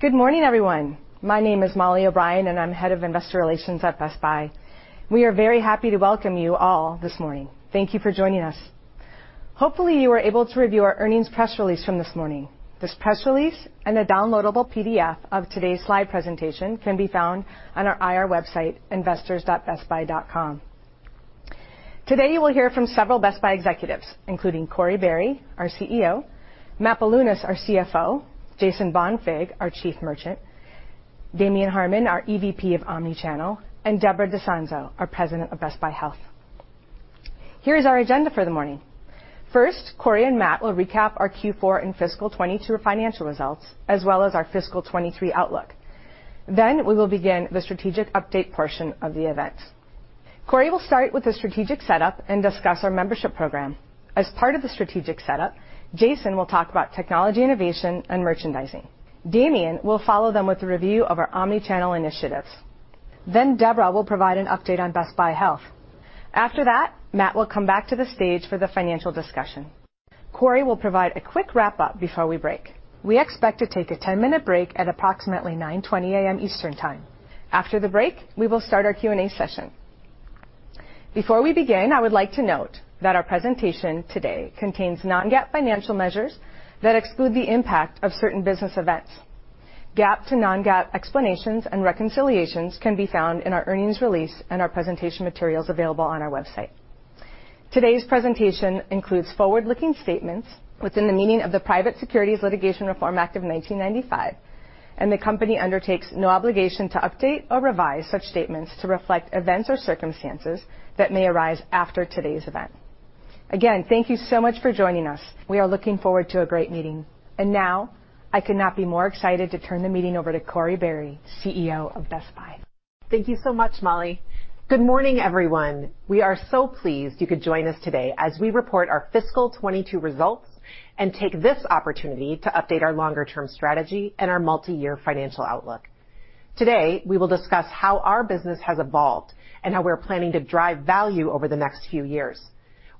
Good morning, everyone. My name is Mollie O'Brien, and I'm Head of Investor Relations at Best Buy. We are very happy to welcome you all this morning. Thank you for joining us. Hopefully, you were able to review our earnings press release from this morning. This press release and a downloadable PDF of today's slide presentation can be found on our IR website, investors.bestbuy.com. Today you will hear from several Best Buy executives, including Corie Barry, our CEO, Matt Bilunas, our CFO, Jason Bonfig, our Chief Merchant, Damien Harmon, our EVP of Omnichannel, and Deborah DiSanzo, our President of Best Buy Health. Here is our agenda for the morning. First, Corie and Matt will recap our Q4 and fiscal 2022 financial results, as well as our fiscal 2023 outlook. Then we will begin the strategic update portion of the event. Corie will start with the strategic setup and discuss our membership program. As part of the strategic setup, Jason will talk about technology innovation and merchandising. Damien will follow them with a review of our omnichannel initiatives. Deborah will provide an update on Best Buy Health. After that, Matt will come back to the stage for the financial discussion. Corie will provide a quick wrap-up before we break. We expect to take a 10-minute break at approximately 9:20 A.M. Eastern Time. After the break, we will start our Q&A session. Before we begin, I would like to note that our presentation today contains Non-GAAP financial measures that exclude the impact of certain business events. GAAP to Non-GAAP explanations and reconciliations can be found in our earnings release and our presentation materials available on our website. Today's presentation includes forward-looking statements within the meaning of the Private Securities Litigation Reform Act of 1995, and the company undertakes no obligation to update or revise such statements to reflect events or circumstances that may arise after today's event. Again, thank you so much for joining us. We are looking forward to a great meeting. Now, I could not be more excited to turn the meeting over to Corie Barry, CEO of Best Buy. Thank you so much, Mollie. Good morning, everyone. We are so pleased you could join us today as we report our fiscal 2022 results and take this opportunity to update our longer-term strategy and our multiyear financial outlook. Today, we will discuss how our business has evolved and how we're planning to drive value over the next few years.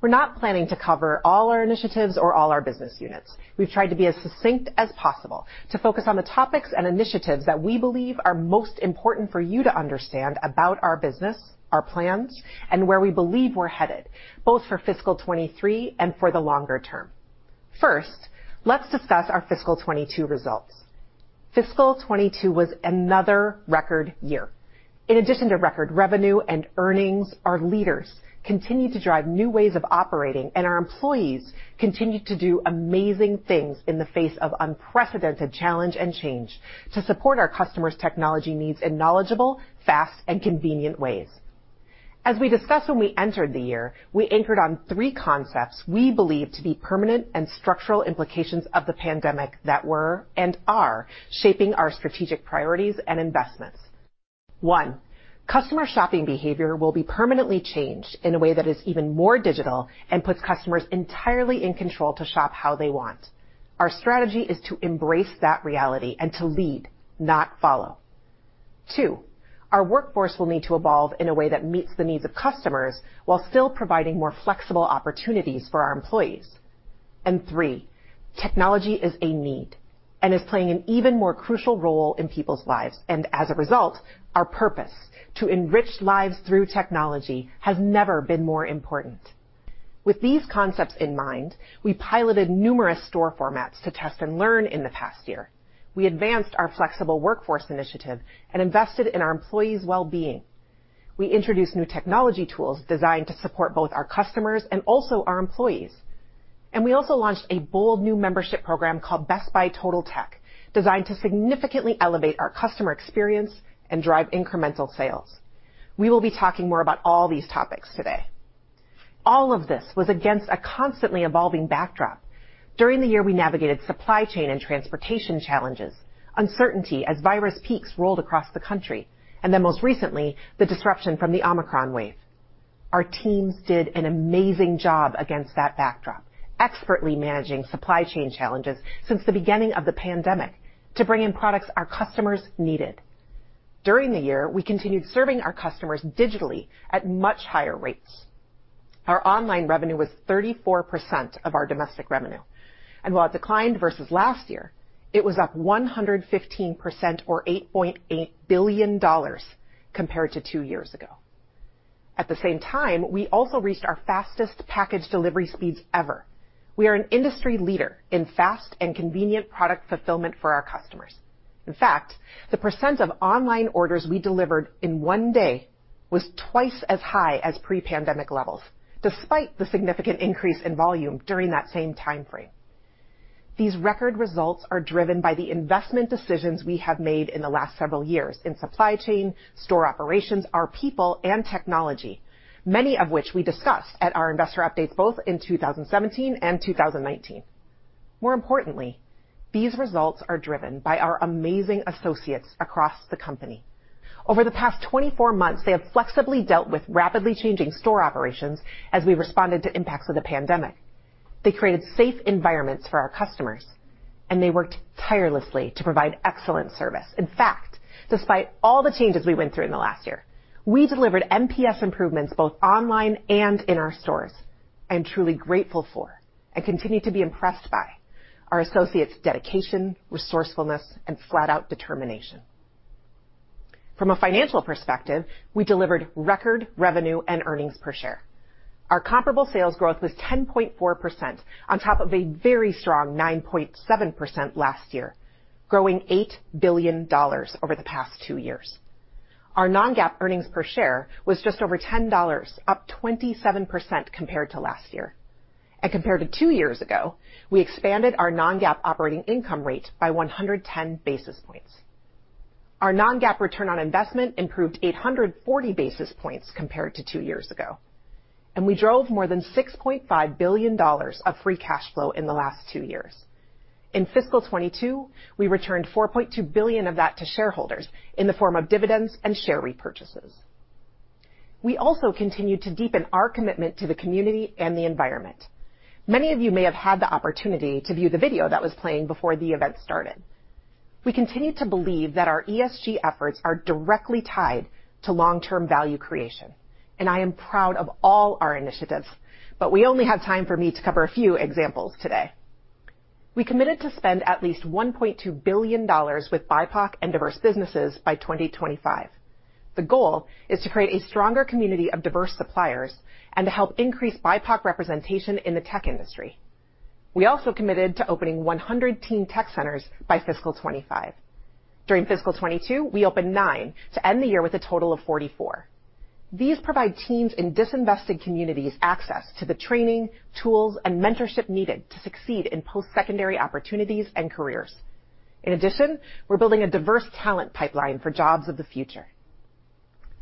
We're not planning to cover all our initiatives or all our business units. We've tried to be as succinct as possible to focus on the topics and initiatives that we believe are most important for you to understand about our business, our plans, and where we believe we're headed, both for fiscal 2023 and for the longer term. First, let's discuss our fiscal 2022 results. Fiscal 2022 was another record year. In addition to record revenue and earnings, our leaders continued to drive new ways of operating, and our employees continued to do amazing things in the face of unprecedented challenge and change to support our customers' technology needs in knowledgeable, fast, and convenient ways. As we discussed when we entered the year, we anchored on three concepts we believe to be permanent and structural implications of the pandemic that were and are shaping our strategic priorities and investments. One, customer shopping behavior will be permanently changed in a way that is even more digital and puts customers entirely in control to shop how they want. Our strategy is to embrace that reality and to lead, not follow. Two, our workforce will need to evolve in a way that meets the needs of customers while still providing more flexible opportunities for our employees. Three, technology is a need and is playing an even more crucial role in people's lives. As a result, our purpose, to enrich lives through technology, has never been more important. With these concepts in mind, we piloted numerous store formats to test and learn in the past year. We advanced our flexible workforce initiative and invested in our employees' wellbeing. We introduced new technology tools designed to support both our customers and also our employees. We also launched a bold new membership program called Best Buy Totaltech, designed to significantly elevate our customer experience and drive incremental sales. We will be talking more about all these topics today. All of this was against a constantly evolving backdrop. During the year, we navigated supply chain and transportation challenges, uncertainty as virus peaks rolled across the country, and then most recently, the disruption from the Omicron wave. Our teams did an amazing job against that backdrop, expertly managing supply chain challenges since the beginning of the pandemic to bring in products our customers needed. During the year, we continued serving our customers digitally at much higher rates. Our online revenue was 34% of our domestic revenue, and while it declined versus last year, it was up 115% or $8.8 billion compared to two years ago. At the same time, we also reached our fastest package delivery speeds ever. We are an industry leader in fast and convenient product fulfillment for our customers. In fact, the percent of online orders we delivered in one day was twice as high as pre-pandemic levels, despite the significant increase in volume during that same time frame. These record results are driven by the investment decisions we have made in the last several years in supply chain, store operations, our people, and technology, many of which we discussed at our investor updates, both in 2017 and 2019. More importantly, these results are driven by our amazing associates across the company. Over the past 24 months, they have flexibly dealt with rapidly changing store operations as we responded to impacts of the pandemic. They created safe environments for our customers, and they worked tirelessly to provide excellent service. In fact, despite all the changes we went through in the last year, we delivered NPS improvements both online and in our stores. I am truly grateful for and continue to be impressed by our associates' dedication, resourcefulness, and flat-out determination. From a financial perspective, we delivered record revenue and earnings per share. Our comparable sales growth was 10.4% on top of a very strong 9.7% last year, growing $8 billion over the past two years. Our Non-GAAP earnings per share was just over $10, up 27% compared to last year. Compared to two years ago, we expanded our Non-GAAP operating income rate by 110 basis points. Our Non-GAAP return on investment improved 840 basis points compared to two years ago. We drove more than $6.5 billion of free cash flow in the last two years. In fiscal 2022, we returned $4.2 billion of that to shareholders in the form of dividends and share repurchases. We also continued to deepen our commitment to the community and the environment. Many of you may have had the opportunity to view the video that was playing before the event started. We continue to believe that our ESG efforts are directly tied to long-term value creation, and I am proud of all our initiatives, but we only have time for me to cover a few examples today. We committed to spend at least $1.2 billion with BIPOC and diverse businesses by 2025. The goal is to create a stronger community of diverse suppliers and to help increase BIPOC representation in the tech industry. We also committed to opening 100 teen tech centers by fiscal 2025. During fiscal 2022, we opened 9 to end the year with a total of 44. These provide teens in disinvested communities access to the training, tools, and mentorship needed to succeed in post-secondary opportunities and careers. In addition, we're building a diverse talent pipeline for jobs of the future.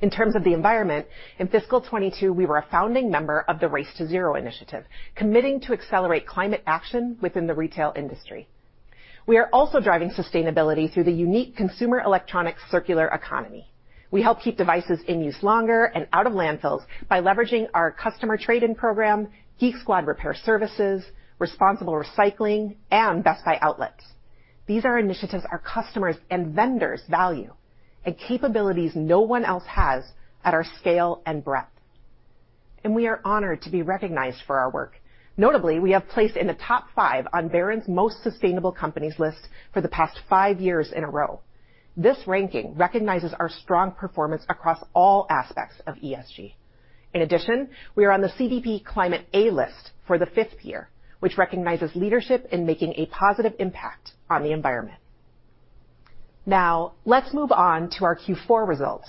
In terms of the environment, in fiscal 2022, we were a founding member of the Race to Zero initiative, committing to accelerate climate action within the retail industry. We are also driving sustainability through the unique consumer electronics circular economy. We help keep devices in use longer and out of landfills by leveraging our customer trade-in program, Geek Squad repair services, responsible recycling, and Best Buy outlets. These are initiatives our customers and vendors value, and capabilities no one else has at our scale and breadth. We are honored to be recognized for our work. Notably, we have placed in the top 5 on Barron's Most Sustainable Companies list for the past 5 years in a row. This ranking recognizes our strong performance across all aspects of ESG. In addition, we are on the CDP Climate A list for the fifth year, which recognizes leadership in making a positive impact on the environment. Now, let's move on to our Q4 results.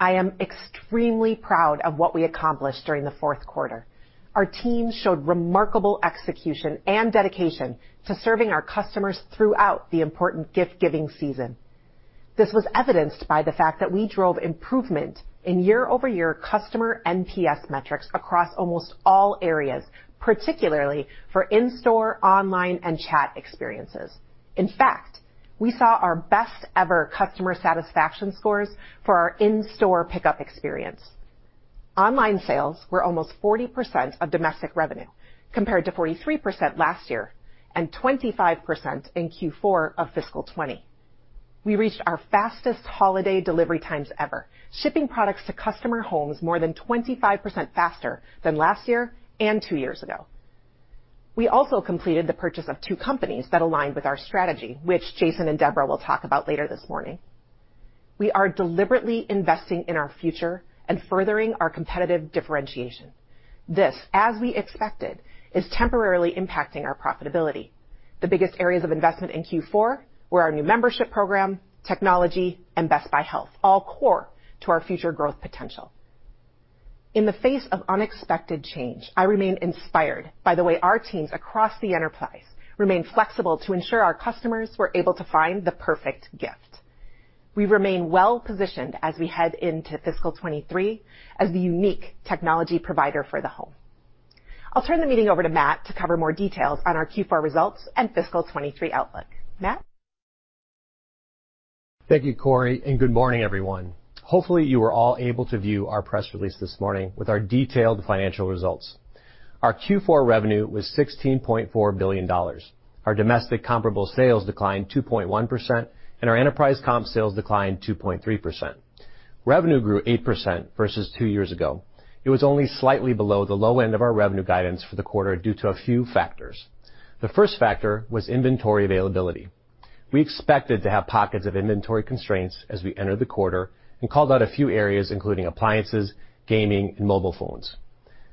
I am extremely proud of what we accomplished during the fourth quarter. Our team showed remarkable execution and dedication to serving our customers throughout the important gift-giving season. This was evidenced by the fact that we drove improvement in year-over-year customer NPS metrics across almost all areas, particularly for in-store, online, and chat experiences. In fact, we saw our best ever customer satisfaction scores for our in-store pickup experience. Online sales were almost 40% of domestic revenue, compared to 43% last year and 25% in Q4 of fiscal 2020. We reached our fastest holiday delivery times ever, shipping products to customer homes more than 25% faster than last year and two years ago. We also completed the purchase of two companies that aligned with our strategy, which Jason and Deborah will talk about later this morning. We are deliberately investing in our future and furthering our competitive differentiation. This, as we expected, is temporarily impacting our profitability. The biggest areas of investment in Q4 were our new membership program, technology, and Best Buy Health, all core to our future growth potential. In the face of unexpected change, I remain inspired by the way our teams across the enterprise remain flexible to ensure our customers were able to find the perfect gift. We remain well-positioned as we head into fiscal 2023 as the unique technology provider for the home. I'll turn the meeting over to Matt to cover more details on our Q4 results and fiscal 2023 outlook. Matt? Thank you, Corie, and good morning, everyone. Hopefully, you were all able to view our press release this morning with our detailed financial results. Our Q4 revenue was $16.4 billion. Our domestic comparable sales declined 2.1%, and our enterprise comp sales declined 2.3%. Revenue grew 8% versus two years ago. It was only slightly below the low end of our revenue guidance for the quarter due to a few factors. The first factor was inventory availability. We expected to have pockets of inventory constraints as we entered the quarter and called out a few areas, including appliances, gaming, and mobile phones.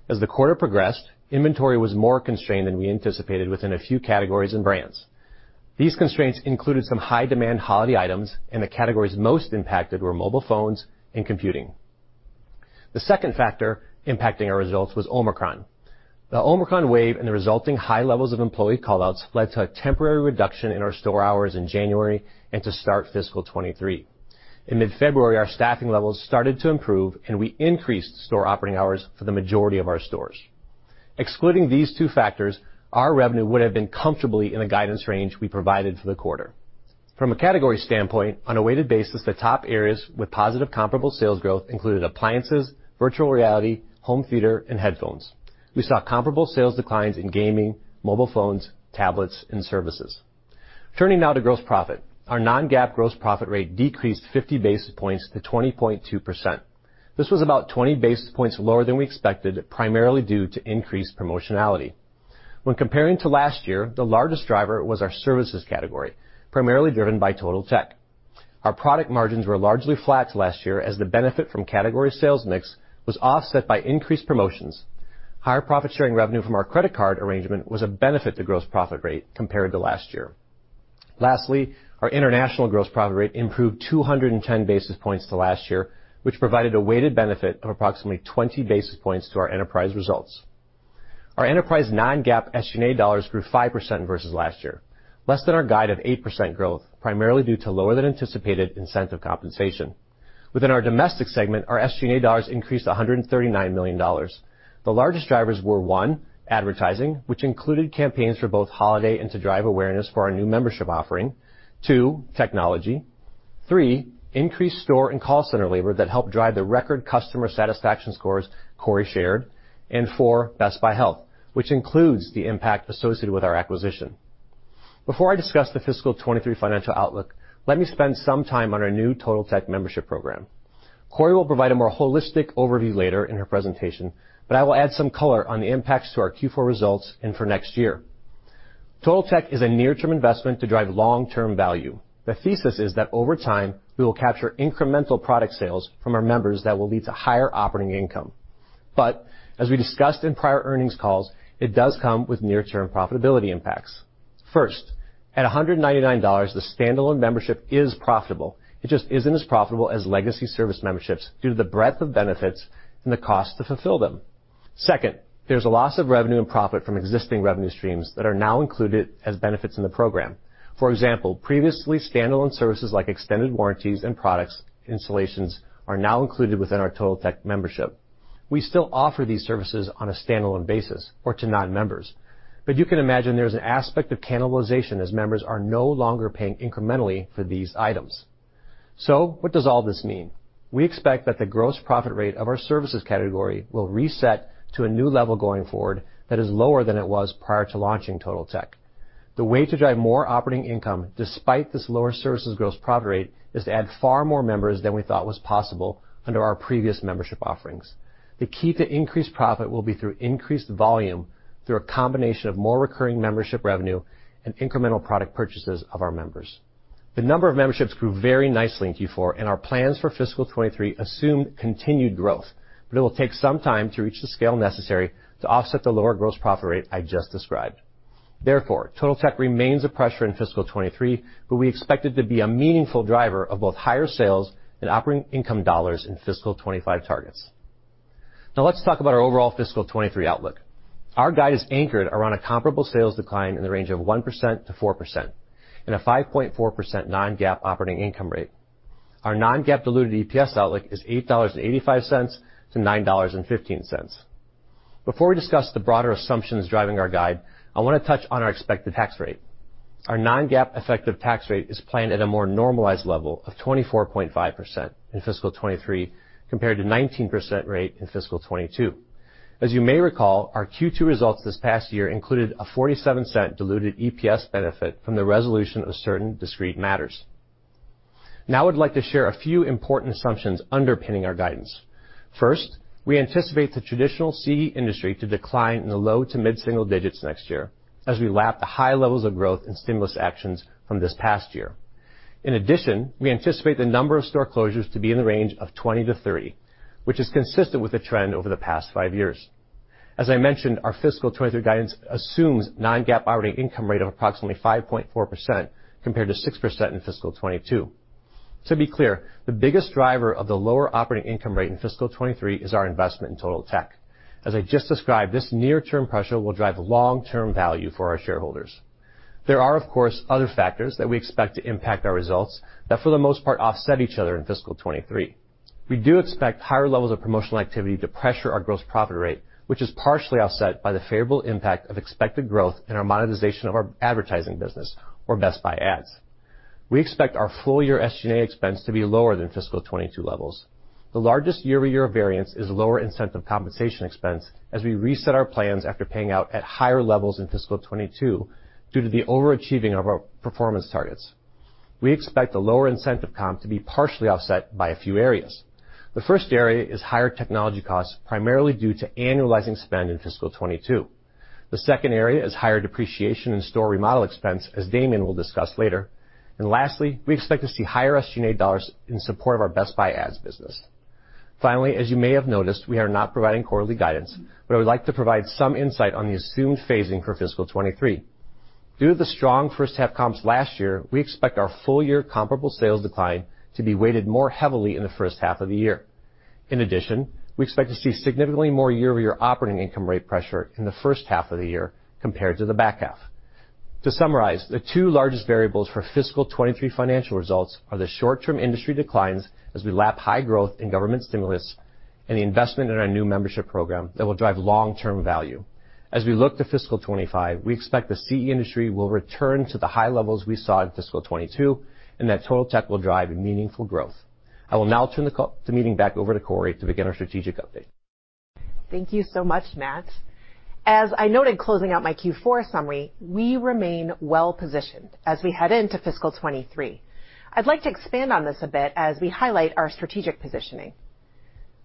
As the quarter progressed, inventory was more constrained than we anticipated within a few categories and brands. These constraints included some high-demand holiday items, and the categories most impacted were mobile phones and computing. The second factor impacting our results was Omicron. The Omicron wave and the resulting high levels of employee call-outs led to a temporary reduction in our store hours in January and to start fiscal 2023. In mid-February, our staffing levels started to improve, and we increased store operating hours for the majority of our stores. Excluding these two factors, our revenue would have been comfortably in the guidance range we provided for the quarter. From a category standpoint, on a weighted basis, the top areas with positive comparable sales growth included appliances, virtual reality, home theater, and headphones. We saw comparable sales declines in gaming, mobile phones, tablets, and services. Turning now to gross profit. Our Non-GAAP gross profit rate decreased 50 basis points to 20.2%. This was about 20 basis points lower than we expected, primarily due to increased promotions. When comparing to last year, the largest driver was our services category, primarily driven by Totaltech. Our product margins were largely flat to last year as the benefit from category sales mix was offset by increased promotions. Higher profit sharing revenue from our credit card arrangement was a benefit to gross profit rate compared to last year. Lastly, our international gross profit rate improved 210 basis points to last year, which provided a weighted benefit of approximately 20 basis points to our enterprise results. Our enterprise Non-GAAP SG&A dollars grew 5% versus last year, less than our guide of 8% growth, primarily due to lower than anticipated incentive compensation. Within our domestic segment, our SG&A dollars increased $139 million. The largest drivers were, one, advertising, which included campaigns for both holiday and to drive awareness for our new membership offering. Two, technology. Three, increased store and call center labor that helped drive the record customer satisfaction scores Corie shared. Four, Best Buy Health, which includes the impact associated with our acquisition. Before I discuss the fiscal 2023 financial outlook, let me spend some time on our new Totaltech membership program. Corie will provide a more holistic overview later in her presentation, but I will add some color on the impacts to our Q4 results and for next year. Totaltech is a near-term investment to drive long-term value. The thesis is that over time, we will capture incremental product sales from our members that will lead to higher operating income. As we discussed in prior earnings calls, it does come with near-term profitability impacts. First, at $199, the standalone membership is profitable. It just isn't as profitable as legacy service memberships due to the breadth of benefits and the cost to fulfill them. Second, there's a loss of revenue and profit from existing revenue streams that are now included as benefits in the program. For example, previously standalone services like extended warranties and product installations are now included within our Totaltech membership. We still offer these services on a standalone basis or to Non-members, but you can imagine there's an aspect of cannibalization as members are no longer paying incrementally for these items. What does all this mean? We expect that the gross profit rate of our services category will reset to a new level going forward that is lower than it was prior to launching Totaltech. The way to drive more operating income despite this lower services gross profit rate is to add far more members than we thought was possible under our previous membership offerings. The key to increased profit will be through increased volume through a combination of more recurring membership revenue and incremental product purchases of our members. The number of memberships grew very nicely in Q4, and our plans for fiscal 2023 assume continued growth, but it will take some time to reach the scale necessary to offset the lower gross profit rate I just described. Therefore, Totaltech remains a pressure in fiscal 2023, but we expect it to be a meaningful driver of both higher sales and operating income dollars in fiscal 2025 targets. Now let's talk about our overall fiscal 2023 outlook. Our guide is anchored around a comparable sales decline in the range of 1%-4% and a 5.4% Non-GAAP operating income rate. Our Non-GAAP diluted EPS outlook is $8.85-$9.15. Before we discuss the broader assumptions driving our guide, I want to touch on our expected tax rate. Our Non-GAAP effective tax rate is planned at a more normalized level of 24.5% in fiscal 2023 compared to 19% rate in fiscal 2022. As you may recall, our Q2 results this past year included a $0.47 diluted EPS benefit from the resolution of certain discrete matters. Now I'd like to share a few important assumptions underpinning our guidance. First, we anticipate the traditional CE industry to decline in the low- to mid-single digits next year as we lap the high levels of growth and stimulus actions from this past year. In addition, we anticipate the number of store closures to be in the range of 20-30, which is consistent with the trend over the past 5 years. As I mentioned, our fiscal 2023 guidance assumes Non-GAAP operating income rate of approximately 5.4% compared to 6% in fiscal 2022. To be clear, the biggest driver of the lower operating income rate in fiscal 2023 is our investment in Totaltech. As I just described, this near-term pressure will drive long-term value for our shareholders. There are, of course, other factors that we expect to impact our results that for the most part offset each other in fiscal 2023. We do expect higher levels of promotional activity to pressure our gross profit rate, which is partially offset by the favorable impact of expected growth in our monetization of our advertising business or Best Buy Ads. We expect our full-year SG&A expense to be lower than fiscal 2022 levels. The largest year-over-year variance is lower incentive compensation expense as we reset our plans after paying out at higher levels in fiscal 2022 due to the overachieving of our performance targets. We expect the lower incentive comp to be partially offset by a few areas. The first area is higher technology costs, primarily due to annualizing spend in fiscal 2022. The second area is higher depreciation and store remodel expense, as Damien will discuss later. Lastly, we expect to see higher SG&A dollars in support of our Best Buy Ads business. Finally, as you may have noticed, we are not providing quarterly guidance, but I would like to provide some insight on the assumed phasing for fiscal 2023. Due to the strong first half comps last year, we expect our full-year comparable sales decline to be weighted more heavily in the first half of the year. In addition, we expect to see significantly more year-over-year operating income rate pressure in the first half of the year compared to the back half. To summarize, the two largest variables for fiscal 2023 financial results are the short-term industry declines as we lap high growth in government stimulus and the investment in our new membership program that will drive long-term value. As we look to fiscal 2025, we expect the CE industry will return to the high levels we saw in fiscal 2022, and that Totaltech will drive a meaningful growth. I will now turn the meeting back over to Corie to begin our strategic update. Thank you so much, Matt. As I noted closing out my Q4 summary, we remain well-positioned as we head into fiscal 2023. I'd like to expand on this a bit as we highlight our strategic positioning.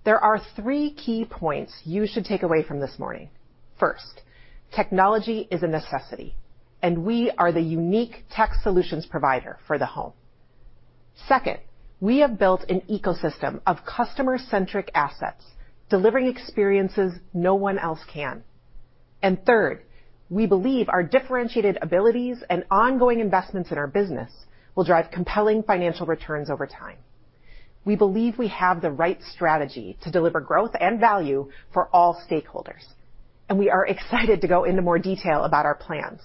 There are three key points you should take away from this morning. First, technology is a necessity, and we are the unique tech solutions provider for the home. Second, we have built an ecosystem of customer-centric assets, delivering experiences no one else can. Third, we believe our differentiated abilities and ongoing investments in our business will drive compelling financial returns over time. We believe we have the right strategy to deliver growth and value for all stakeholders, and we are excited to go into more detail about our plans.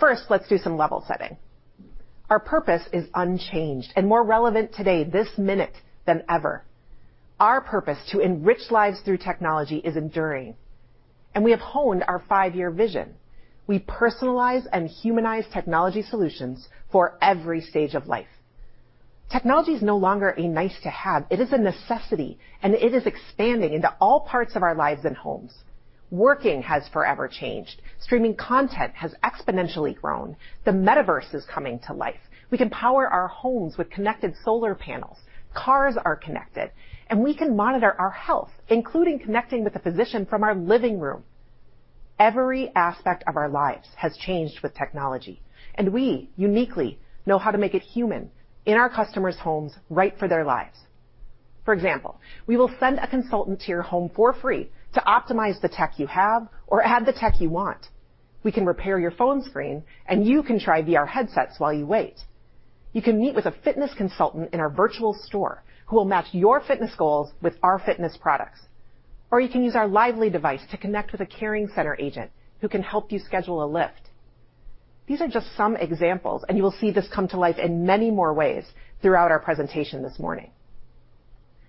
First, let's do some level setting. Our purpose is unchanged and more relevant today, this minute, than ever. Our purpose to enrich lives through technology is enduring, and we have honed our five-year vision. We personalize and humanize technology solutions for every stage of life. Technology is no longer a nice-to-have, it is a necessity, and it is expanding into all parts of our lives and homes. Working has forever changed. Streaming content has exponentially grown. The metaverse is coming to life. We can power our homes with connected solar panels. Cars are connected, and we can monitor our health, including connecting with a physician from our living room. Every aspect of our lives has changed with technology, and we uniquely know how to make it human in our customers' homes, right for their lives. For example, we will send a consultant to your home for free to optimize the tech you have or add the tech you want. We can repair your phone screen, and you can try VR headsets while you wait. You can meet with a fitness consultant in our virtual store who will match your fitness goals with our fitness products. Or you can use our Lively device to connect with a caring center agent who can help you schedule a Lyft. These are just some examples, and you will see this come to life in many more ways throughout our presentation this morning.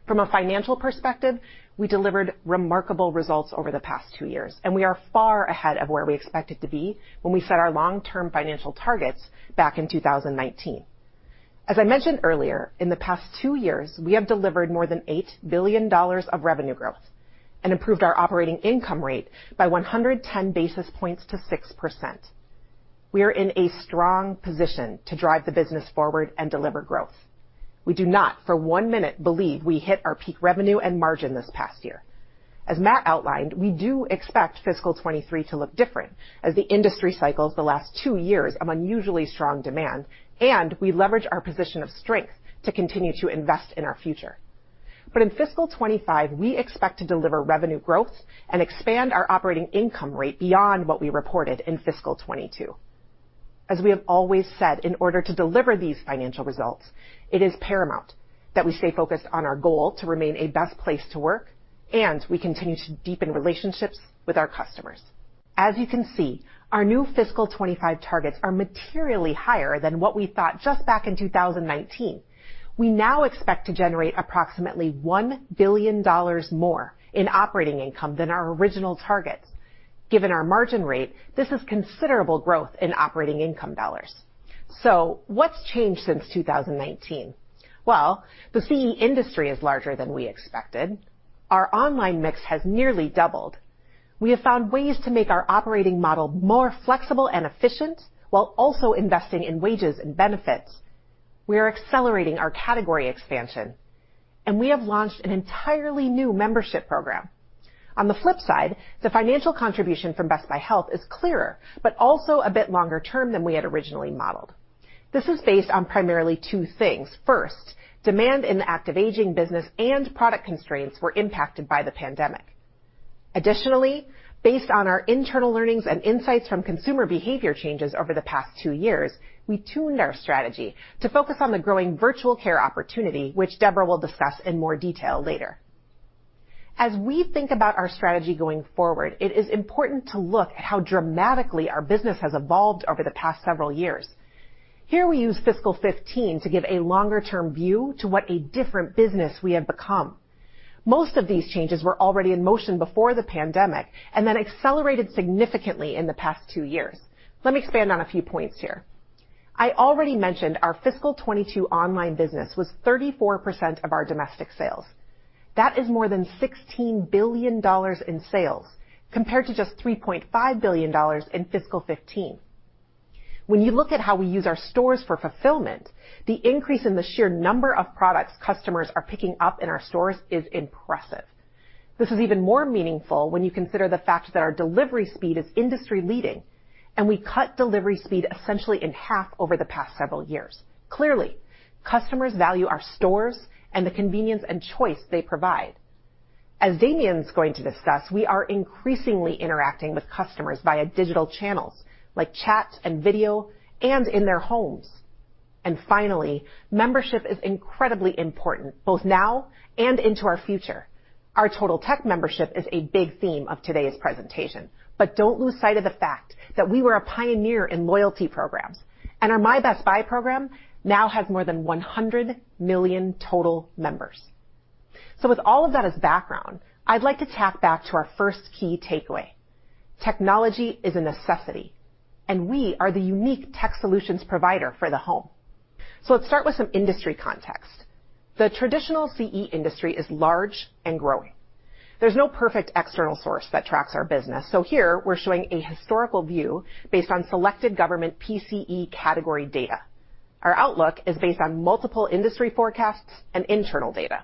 From a financial perspective, we delivered remarkable results over the past two years, and we are far ahead of where we expected to be when we set our long-term financial targets back in 2019. As I mentioned earlier, in the past two years, we have delivered more than $8 billion of revenue growth and improved our operating income rate by 110 basis points to 6%. We are in a strong position to drive the business forward and deliver growth. We do not for one minute believe we hit our peak revenue and margin this past year. As Matt outlined, we do expect fiscal 2023 to look different as the industry cycles the last two years of unusually strong demand, and we leverage our position of strength to continue to invest in our future. In fiscal 2025, we expect to deliver revenue growth and expand our operating income rate beyond what we reported in fiscal 2022. As we have always said, in order to deliver these financial results, it is paramount that we stay focused on our goal to remain a best place to work, and we continue to deepen relationships with our customers. As you can see, our new FY 2025 targets are materially higher than what we thought just back in 2019. We now expect to generate approximately $1 billion more in operating income than our original targets. Given our margin rate, this is considerable growth in operating income dollars. What's changed since 2019? Well, the CE industry is larger than we expected. Our online mix has nearly doubled. We have found ways to make our operating model more flexible and efficient while also investing in wages and benefits. We are accelerating our category expansion, and we have launched an entirely new membership program. On the flip side, the financial contribution from Best Buy Health is clearer but also a bit longer term than we had originally modeled. This is based on primarily two things. First, demand in the active aging business and product constraints were impacted by the pandemic. Additionally, based on our internal learnings and insights from consumer behavior changes over the past two years, we tuned our strategy to focus on the growing virtual care opportunity, which Deborah will discuss in more detail later. As we think about our strategy going forward, it is important to look at how dramatically our business has evolved over the past several years. Here we use fiscal 2015 to give a longer-term view to what a different business we have become. Most of these changes were already in motion before the pandemic and then accelerated significantly in the past two years. Let me expand on a few points here. I already mentioned our fiscal 2022 online business was 34% of our domestic sales. That is more than $16 billion in sales compared to just $3.5 billion in fiscal 2015. When you look at how we use our stores for fulfillment, the increase in the sheer number of products customers are picking up in our stores is impressive. This is even more meaningful when you consider the fact that our delivery speed is industry-leading, and we cut delivery speed essentially in half over the past several years. Clearly, customers value our stores and the convenience and choice they provide. As Damien's going to discuss, we are increasingly interacting with customers via digital channels like chat and video and in their homes. Finally, membership is incredibly important both now and into our future. Our Totaltech membership is a big theme of today's presentation, but don't lose sight of the fact that we were a pioneer in loyalty programs, and our My Best Buy program now has more than 100 million total members. With all of that as background, I'd like to take back to our first key takeaway. Technology is a necessity, and we are the unique tech solutions provider for the home. Let's start with some industry context. The traditional CE industry is large and growing. There's no perfect external source that tracks our business, so here we're showing a historical view based on selected government PCE category data. Our outlook is based on multiple industry forecasts and internal data.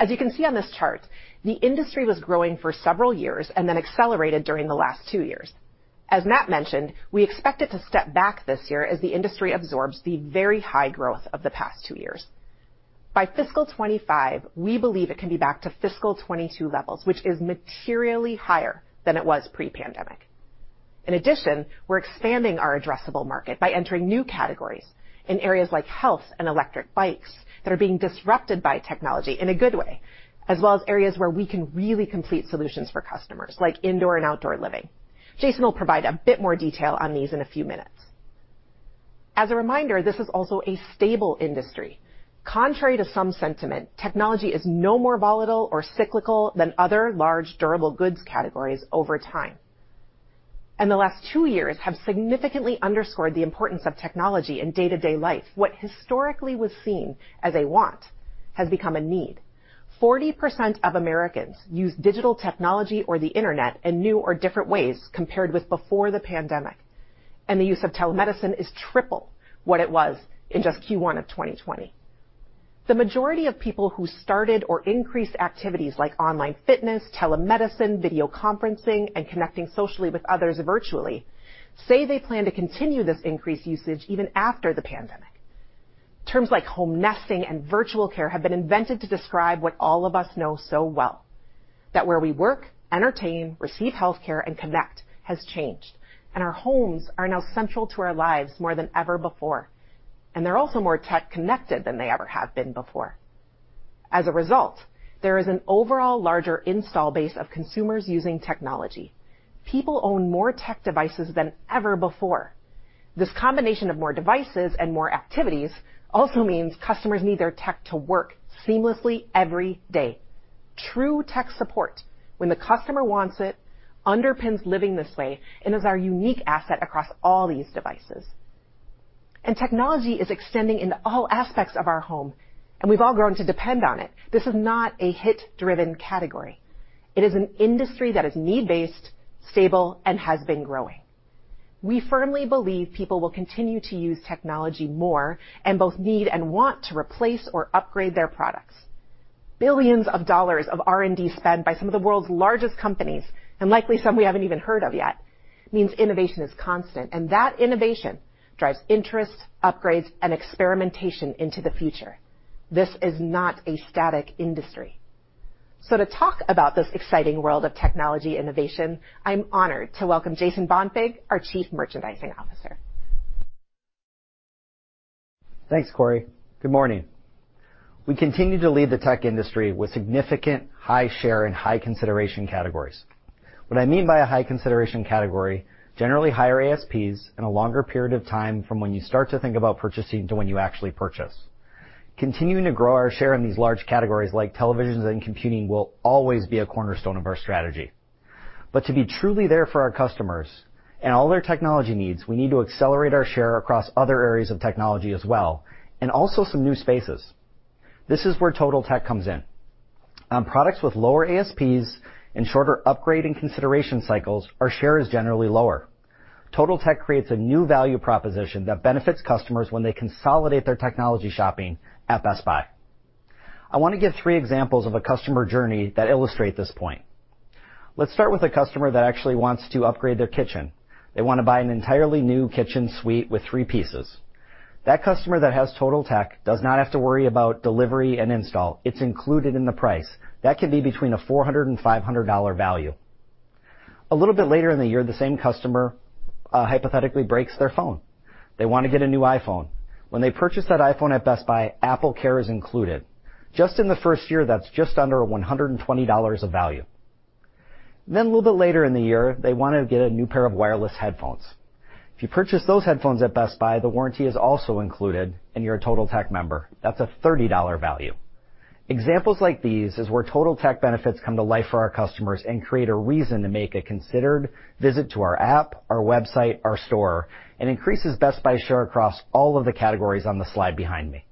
As you can see on this chart, the industry was growing for several years and then accelerated during the last two years. As Matt mentioned, we expect it to step back this year as the industry absorbs the very high growth of the past two years. By fiscal 2025, we believe it can be back to fiscal 2022 levels, which is materially higher than it was pre-pandemic. In addition, we're expanding our addressable market by entering new categories in areas like health and electric bikes that are being disrupted by technology in a good way, as well as areas where we can really complete solutions for customers, like indoor and outdoor living. Jason will provide a bit more detail on these in a few minutes. As a reminder, this is also a stable industry. Contrary to some sentiment, technology is no more volatile or cyclical than other large durable goods categories over time. The last two years have significantly underscored the importance of technology in day-to-day life. What historically was seen as a want has become a need. 40% of Americans use digital technology or the Internet in new or different ways compared with before the pandemic, and the use of telemedicine is triple what it was in just Q1 of 2020. The majority of people who started or increased activities like online fitness, telemedicine, video conferencing, and connecting socially with others virtually say they plan to continue this increased usage even after the pandemic. Terms like homesteading and virtual care have been invented to describe what all of us know so well, that where we work, entertain, receive healthcare, and connect has changed, and our homes are now central to our lives more than ever before. They're also more tech connected than they ever have been before. As a result, there is an overall larger install base of consumers using technology. People own more tech devices than ever before. This combination of more devices and more activities also means customers need their tech to work seamlessly every day. True tech support when the customer wants it underpins living this way and is our unique asset across all these devices. Technology is extending into all aspects of our home, and we've all grown to depend on it. This is not a hit-driven category. It is an industry that is need-based, stable, and has been growing. We firmly believe people will continue to use technology more and both need and want to replace or upgrade their products. Billions of dollars of R&D spend by some of the world's largest companies, and likely some we haven't even heard of yet, means innovation is constant, and that innovation drives interest, upgrades, and experimentation into the future. This is not a static industry. To talk about this exciting world of technology innovation, I'm honored to welcome Jason Bonfig, our Chief Merchandising Officer. Thanks, Corie. Good morning. We continue to lead the tech industry with significant high share and high consideration categories. What I mean by a high consideration category, generally higher ASPs and a longer period of time from when you start to think about purchasing to when you actually purchase. Continuing to grow our share in these large categories like televisions and computing will always be a cornerstone of our strategy. To be truly there for our customers and all their technology needs, we need to accelerate our share across other areas of technology as well, and also some new spaces. This is where Totaltech comes in. On products with lower ASPs and shorter upgrade and consideration cycles, our share is generally lower. Totaltech creates a new value proposition that benefits customers when they consolidate their technology shopping at Best Buy. I want to give three examples of a customer journey that illustrate this point. Let's start with a customer that actually wants to upgrade their kitchen. They want to buy an entirely new kitchen suite with three pieces. That customer that has Totaltech does not have to worry about delivery and install. It's included in the price. That could be between a $400-$500 value. A little bit later in the year, the same customer hypothetically breaks their phone. They want to get a new iPhone. When they purchase that iPhone at Best Buy, AppleCare is included. Just in the first year, that's just under $120 of value. Then a little bit later in the year, they want to get a new pair of wireless headphones. If you purchase those headphones at Best Buy, the warranty is also included and you're a Totaltech member. That's a $30 value. Examples like these is where Totaltech benefits come to life for our customers and create a reason to make a considered visit to our app, our website, our store, and increases Best Buy share across all of the categories on the slide behind me.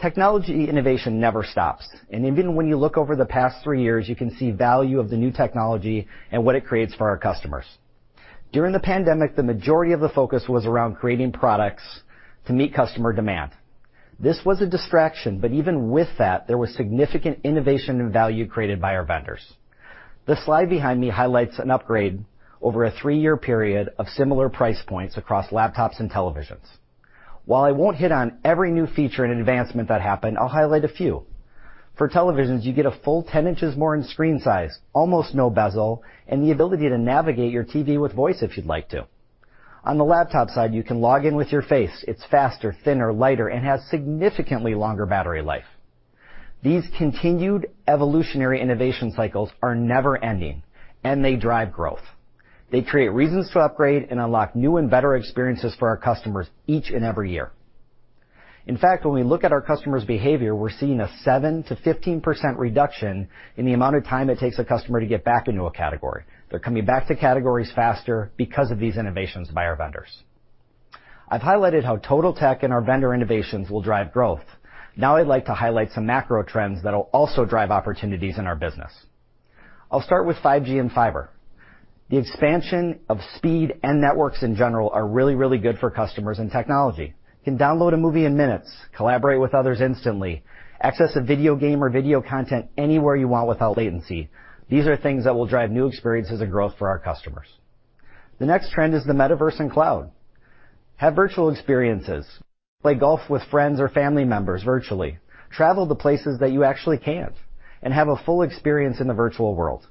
Technology innovation never stops, and even when you look over the past 3 years, you can see value of the new technology and what it creates for our customers. During the pandemic, the majority of the focus was around creating products to meet customer demand. This was a distraction, but even with that, there was significant innovation and value created by our vendors. The slide behind me highlights an upgrade over a 3-year period of similar price points across laptops and televisions. While I won't hit on every new feature and advancement that happened, I'll highlight a few. For televisions, you get a full 10 inches more in screen size, almost no bezel, and the ability to navigate your TV with voice if you'd like to. On the laptop side, you can log in with your face. It's faster, thinner, lighter, and has significantly longer battery life. These continued evolutionary innovation cycles are never ending, and they drive growth. They create reasons to upgrade and unlock new and better experiences for our customers each and every year. In fact, when we look at our customers' behavior, we're seeing a 7%-15% reduction in the amount of time it takes a customer to get back into a category. They're coming back to categories faster because of these innovations by our vendors. I've highlighted how Totaltech and our vendor innovations will drive growth. Now I'd like to highlight some macro trends that'll also drive opportunities in our business. I'll start with 5G and fiber. The expansion of speed and networks in general are really, really good for customers and technology. You can download a movie in minutes, collaborate with others instantly, access a video game or video content anywhere you want without latency. These are things that will drive new experiences and growth for our customers. The next trend is the metaverse and cloud. Have virtual experiences. Play golf with friends or family members virtually. Travel to places that you actually can't, and have a full experience in the virtual world.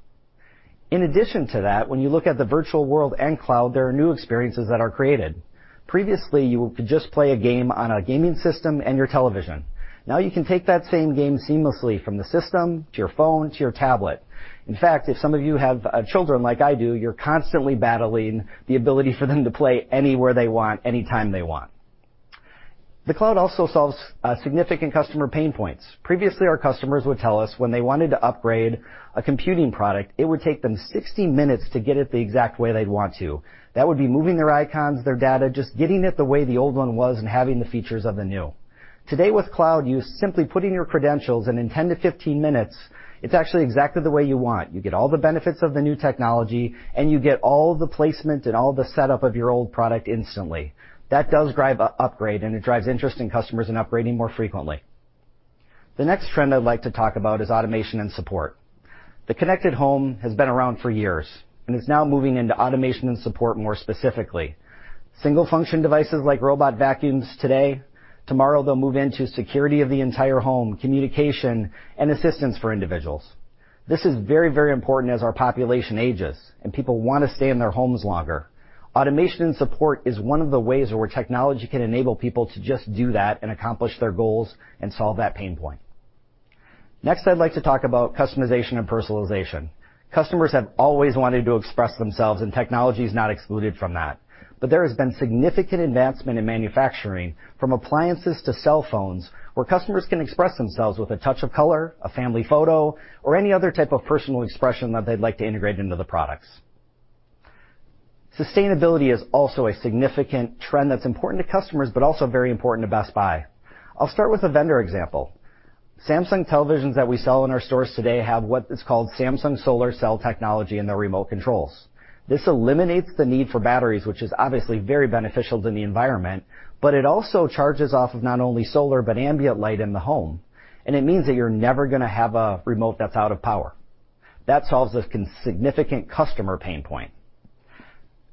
In addition to that, when you look at the virtual world and cloud, there are new experiences that are created. Previously, you could just play a game on a gaming system and your television. Now you can take that same game seamlessly from the system to your phone to your tablet. In fact, if some of you have children like I do, you're constantly battling the ability for them to play anywhere they want, any time they want. The cloud also solves significant customer pain points. Previously, our customers would tell us when they wanted to upgrade a computing product, it would take them 60 minutes to get it the exact way they'd want to. That would be moving their icons, their data, just getting it the way the old one was and having the features of the new. Today with cloud, you simply put in your credentials, and in 10 to 15 minutes, it's actually exactly the way you want. You get all the benefits of the new technology, and you get all of the placement and all of the setup of your old product instantly. That does drive upgrade, and it drives interest in customers in upgrading more frequently. The next trend I'd like to talk about is automation and support. The connected home has been around for years and is now moving into automation and support more specifically. Single-function devices like robot vacuums today, tomorrow they'll move into security of the entire home, communication, and assistance for individuals. This is very, very important as our population ages and people wanna stay in their homes longer. Automation and support is one of the ways where technology can enable people to just do that and accomplish their goals and solve that pain point. Next, I'd like to talk about customization and personalization. Customers have always wanted to express themselves, and technology is not excluded from that. There has been significant advancement in manufacturing from appliances to cell phones, where customers can express themselves with a touch of color, a family photo, or any other type of personal expression that they'd like to integrate into the products. Sustainability is also a significant trend that's important to customers but also very important to Best Buy. I'll start with a vendor example. Samsung televisions that we sell in our stores today have what is called Samsung SolarCell technology in their remote controls. This eliminates the need for batteries, which is obviously very beneficial to the environment, but it also charges off of not only solar, but ambient light in the home, and it means that you're never gonna have a remote that's out of power. That solves a significant customer pain point.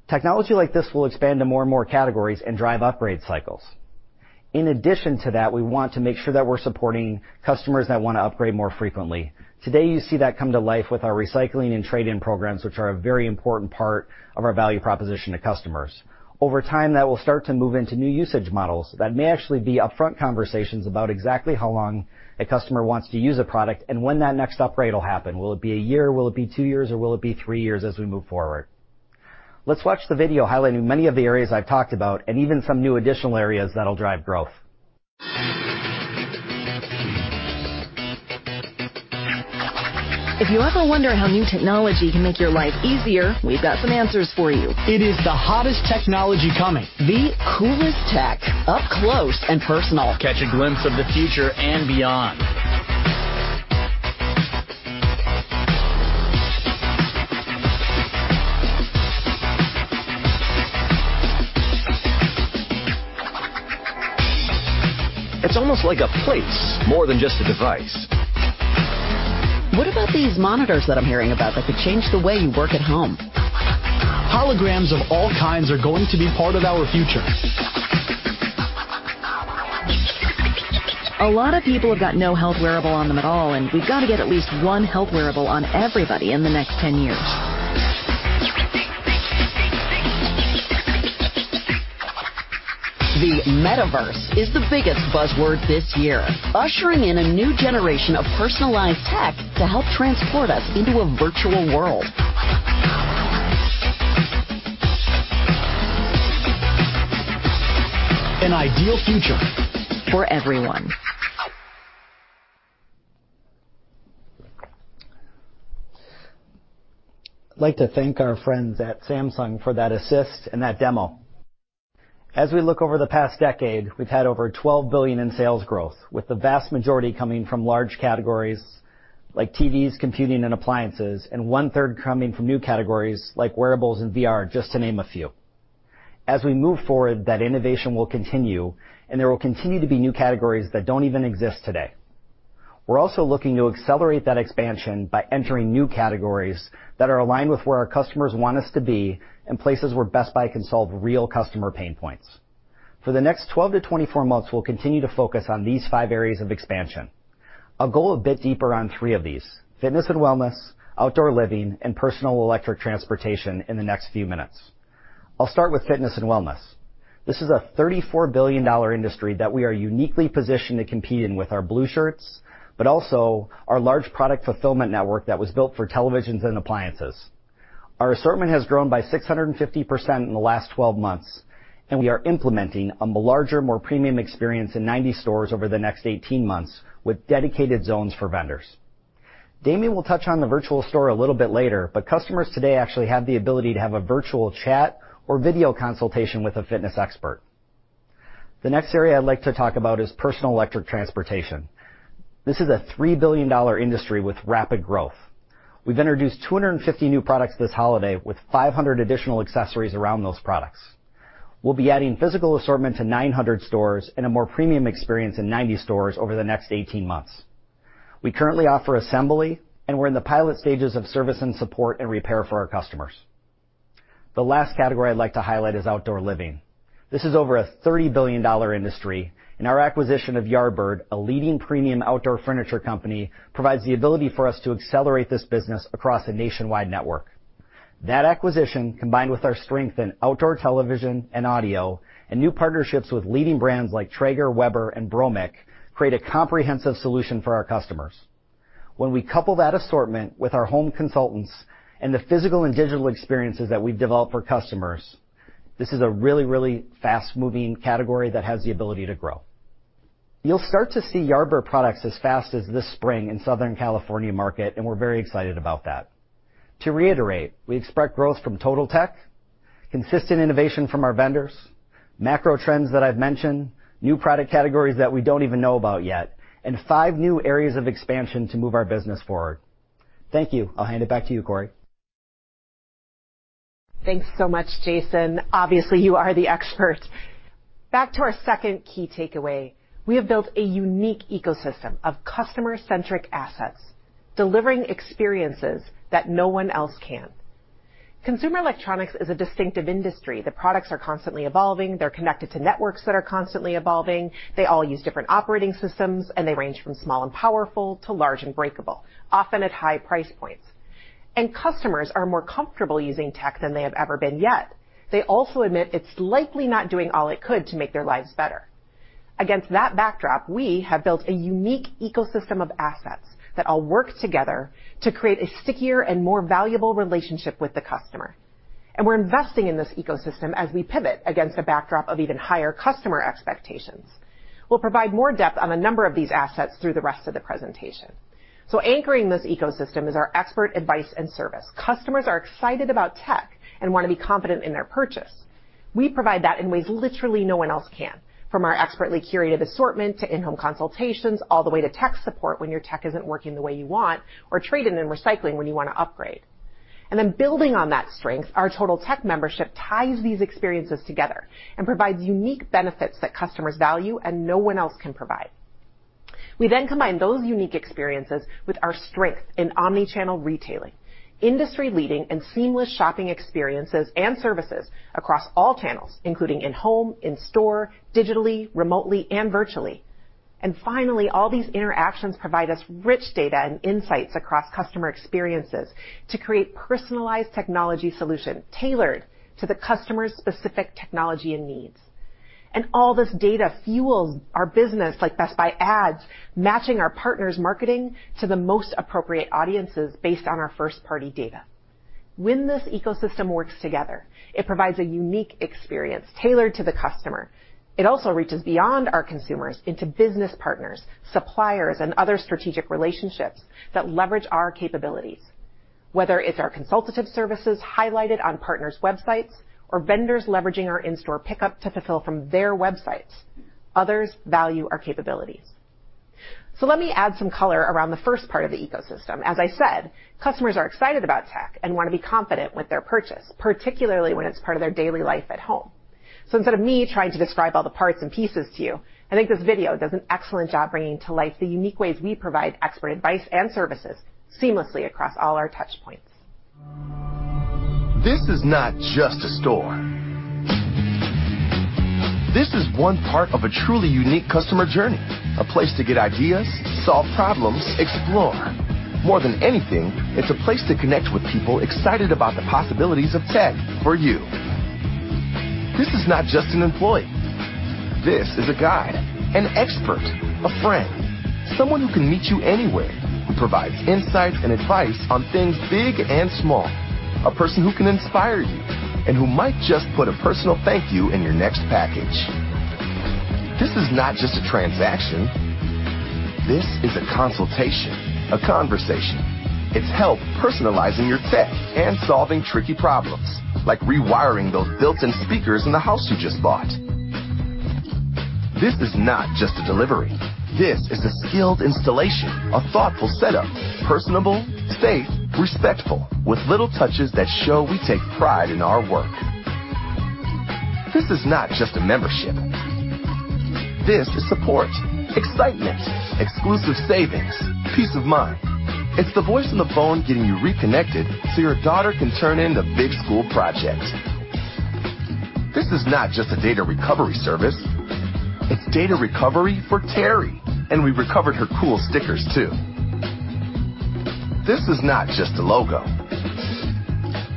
Technology like this will expand to more and more categories and drive upgrade cycles. In addition to that, we want to make sure that we're supporting customers that wanna upgrade more frequently. Today, you see that come to life with our recycling and trade-in programs, which are a very important part of our value proposition to customers. Over time, that will start to move into new usage models that may actually be upfront conversations about exactly how long a customer wants to use a product and when that next upgrade will happen. Will it be a year? Will it be two years, or will it be three years as we move forward? Let's watch the video highlighting many of the areas I've talked about and even some new additional areas that'll drive growth. If you ever wonder how new technology can make your life easier, we've got some answers for you. It is the hottest technology coming. The coolest tech up close and personal. Catch a glimpse of the future and beyond. It's almost like a place more than just a device. What about these monitors that I'm hearing about that could change the way you work at home? Holograms of all kinds are going to be part of our future. A lot of people have got no health wearable on them at all, and we've got to get at least one health wearable on everybody in the next 10 years. The metaverse is the biggest buzzword this year, ushering in a new generation of personalized tech to help transport us into a virtual world. An ideal future. For everyone. I'd like to thank our friends at Samsung for that assist and that demo. As we look over the past decade, we've had over $12 billion in sales growth, with the vast majority coming from large categories like TVs, computing, and appliances, and one-third coming from new categories like wearables and VR, just to name a few. As we move forward, that innovation will continue, and there will continue to be new categories that don't even exist today. We're also looking to accelerate that expansion by entering new categories that are aligned with where our customers want us to be and places where Best Buy can solve real customer pain points. For the next 12-24 months, we'll continue to focus on these five areas of expansion. I'll go a bit deeper on three of these: fitness and wellness, outdoor living, and personal electric transportation in the next few minutes. I'll start with fitness and wellness. This is a $34 billion industry that we are uniquely positioned to compete in with our blue shirts, but also our large product fulfillment network that was built for televisions and appliances. Our assortment has grown by 650% in the last 12 months, and we are implementing a larger, more premium experience in 90 stores over the next 18 months with dedicated zones for vendors. Damien will touch on the virtual store a little bit later, but customers today actually have the ability to have a virtual chat or video consultation with a fitness expert. The next area I'd like to talk about is personal electric transportation. This is a $3 billion industry with rapid growth. We've introduced 250 new products this holiday with 500 additional accessories around those products. We'll be adding physical assortment to 900 stores and a more premium experience in 90 stores over the next 18 months. We currently offer assembly, and we're in the pilot stages of service and support and repair for our customers. The last category I'd like to highlight is outdoor living. This is over a $30 billion industry, and our acquisition of Yardbird, a leading premium outdoor furniture company, provides the ability for us to accelerate this business across a nationwide network. That acquisition, combined with our strength in outdoor television and audio and new partnerships with leading brands like Traeger, Weber and Bromic, create a comprehensive solution for our customers. When we couple that assortment with our home consultants and the physical and digital experiences that we develop for customers, this is a really, really fast-moving category that has the ability to grow. You'll start to see Yardbird products as fast as this spring in Southern California market, and we're very excited about that. To reiterate, we expect growth from Totaltech, consistent innovation from our vendors, macro trends that I've mentioned, new product categories that we don't even know about yet, and five new areas of expansion to move our business forward. Thank you. I'll hand it back to you, Corie. Thanks so much, Jason. Obviously, you are the expert. Back to our second key takeaway. We have built a unique ecosystem of customer-centric assets, delivering experiences that no one else can. Consumer electronics is a distinctive industry. The products are constantly evolving. They're connected to networks that are constantly evolving. They all use different operating systems, and they range from small and powerful to large and breakable, often at high price points. Customers are more comfortable using tech than they have ever been yet. They also admit it's likely not doing all it could to make their lives better. Against that backdrop, we have built a unique ecosystem of assets that all work together to create a stickier and more valuable relationship with the customer. We're investing in this ecosystem as we pivot against a backdrop of even higher customer expectations. We'll provide more depth on a number of these assets through the rest of the presentation. Anchoring this ecosystem is our expert advice and service. Customers are excited about tech and wanna be confident in their purchase. We provide that in ways literally no one else can, from our expertly curated assortment to in-home consultations, all the way to tech support when your tech isn't working the way you want or trade-in and recycling when you wanna upgrade. Building on that strength, our Totaltech membership ties these experiences together and provides unique benefits that customers value and no one else can provide. We then combine those unique experiences with our strength in omnichannel retailing, industry-leading and seamless shopping experiences and services across all channels, including in-home, in-store, digitally, remotely and virtually. Finally, all these interactions provide us rich data and insights across customer experiences to create personalized technology solution tailored to the customer's specific technology and needs. All this data fuels our business like Best Buy Ads, matching our partners' marketing to the most appropriate audiences based on our first-party data. When this ecosystem works together, it provides a unique experience tailored to the customer. It also reaches beyond our consumers into business partners, suppliers, and other strategic relationships that leverage our capabilities. Whether it's our consultative services highlighted on partners' websites or vendors leveraging our in-store pickup to fulfill from their websites, others value our capabilities. Let me add some color around the first part of the ecosystem. As I said, customers are excited about tech and wanna be confident with their purchase, particularly when it's part of their daily life at home. Instead of me trying to describe all the parts and pieces to you, I think this video does an excellent job bringing to life the unique ways we provide expert advice and services seamlessly across all our touch points. This is not just a store. This is one part of a truly unique customer journey, a place to get ideas, solve problems, explore. More than anything, it's a place to connect with people excited about the possibilities of tech for you. This is not just an employee. This is a guide, an expert, a friend, someone who can meet you anywhere, who provides insight and advice on things big and small, a person who can inspire you and who might just put a personal thank you in your next package. This is not just a transaction. This is a consultation, a conversation. It's help personalizing your tech and solving tricky problems like rewiring those built-in speakers in the house you just bought. This is not just a delivery. This is a skilled installation, a thoughtful setup, personable, safe, respectful, with little touches that show we take pride in our work. This is not just a membership. This is support, excitement, exclusive savings, peace of mind. It's the voice on the phone getting you reconnected so your daughter can turn in the big school project. This is not just a data recovery service. It's data recovery for Terry, and we recovered her cool stickers too. This is not just a logo.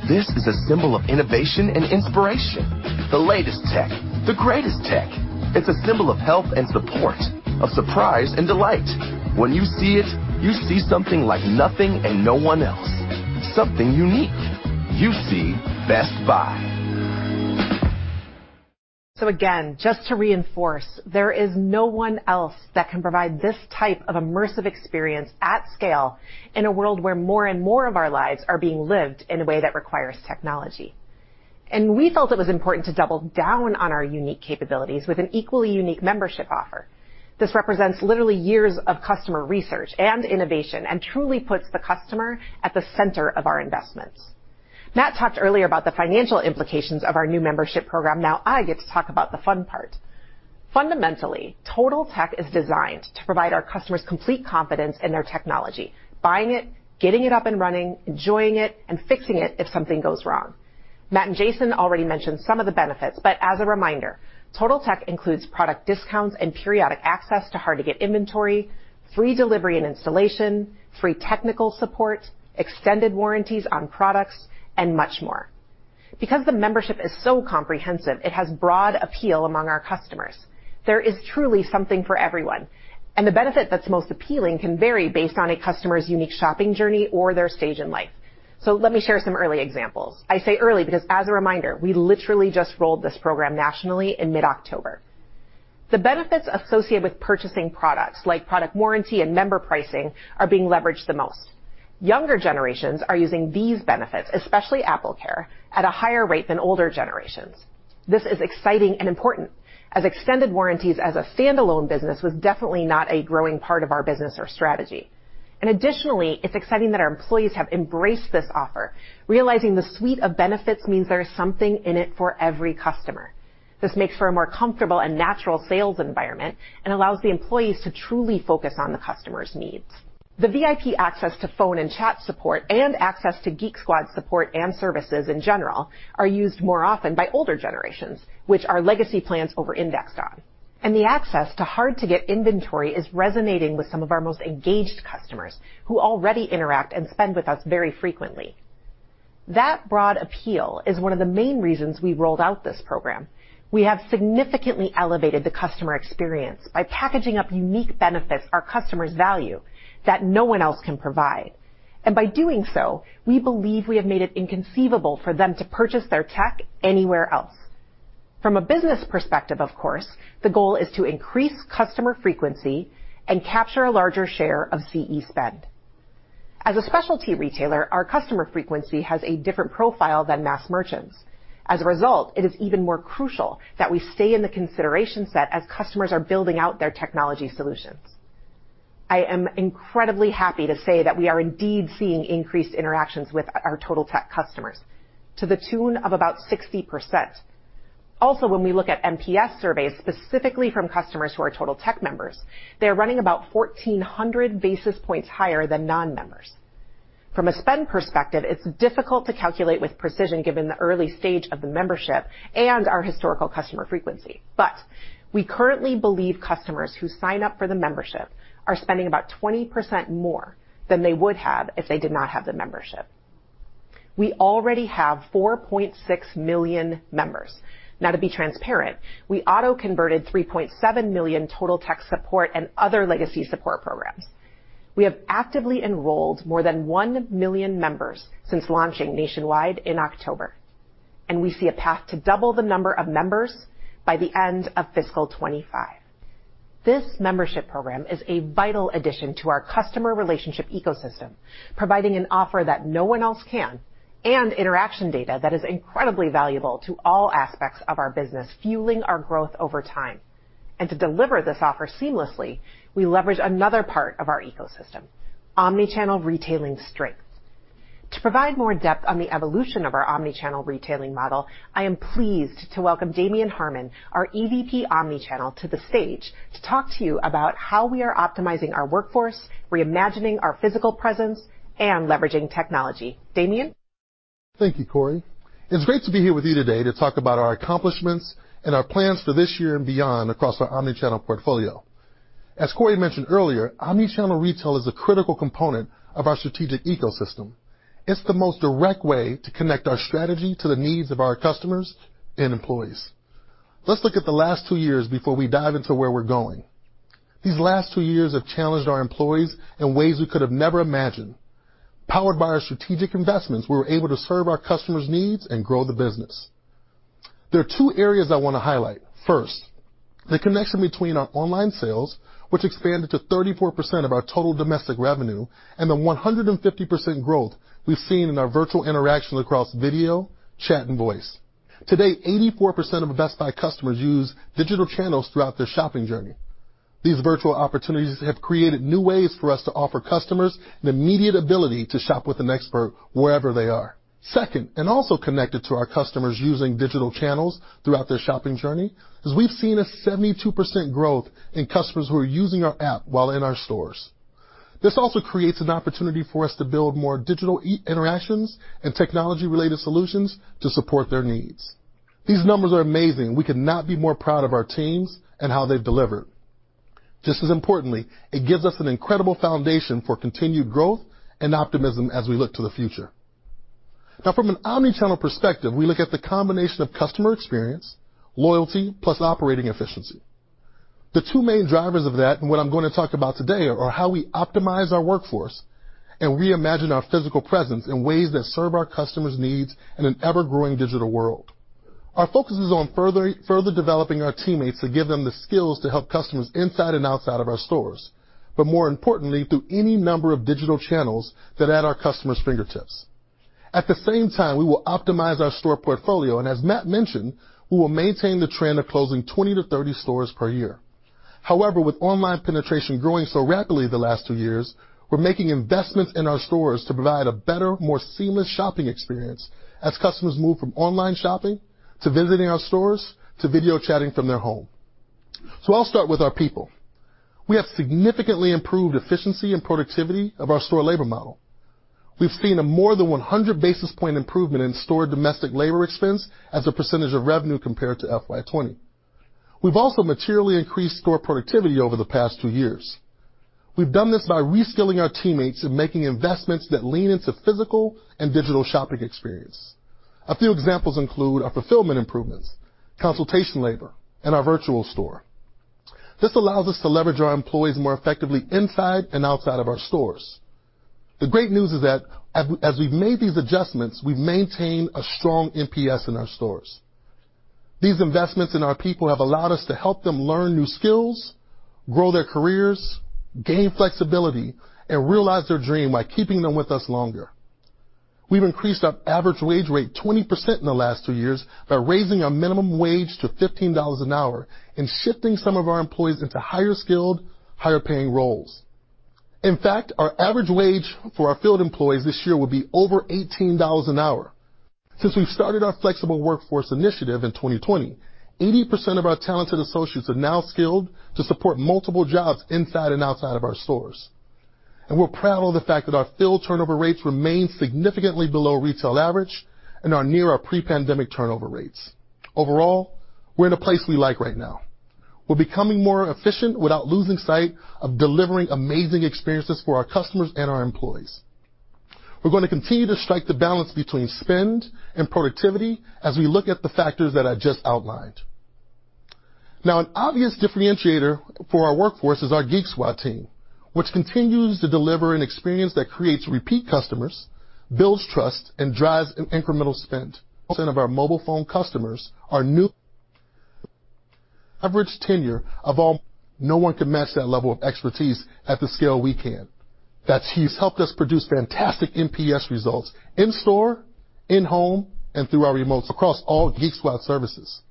This is a symbol of innovation and inspiration, the latest tech, the greatest tech. It's a symbol of help and support, of surprise and delight. When you see it, you see something like nothing and no one else, something unique. You see Best Buy. Again, just to reinforce, there is no one else that can provide this type of immersive experience at scale in a world where more and more of our lives are being lived in a way that requires technology. We felt it was important to double down on our unique capabilities with an equally unique membership offer. This represents literally years of customer research and innovation and truly puts the customer at the center of our investments. Matt talked earlier about the financial implications of our new membership program. Now I get to talk about the fun part. Fundamentally, Totaltech is designed to provide our customers complete confidence in their technology, buying it, getting it up and running, enjoying it, and fixing it if something goes wrong. Matt and Jason already mentioned some of the benefits, but as a reminder, Totaltech includes product discounts and periodic access to hard-to-get inventory, free delivery and installation, free technical support, extended warranties on products, and much more. Because the membership is so comprehensive, it has broad appeal among our customers. There is truly something for everyone, and the benefit that's most appealing can vary based on a customer's unique shopping journey or their stage in life. Let me share some early examples. I say early because, as a reminder, we literally just rolled this program nationally in mid-October. The benefits associated with purchasing products like product warranty and member pricing are being leveraged the most. Younger generations are using these benefits, especially AppleCare, at a higher rate than older generations. This is exciting and important, as extended warranties as a standalone business was definitely not a growing part of our business or strategy. Additionally, it's exciting that our employees have embraced this offer, realizing the suite of benefits means there is something in it for every customer. This makes for a more comfortable and natural sales environment and allows the employees to truly focus on the customer's needs. The VIP access to phone and chat support and access to Geek Squad support and services in general are used more often by older generations, which our legacy plans over-indexed on. The access to hard-to-get inventory is resonating with some of our most engaged customers who already interact and spend with us very frequently. That broad appeal is one of the main reasons we rolled out this program. We have significantly elevated the customer experience by packaging up unique benefits our customers value that no one else can provide. By doing so, we believe we have made it inconceivable for them to purchase their tech anywhere else. From a business perspective, of course, the goal is to increase customer frequency and capture a larger share of CE spend. As a specialty retailer, our customer frequency has a different profile than mass merchants. As a result, it is even more crucial that we stay in the consideration set as customers are building out their technology solutions. I am incredibly happy to say that we are indeed seeing increased interactions with our Totaltech customers to the tune of about 60%. Also, when we look at NPS surveys, specifically from customers who are Totaltech members, they are running about 1400 basis points higher than Non-members. From a spend perspective, it's difficult to calculate with precision given the early stage of the membership and our historical customer frequency. We currently believe customers who sign up for the membership are spending about 20% more than they would have if they did not have the membership. We already have 4.6 million members. Now, to be transparent, we auto-converted 3.7 million Total Tech Support and other legacy support programs. We have actively enrolled more than 1 million members since launching nationwide in October, and we see a path to double the number of members by the end of fiscal 2025. This membership program is a vital addition to our customer relationship ecosystem, providing an offer that no one else can and interaction data that is incredibly valuable to all aspects of our business, fueling our growth over time. To deliver this offer seamlessly, we leverage another part of our ecosystem: omnichannel retailing strengths. To provide more depth on the evolution of our omnichannel retailing model, I am pleased to welcome Damien Harmon, our EVP, Omnichannel, to the stage to talk to you about how we are optimizing our workforce, reimagining our physical presence, and leveraging technology. Damien. Thank you, Corie. It's great to be here with you today to talk about our accomplishments and our plans for this year and beyond across our Omnichannel portfolio. As Corie mentioned earlier, Omnichannel retail is a critical component of our strategic ecosystem. It's the most direct way to connect our strategy to the needs of our customers and employees. Let's look at the last two years before we dive into where we're going. These last two years have challenged our employees in ways we could have never imagined. Powered by our strategic investments, we were able to serve our customers' needs and grow the business. There are two areas I want to highlight. First, the connection between our online sales, which expanded to 34% of our total domestic revenue, and the 150% growth we've seen in our virtual interactions across video, chat, and voice. Today, 84% of Best Buy customers use digital channels throughout their shopping journey. These virtual opportunities have created new ways for us to offer customers the immediate ability to shop with an expert wherever they are. Second, and also connected to our customers using digital channels throughout their shopping journey, is we've seen a 72% growth in customers who are using our app while in our stores. This also creates an opportunity for us to build more digital e-interactions and technology-related solutions to support their needs. These numbers are amazing. We could not be more proud of our teams and how they've delivered. Just as importantly, it gives us an incredible foundation for continued growth and optimism as we look to the future. Now, from an omnichannel perspective, we look at the combination of customer experience, loyalty, plus operating efficiency. The two main drivers of that, and what I'm gonna talk about today, are how we optimize our workforce and reimagine our physical presence in ways that serve our customers' needs in an ever-growing digital world. Our focus is on further developing our teammates to give them the skills to help customers inside and outside of our stores, but more importantly, through any number of digital channels that are at our customers' fingertips. At the same time, we will optimize our store portfolio, and as Matt mentioned, we will maintain the trend of closing 20-30 stores per year. However, with online penetration growing so rapidly the last two years, we're making investments in our stores to provide a better, more seamless shopping experience as customers move from online shopping to visiting our stores to video chatting from their home. I'll start with our people. We have significantly improved efficiency and productivity of our store labor model. We've seen a more than 100 basis points improvement in store domestic labor expense as a percentage of revenue compared to FY 2020. We've also materially increased store productivity over the past two years. We've done this by reskilling our teammates and making investments that lean into physical and digital shopping experience. A few examples include our fulfillment improvements, consultation labor, and our virtual store. This allows us to leverage our employees more effectively inside and outside of our stores. The great news is that as we've made these adjustments, we've maintained a strong NPS in our stores. These investments in our people have allowed us to help them learn new skills, grow their careers, gain flexibility, and realize their dream by keeping them with us longer. We've increased our average wage rate 20% in the last two years by raising our minimum wage to $15 an hour and shifting some of our employees into higher-skilled, higher-paying roles. In fact, our average wage for our field employees this year will be over $18 an hour. Since we started our flexible workforce initiative in 2020, 80% of our talented associates are now skilled to support multiple jobs inside and outside of our stores. We're proud of the fact that our field turnover rates remain significantly below retail average and are near our pre-pandemic turnover rates. Overall, we're in a place we like right now. We're becoming more efficient without losing sight of delivering amazing experiences for our customers and our employees. We're gonna continue to strike the balance between spend and productivity as we look at the factors that I just outlined. Now, an obvious differentiator for our workforce is our Geek Squad team, which continues to deliver an experience that creates repeat customers, builds trust, and drives an incremental spend. Of our mobile phone customers are new. Average tenure of all. No one can match that level of expertise at the scale we can. That has helped us produce fantastic NPS results in store, in home, and through our remotes across all Geek Squad services.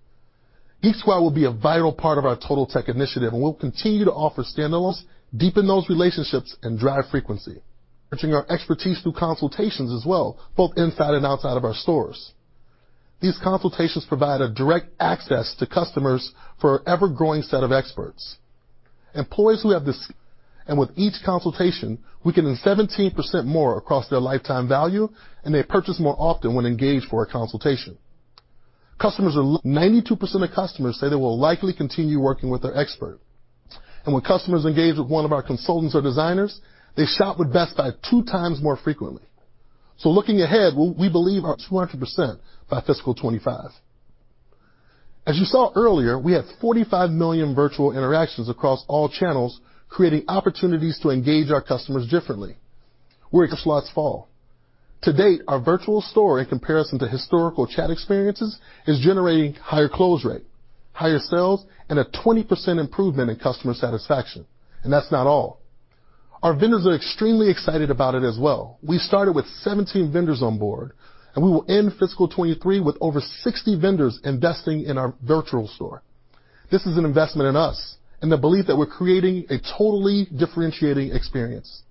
Geek Squad will be a vital part of our Totaltech initiative, and we'll continue to offer standalones, deepen those relationships, and drive frequency. Leveraging our expertise through consultations as well, both inside and outside of our stores. These consultations provide a direct access to customers for our ever-growing set of experts. Employees who have this. With each consultation, we can earn 17% more across their lifetime value, and they purchase more often when engaged for a consultation. Ninety-two percent of customers say they will likely continue working with their expert. When customers engage with one of our consultants or designers, they shop with Best Buy two times more frequently. Looking ahead, we believe our 200% by fiscal 2025. As you saw earlier, we had 45 million virtual interactions across all channels, creating opportunities to engage our customers differently. To date, our virtual store in comparison to historical chat experiences is generating higher close rate, higher sales, and a 20% improvement in customer satisfaction. That's not all. Our vendors are extremely excited about it as well. We started with 17 vendors on board, and we will end fiscal 2023 with over 60 vendors investing in our virtual store. This is an investment in us and the belief that we're creating a totally differentiating experience.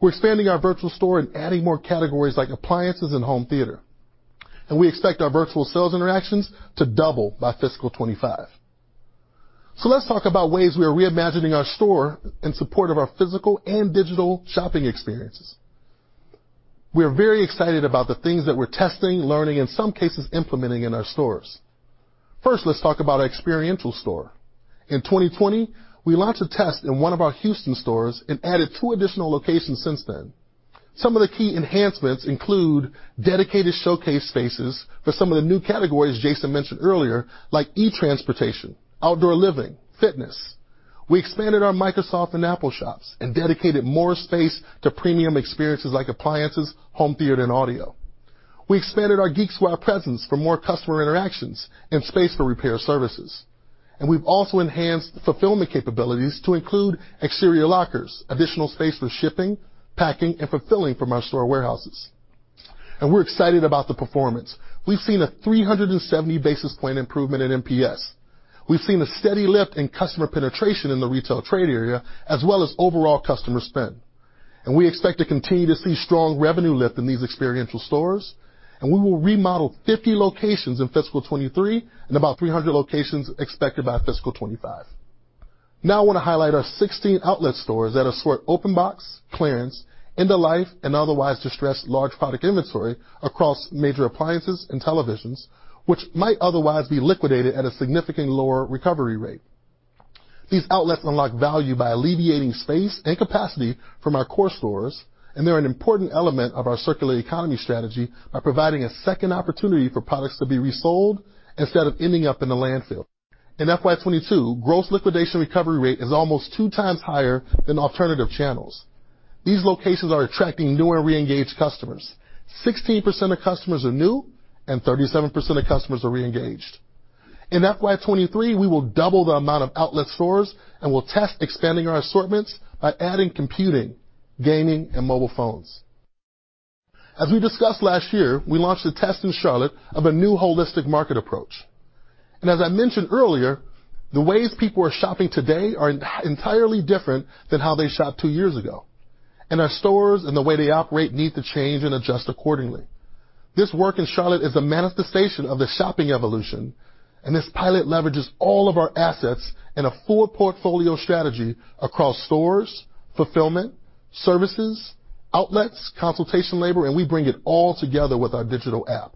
We're expanding our virtual store and adding more categories like appliances and home theater. We expect our virtual sales interactions to double by fiscal 2025. Let's talk about ways we are reimagining our store in support of our physical and digital shopping experiences. We are very excited about the things that we're testing, learning, in some cases, implementing in our stores. First, let's talk about our experiential store. In 2020, we launched a test in one of our Houston stores and added two additional locations since then. Some of the key enhancements include dedicated showcase spaces for some of the new categories Jason mentioned earlier, like e-transportation, outdoor living, fitness. We expanded our Microsoft and Apple shops and dedicated more space to premium experiences like appliances, home theater, and audio. We expanded our Geek Squad presence for more customer interactions and space for repair services. We've also enhanced fulfillment capabilities to include exterior lockers, additional space for shipping, packing, and fulfilling from our store warehouses. We're excited about the performance. We've seen a 370 basis point improvement in NPS. We've seen a steady lift in customer penetration in the retail trade area as well as overall customer spend. We expect to continue to see strong revenue lift in these experiential stores, and we will remodel 50 locations in fiscal 2023 and about 300 locations expected by fiscal 2025. Now I wanna highlight our 16 outlet stores that are sort of open box, clearance, end-of-life, and otherwise distressed large product inventory across major appliances and televisions, which might otherwise be liquidated at a significantly lower recovery rate. These outlets unlock value by alleviating space and capacity from our core stores, and they're an important element of our circular economy strategy by providing a second opportunity for products to be resold instead of ending up in the landfill. In FY 2022, gross liquidation recovery rate is almost two times higher than alternative channels. These locations are attracting new and reengaged customers. 16% of customers are new, and 37% of customers are reengaged. In FY 2023, we will double the amount of outlet stores, and we'll test expanding our assortments by adding computing, gaming, and mobile phones. As we discussed last year, we launched a test in Charlotte of a new holistic market approach. As I mentioned earlier, the ways people are shopping today are entirely different than how they shopped two years ago. Our stores, and the way they operate need to change and adjust accordingly. This work in Charlotte is a manifestation of the shopping evolution, and this pilot leverages all of our assets in a full portfolio strategy across stores, fulfillment, services, outlets, consultation labor, and we bring it all together with our digital app.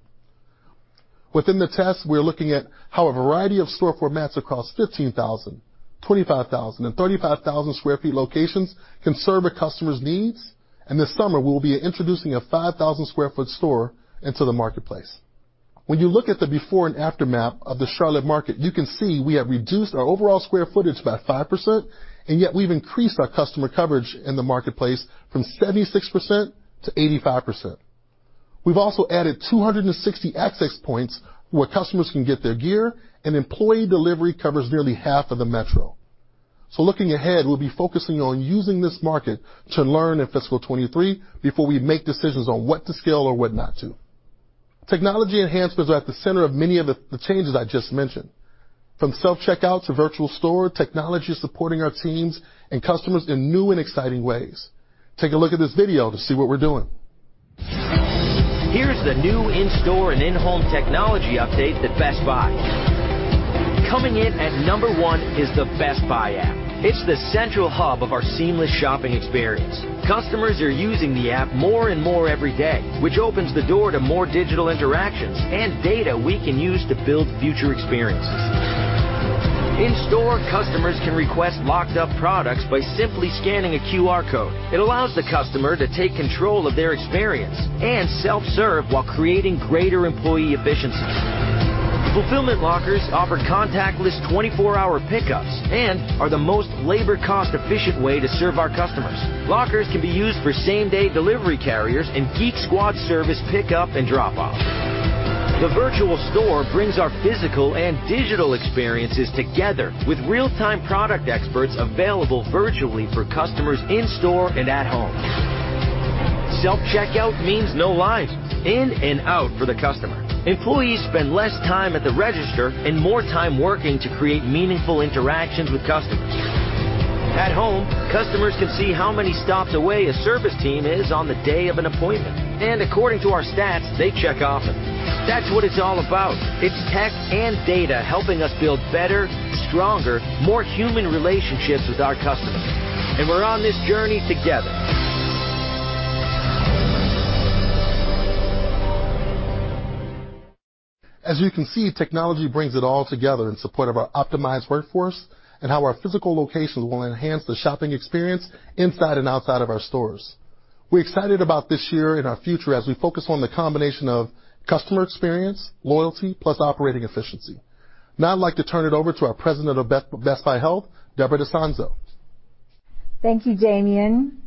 Within the test, we're looking at how a variety of store formats across 15,000, 25,000, and 35,000 sq ft locations can serve a customer's needs. This summer we'll be introducing a 5,000 sq ft store into the marketplace. When you look at the before and after map of the Charlotte market, you can see we have reduced our overall square footage by 5%, and yet we've increased our customer coverage in the marketplace from 76% to 85%. We've also added 260 access points where customers can get their gear, and employee delivery covers nearly half of the metro. Looking ahead, we'll be focusing on using this market to learn in fiscal 2023 before we make decisions on what to scale or what not to. Technology enhancements are at the center of many of the changes I just mentioned. From self-checkout to virtual store, technology is supporting our teams and customers in new and exciting ways. Take a look at this video to see what we're doing. Here's the new in-store and in-home technology update at Best Buy. Coming in at number 1 is the Best Buy app. It's the central hub of our seamless shopping experience. Customers are using the app more and more every day, which opens the door to more digital interactions and data we can use to build future experiences. In store, customers can request locked up products by simply scanning a QR code. It allows the customer to take control of their experience and self-serve while creating greater employee efficiencies. Fulfillment lockers offer contactless 24-hour pickups and are the most labor cost-efficient way to serve our customers. Lockers can be used for same-day delivery carriers and Geek Squad service pickup and drop-off. The virtual store brings our physical and digital experiences together with real-time product experts available virtually for customers in store and at home. Self-checkout means no lines. In and out for the customer. Employees spend less time at the register and more time working to create meaningful interactions with customers. At home, customers can see how many stops away a service team is on the day of an appointment. According to our stats, they check often. That's what it's all about. It's tech and data helping us build better, stronger, more human relationships with our customers. We're on this journey together. As you can see, technology brings it all together in support of our optimized workforce and how our physical locations will enhance the shopping experience inside and outside of our stores. We're excited about this year and our future as we focus on the combination of customer experience, loyalty, plus operating efficiency. Now I'd like to turn it over to our President of Best Buy Health, Deborah DiSanzo. Thank you, Damien.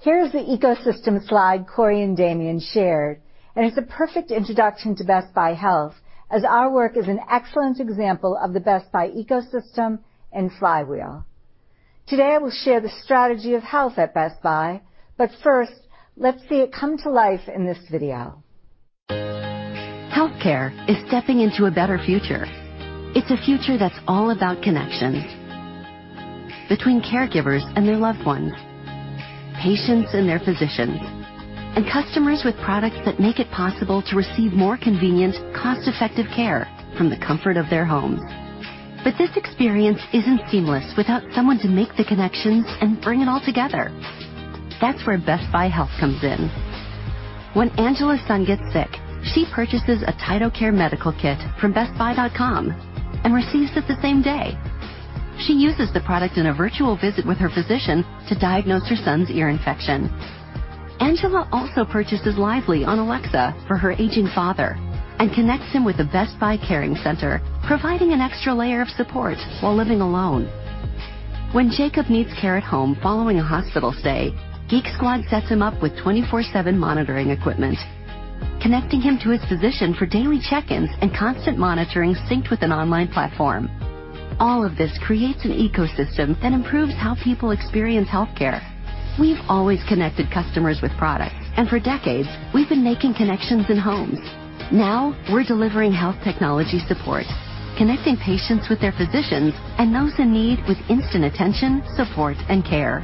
Here is the ecosystem slide Corie and Damien shared, and it's a perfect introduction to Best Buy Health, as our work is an excellent example of the Best Buy ecosystem and flywheel. Today, I will share the strategy of health at Best Buy. First, let's see it come to life in this video. Healthcare is stepping into a better future. It's a future that's all about connection between caregivers and their loved ones, patients and their physicians, and customers with products that make it possible to receive more convenient, cost-effective care from the comfort of their homes. This experience isn't seamless without someone to make the connections and bring it all together. That's where Best Buy Health comes in. When Angela's son gets sick, she purchases a TytoCare medical kit from bestbuy.com and receives it the same day. She uses the product in a virtual visit with her physician to diagnose her son's ear infection. Angela also purchases Lively on Alexa for her aging father and connects him with the Best Buy Caring Center, providing an extra layer of support while living alone. When Jacob needs care at home following a hospital stay, Geek Squad sets him up with 24/7 monitoring equipment, connecting him to his physician for daily check-ins and constant monitoring synced with an online platform. All of this creates an ecosystem that improves how people experience healthcare. We've always connected customers with products, and for decades we've been making connections in homes. Now we're delivering health technology support, connecting patients with their physicians and those in need with instant attention, support, and care.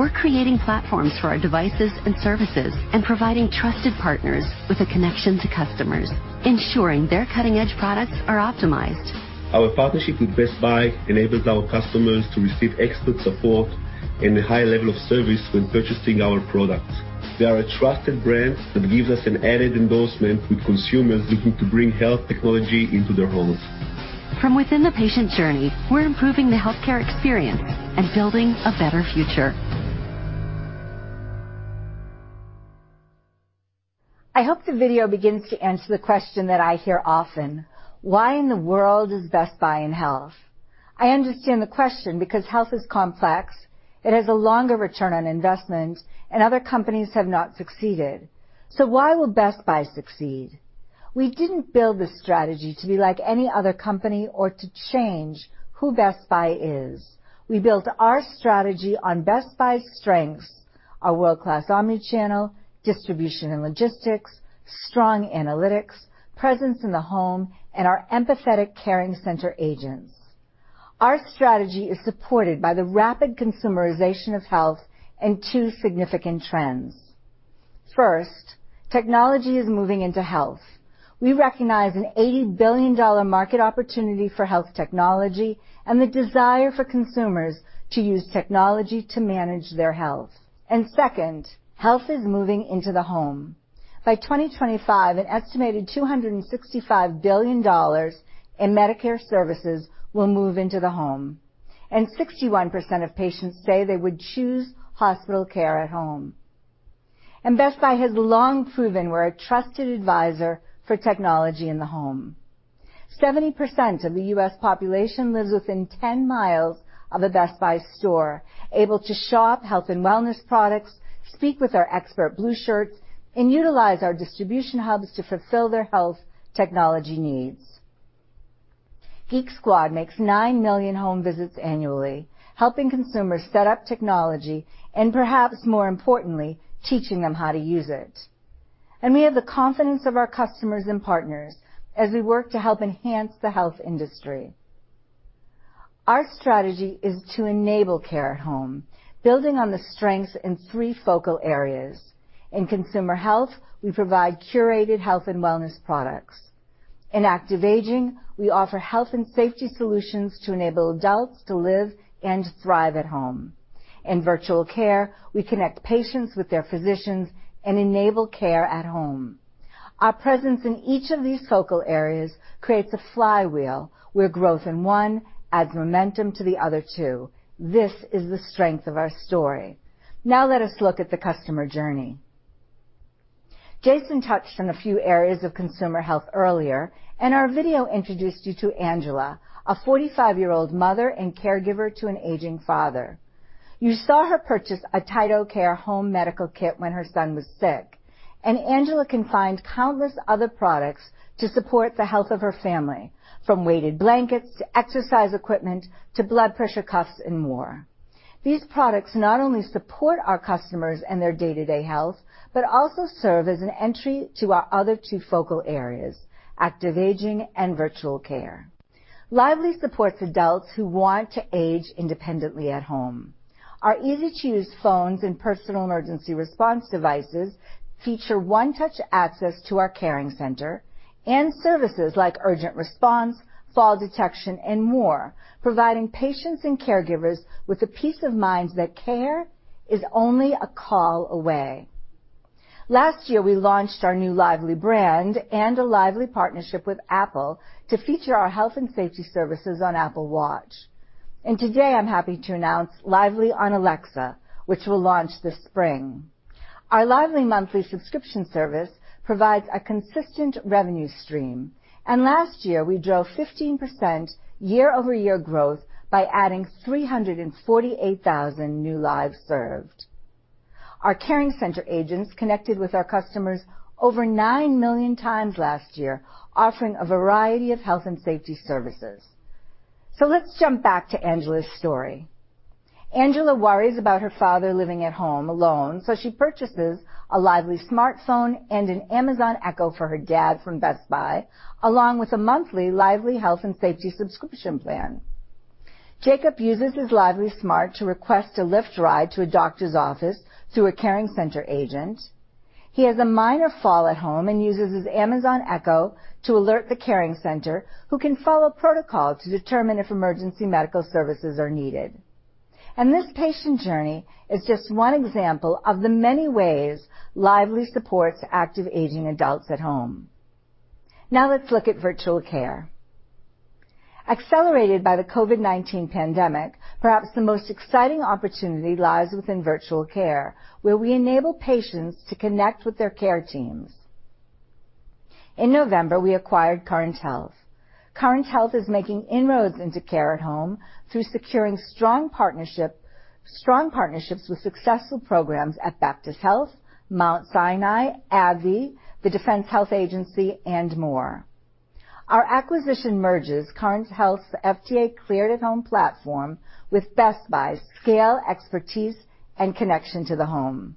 We're creating platforms for our devices and services and providing trusted partners with a connection to customers, ensuring their cutting-edge products are optimized. Our partnership with Best Buy enables our customers to receive expert support and a high level of service when purchasing our products. They are a trusted brand that gives us an added endorsement with consumers looking to bring health technology into their homes. From within the patient journey, we're improving the healthcare experience and building a better future. I hope the video begins to answer the question that I hear often. Why in the world is Best Buy in health? I understand the question because health is complex, it has a longer return on investment, and other companies have not succeeded. Why will Best Buy succeed? We didn't build this strategy to be like any other company or to change who Best Buy is. We built our strategy on Best Buy's strengths, our world-class omni-channel, distribution and logistics, strong analytics, presence in the home, and our empathetic caring center agents. Our strategy is supported by the rapid consumerization of health and two significant trends. First, technology is moving into health. We recognize an $80 billion market opportunity for health technology and the desire for consumers to use technology to manage their health. Second, health is moving into the home. By 2025, an estimated $265 billion in Medicare services will move into the home, and 61% of patients say they would choose hospital care at home. Best Buy has long proven we're a trusted advisor for technology in the home. 70% of the U.S. population lives within 10 miles of a Best Buy store, able to shop health and wellness products, speak with our expert blue shirts, and utilize our distribution hubs to fulfill their health technology needs. Geek Squad makes 9 million home visits annually, helping consumers set up technology and perhaps more importantly, teaching them how to use it. We have the confidence of our customers and partners as we work to help enhance the health industry. Our strategy is to enable care at home, building on the strengths in three focal areas. In consumer health, we provide curated health and wellness products. In active aging, we offer health and safety solutions to enable adults to live and thrive at home. In virtual care, we connect patients with their physicians and enable care at home. Our presence in each of these focal areas creates a flywheel where growth in one adds momentum to the other two. This is the strength of our story. Now let us look at the customer journey. Jason touched on a few areas of consumer health earlier, and our video introduced you to Angela, a 45-year-old mother and caregiver to an aging father. You saw her purchase a TytoCare home medical kit when her son was sick. Angela can find countless other products to support the health of her family, from weighted blankets to exercise equipment to blood pressure cuffs and more. These products not only support our customers and their day-to-day health, but also serve as an entry to our other two focal areas, active aging and virtual care. Lively supports adults who want to age independently at home. Our easy-to-use phones and personal emergency response devices feature one-touch access to our caring center and services like urgent response, fall detection, and more, providing patients and caregivers with the peace of mind that care is only a call away. Last year, we launched our new Lively brand and a Lively partnership with Apple to feature our health and safety services on Apple Watch. Today I'm happy to announce Lively on Alexa, which will launch this spring. Our Lively monthly subscription service provides a consistent revenue stream. Last year, we drove 15% year-over-year growth by adding 348,000 new lives served. Our caring center agents connected with our customers over 9 million times last year, offering a variety of health and safety services. Let's jump back to Angela's story. Angela worries about her father living at home alone, so she purchases a Lively smartphone and an Amazon Echo for her dad from Best Buy, along with a monthly Lively health and safety subscription plan. Jacob uses his Lively Smart to request a Lyft ride to a doctor's office through a caring center agent. He has a minor fall at home and uses his Amazon Echo to alert the caring center, who can follow protocol to determine if emergency medical services are needed. This patient journey is just one example of the many ways Lively supports active aging adults at home. Now let's look at virtual care. Accelerated by the COVID-19 pandemic, perhaps the most exciting opportunity lies within virtual care, where we enable patients to connect with their care teams. In November, we acquired Current Health. Current Health is making inroads into care at home through securing strong partnerships with successful programs at Baptist Health, Mount Sinai, Avi, the Defense Health Agency, and more. Our acquisition merges Current Health's FDA-cleared at-home platform with Best Buy's scale, expertise, and connection to the home.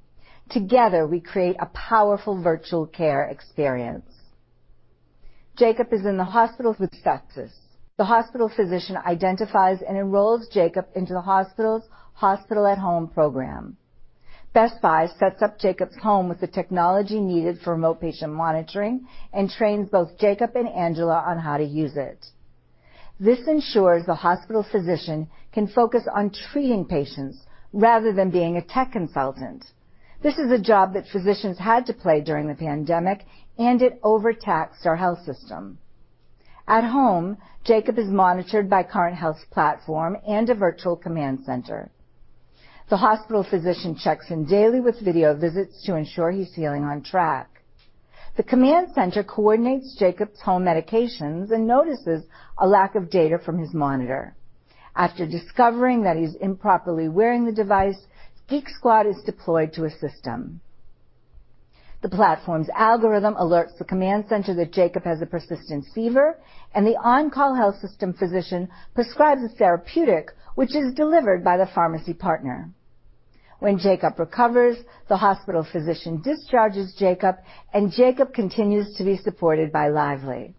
Together, we create a powerful virtual care experience. Jacob is in the hospital with sepsis. The hospital physician identifies and enrolls Jacob into the hospital's hospital-at-home program. Best Buy sets up Jacob's home with the technology needed for remote patient monitoring and trains both Jacob and Angela on how to use it. This ensures the hospital physician can focus on treating patients rather than being a tech consultant. This is a job that physicians had to play during the pandemic, and it overtaxed our health system. At home, Jacob is monitored by Current Health platform and a virtual command center. The hospital physician checks in daily with video visits to ensure he's healing on track. The command center coordinates Jacob's home medications and notices a lack of data from his monitor. After discovering that he's improperly wearing the device, Geek Squad is deployed to assist him. The platform's algorithm alerts the command center that Jacob has a persistent fever, and the on-call health system physician prescribes a therapeutic, which is delivered by the pharmacy partner. When Jacob recovers, the hospital physician discharges Jacob, and Jacob continues to be supported by Lively.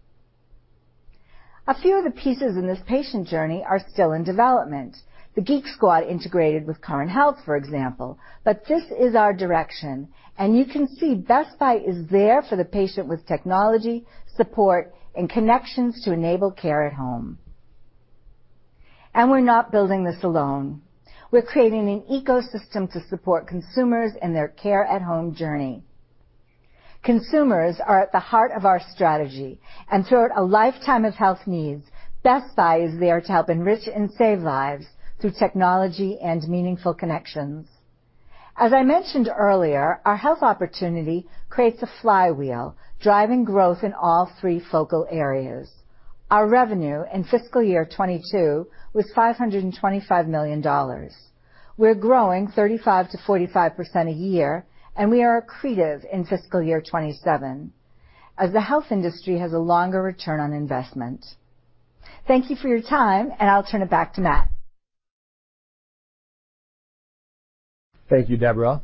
A few of the pieces in this patient journey are still in development. The Geek Squad integration with Current Health, for example. This is our direction, and you can see Best Buy is there for the patient with technology, support, and connections to enable care at home. We're not building this alone. We're creating an ecosystem to support consumers in their care at home journey. Consumers are at the heart of our strategy. Throughout a lifetime of health needs, Best Buy is there to help enrich and save lives through technology and meaningful connections. As I mentioned earlier, our health opportunity creates a flywheel, driving growth in all three focal areas. Our revenue in fiscal year 2022 was $525 million. We're growing 35%-45% a year, and we are accretive in fiscal year 2027, as the health industry has a longer return on investment. Thank you for your time, and I'll turn it back to Matt. Thank you, Deborah.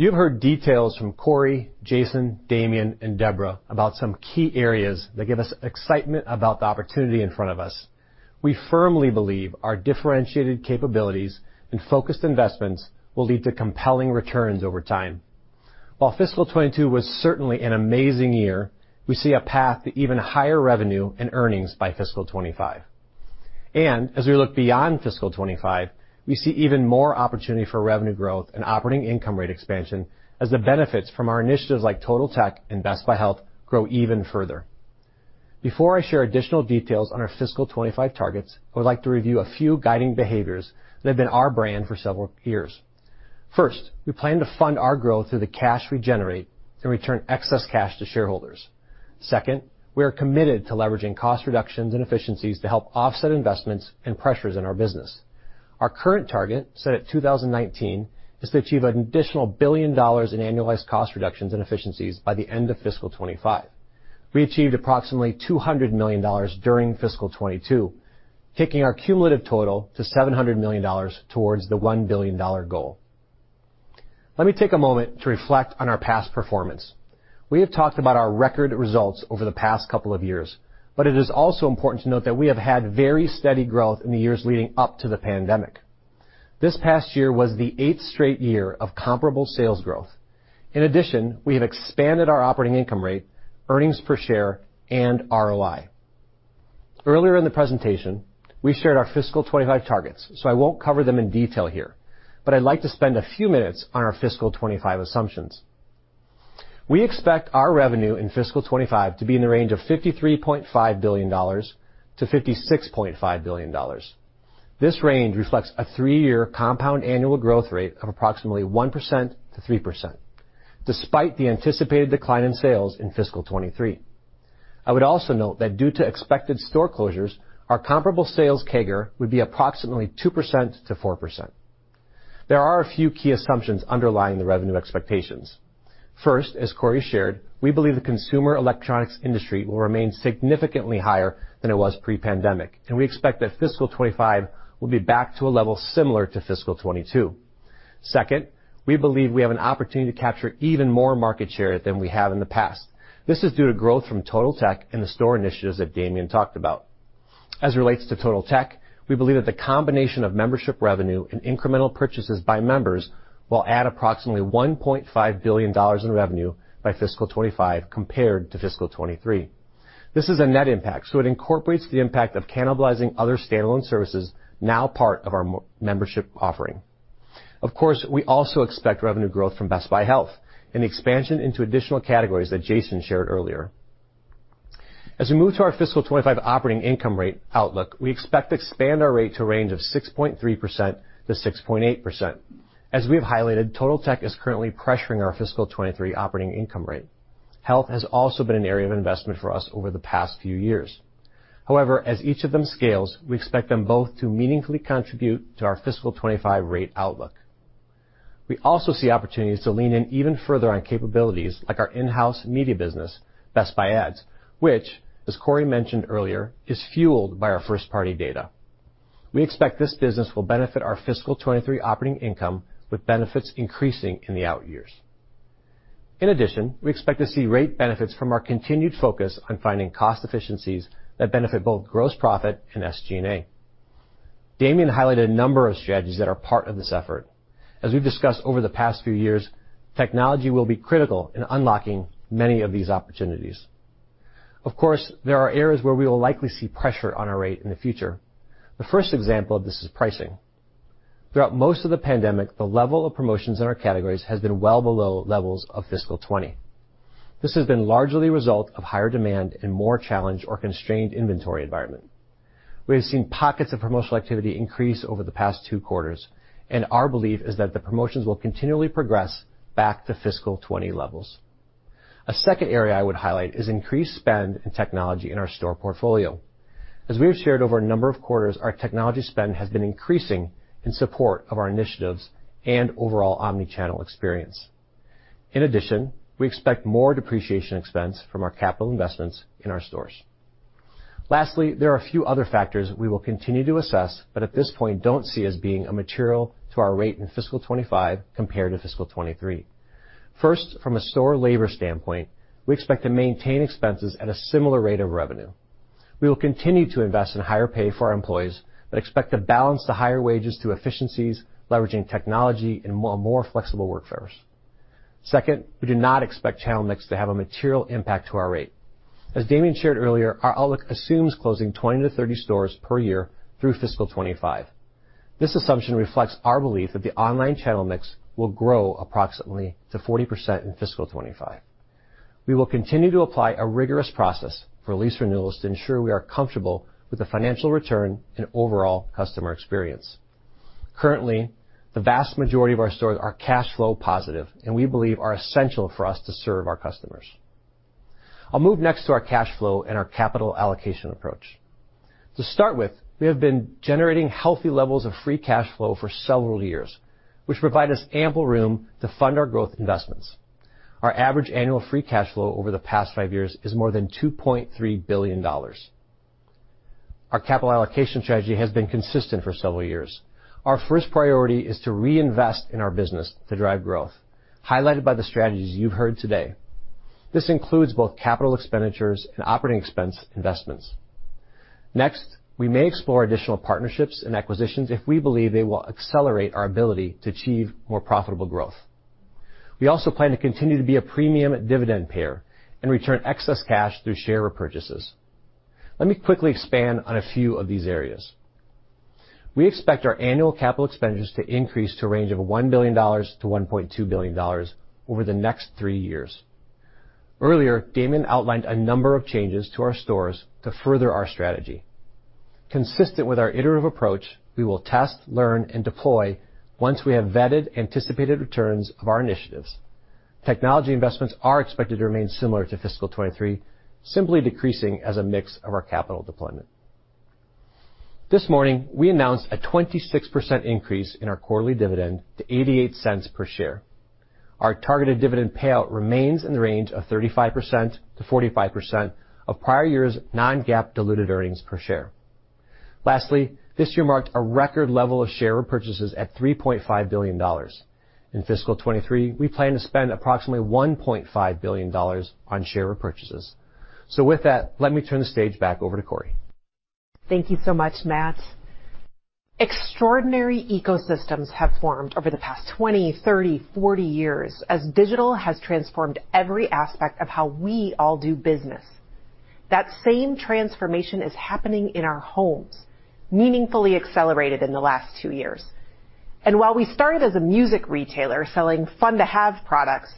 You've heard details from Corei, Jason, Damien, and Deborah about some key areas that give us excitement about the opportunity in front of us. We firmly believe our differentiated capabilities and focused investments will lead to compelling returns over time. While fiscal 2022 was certainly an amazing year, we see a path to even higher revenue and earnings by fiscal 2025. As we look beyond fiscal 2025, we see even more opportunity for revenue growth and operating income rate expansion as the benefits from our initiatives like Totaltech and Best Buy Health grow even further. Before I share additional details on our fiscal 2025 targets, I would like to review a few guiding behaviors that have been our brand for several years. First, we plan to fund our growth through the cash we generate and return excess cash to shareholders. Second, we are committed to leveraging cost reductions and efficiencies to help offset investments and pressures in our business. Our current target, set at 2019, is to achieve an additional $1 billion in annualized cost reductions and efficiencies by the end of fiscal 2025. We achieved approximately $200 million during fiscal 2022, taking our cumulative total to $700 million towards the $1 billion goal. Let me take a moment to reflect on our past performance. We have talked about our record results over the past couple of years, but it is also important to note that we have had very steady growth in the years leading up to the pandemic. This past year was the eighth straight year of comparable sales growth. In addition, we have expanded our operating income rate, earnings per share, and ROI. Earlier in the presentation, we shared our fiscal 2025 targets, so I won't cover them in detail here, but I'd like to spend a few minutes on our fiscal 2025 assumptions. We expect our revenue in fiscal 2025 to be in the range of $53.5 billion-$56.5 billion. This range reflects a 3-year compound annual growth rate of approximately 1%-3% despite the anticipated decline in sales in fiscal 2023. I would also note that due to expected store closures, our comparable sales CAGR would be approximately 2%-4%. There are a few key assumptions underlying the revenue expectations. First, as Corie shared, we believe the consumer electronics industry will remain significantly higher than it was pre-pandemic, and we expect that fiscal 2025 will be back to a level similar to fiscal 2022. Second, we believe we have an opportunity to capture even more market share than we have in the past. This is due to growth from Total Tech and the store initiatives that Damien talked about. As it relates to Total Tech, we believe that the combination of membership revenue and incremental purchases by members will add approximately $1.5 billion in revenue by fiscal 2025 compared to fiscal 2023. This is a net impact, so it incorporates the impact of cannibalizing other standalone services now part of our membership offering. Of course, we also expect revenue growth from Best Buy Health and expansion into additional categories that Jason shared earlier. As we move to our fiscal 2025 operating income rate outlook, we expect to expand our rate to a range of 6.3%-6.8%. As we have highlighted, Totaltech is currently pressuring our fiscal 2023 operating income rate. Health has also been an area of investment for us over the past few years. However, as each of them scales, we expect them both to meaningfully contribute to our fiscal 2025 rate outlook. We also see opportunities to lean in even further on capabilities like our in-house media business, Best Buy Ads, which, as Corie mentioned earlier, is fueled by our first-party data. We expect this business will benefit our fiscal 2023 operating income with benefits increasing in the out years. In addition, we expect to see rate benefits from our continued focus on finding cost efficiencies that benefit both gross profit and SG&A. Damien highlighted a number of strategies that are part of this effort. As we've discussed over the past few years, technology will be critical in unlocking many of these opportunities. Of course, there are areas where we will likely see pressure on our rate in the future. The first example of this is pricing. Throughout most of the pandemic, the level of promotions in our categories has been well below levels of fiscal 2020. This has been largely a result of higher demand and more challenged or constrained inventory environment. We have seen pockets of promotional activity increase over the past two quarters, and our belief is that the promotions will continually progress back to fiscal 2020 levels. A second area I would highlight is increased spend in technology in our store portfolio. As we have shared over a number of quarters, our technology spend has been increasing in support of our initiatives and overall omni-channel experience. In addition, we expect more depreciation expense from our capital investments in our stores. Lastly, there are a few other factors we will continue to assess, but at this point don't see as being material to our rate in fiscal 2025 compared to fiscal 2023. First, from a store labor standpoint, we expect to maintain expenses at a similar rate of revenue. We will continue to invest in higher pay for our employees but expect to balance the higher wages through efficiencies, leveraging technology, and more flexible workforce. Second, we do not expect channel mix to have a material impact to our rate. As Damien shared earlier, our outlook assumes closing 20-30 stores per year through fiscal 2025. This assumption reflects our belief that the online channel mix will grow approximately to 40% in fiscal 2025. We will continue to apply a rigorous process for lease renewals to ensure we are comfortable with the financial return and overall customer experience. Currently, the vast majority of our stores are cash flow positive and we believe are essential for us to serve our customers. I'll move next to our cash flow and our capital allocation approach. To start with, we have been generating healthy levels of free cash flow for several years, which provide us ample room to fund our growth investments. Our average annual free cash flow over the past five years is more than $2.3 billion. Our capital allocation strategy has been consistent for several years. Our first priority is to reinvest in our business to drive growth, highlighted by the strategies you've heard today. This includes both capital expenditures and operating expense investments. Next, we may explore additional partnerships and acquisitions if we believe they will accelerate our ability to achieve more profitable growth. We also plan to continue to be a premium dividend payer and return excess cash through share repurchases. Let me quickly expand on a few of these areas. We expect our annual capital expenditures to increase to a range of $1 billion-$1.2 billion over the next three years. Earlier, Damien outlined a number of changes to our stores to further our strategy. Consistent with our iterative approach, we will test, learn, and deploy once we have vetted anticipated returns of our initiatives. Technology investments are expected to remain similar to fiscal 2023, simply decreasing as a mix of our capital deployment. This morning, we announced a 26% increase in our quarterly dividend to $0.88 per share. Our targeted dividend payout remains in the range of 35%-45% of prior years' Non-GAAP diluted earnings per share. Lastly, this year marked a record level of share repurchases at $3.5 billion. In fiscal 2023, we plan to spend approximately $1.5 billion on share repurchases. With that, let me turn the stage back over to Corie. Thank you so much, Matt. Extraordinary ecosystems have formed over the past 20, 30, 40 years as digital has transformed every aspect of how we all do business. That same transformation is happening in our homes, meaningfully accelerated in the last two years. While we started as a music retailer selling fun-to-have products,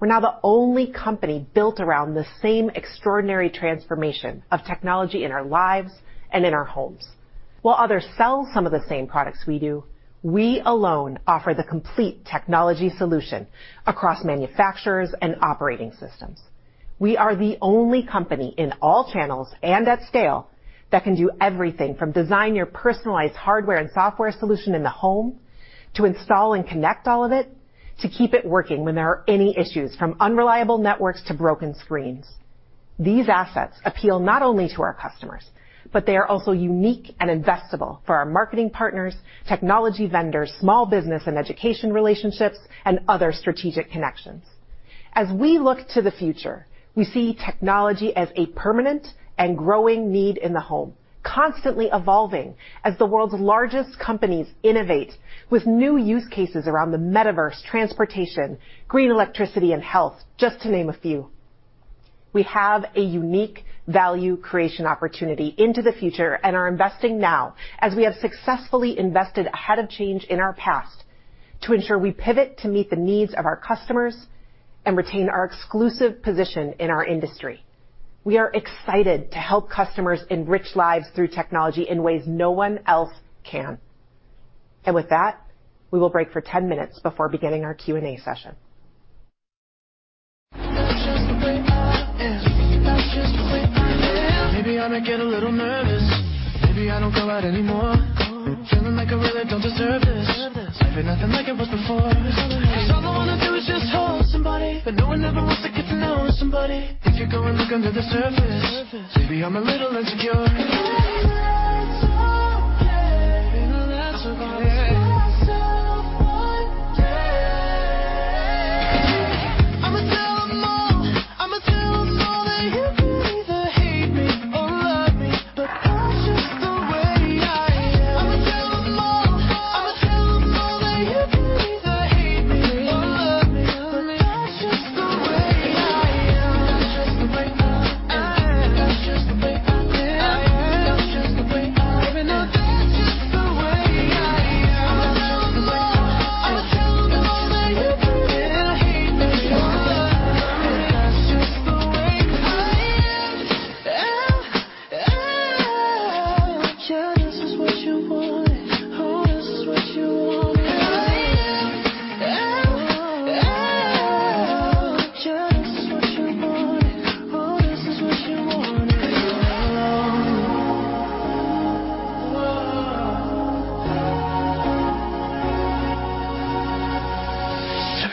we're now the only company built around the same extraordinary transformation of technology in our lives and in our homes. While others sell some of the same products we do, we alone offer the complete technology solution across manufacturers and operating systems. We are the only company in all channels and at scale that can do everything from design your personalized hardware and software solution in the home, to install and connect all of it, to keep it working when there are any issues from unreliable networks to broken screens. These assets appeal not only to our customers, but they are also unique and investable for our marketing partners, technology vendors, small business and education relationships, and other strategic connections. As we look to the future, we see technology as a permanent and growing need in the home, constantly evolving as the world's largest companies innovate with new use cases around the metaverse, transportation, green electricity and health, just to name a few. We have a unique value creation opportunity into the future and are investing now, as we have successfully invested ahead of change in our past, to ensure we pivot to meet the needs of our customers and retain our exclusive position in our industry. We are excited to help customers enrich lives through technology in ways no one else can. With that, we will break for 10 minutes before beginning our Q&A session. Maybe I may get a little nervous. Maybe I don't go out anymore, feeling like I really don't deserve this. Life ain't nothing like it was before. 'Cause all I wanna do is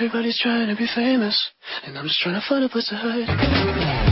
Everybody's trying to be famous, and I'm just trying to find a place to hide. I'm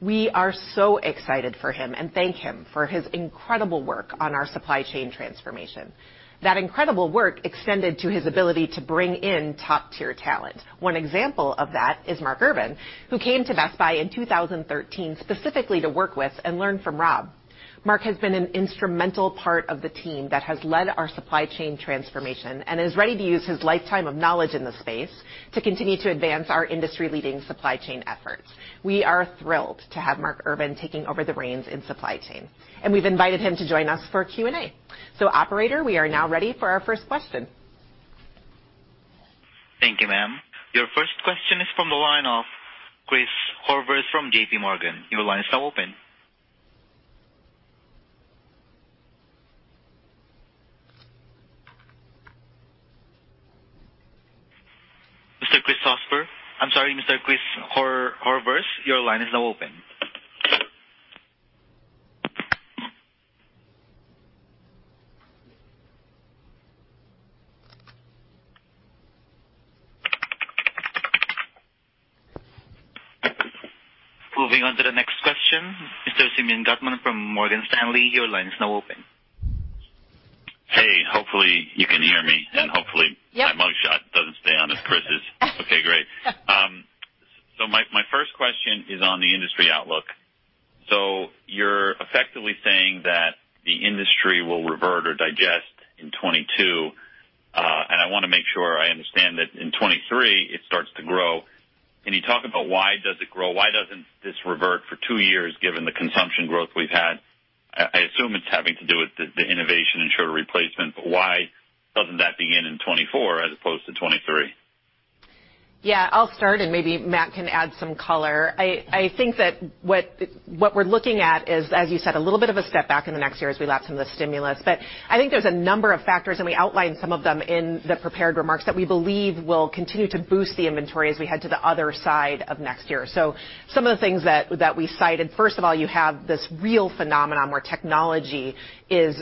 We are so excited for him and thank him for his incredible work on our supply chain transformation. That incredible work extended to his ability to bring in top-tier talent. One example of that is Mark Irvin, who came to Best Buy in 2013 specifically to work with and learn from Rob. Mark has been an instrumental part of the team that has led our supply chain transformation and is ready to use his lifetime of knowledge in the space to continue to advance our industry-leading supply chain efforts. We are thrilled to have Mark Irvin taking over the reins in supply chain, and we've invited him to join us for Q&A. Operator, we are now ready for our first question. Thank you, ma'am. Your first question is from the line of Chris Horvers from JP Morgan. Your line is now open. Mr. Christopher Horvers. I'm sorry, Mr. Chris Horvers, your line is now open. Moving on to the next question. Mr. Simeon Gutman from Morgan Stanley, your line is now open. Hey, hopefully you can hear me. Yeah. My first question is on the industry outlook. You're effectively saying that the industry will revert or digest in 2022, and I want to make sure I understand that in 2023 it starts to grow. Can you talk about why does it grow? Why doesn't this revert for 2 years given the consumption growth we've had? I assume it's having to do with the innovation and shorter replacement, but why doesn't that begin in 2024 as opposed to 2023? Yeah, I'll start, and maybe Matt can add some color. I think that what we're looking at is, as you said, a little bit of a step back in the next year as we lap some of the stimulus. I think there's a number of factors, and we outlined some of them in the prepared remarks, that we believe will continue to boost the inventory as we head to the other side of next year. Some of the things that we cited, first of all, you have this real phenomenon where technology is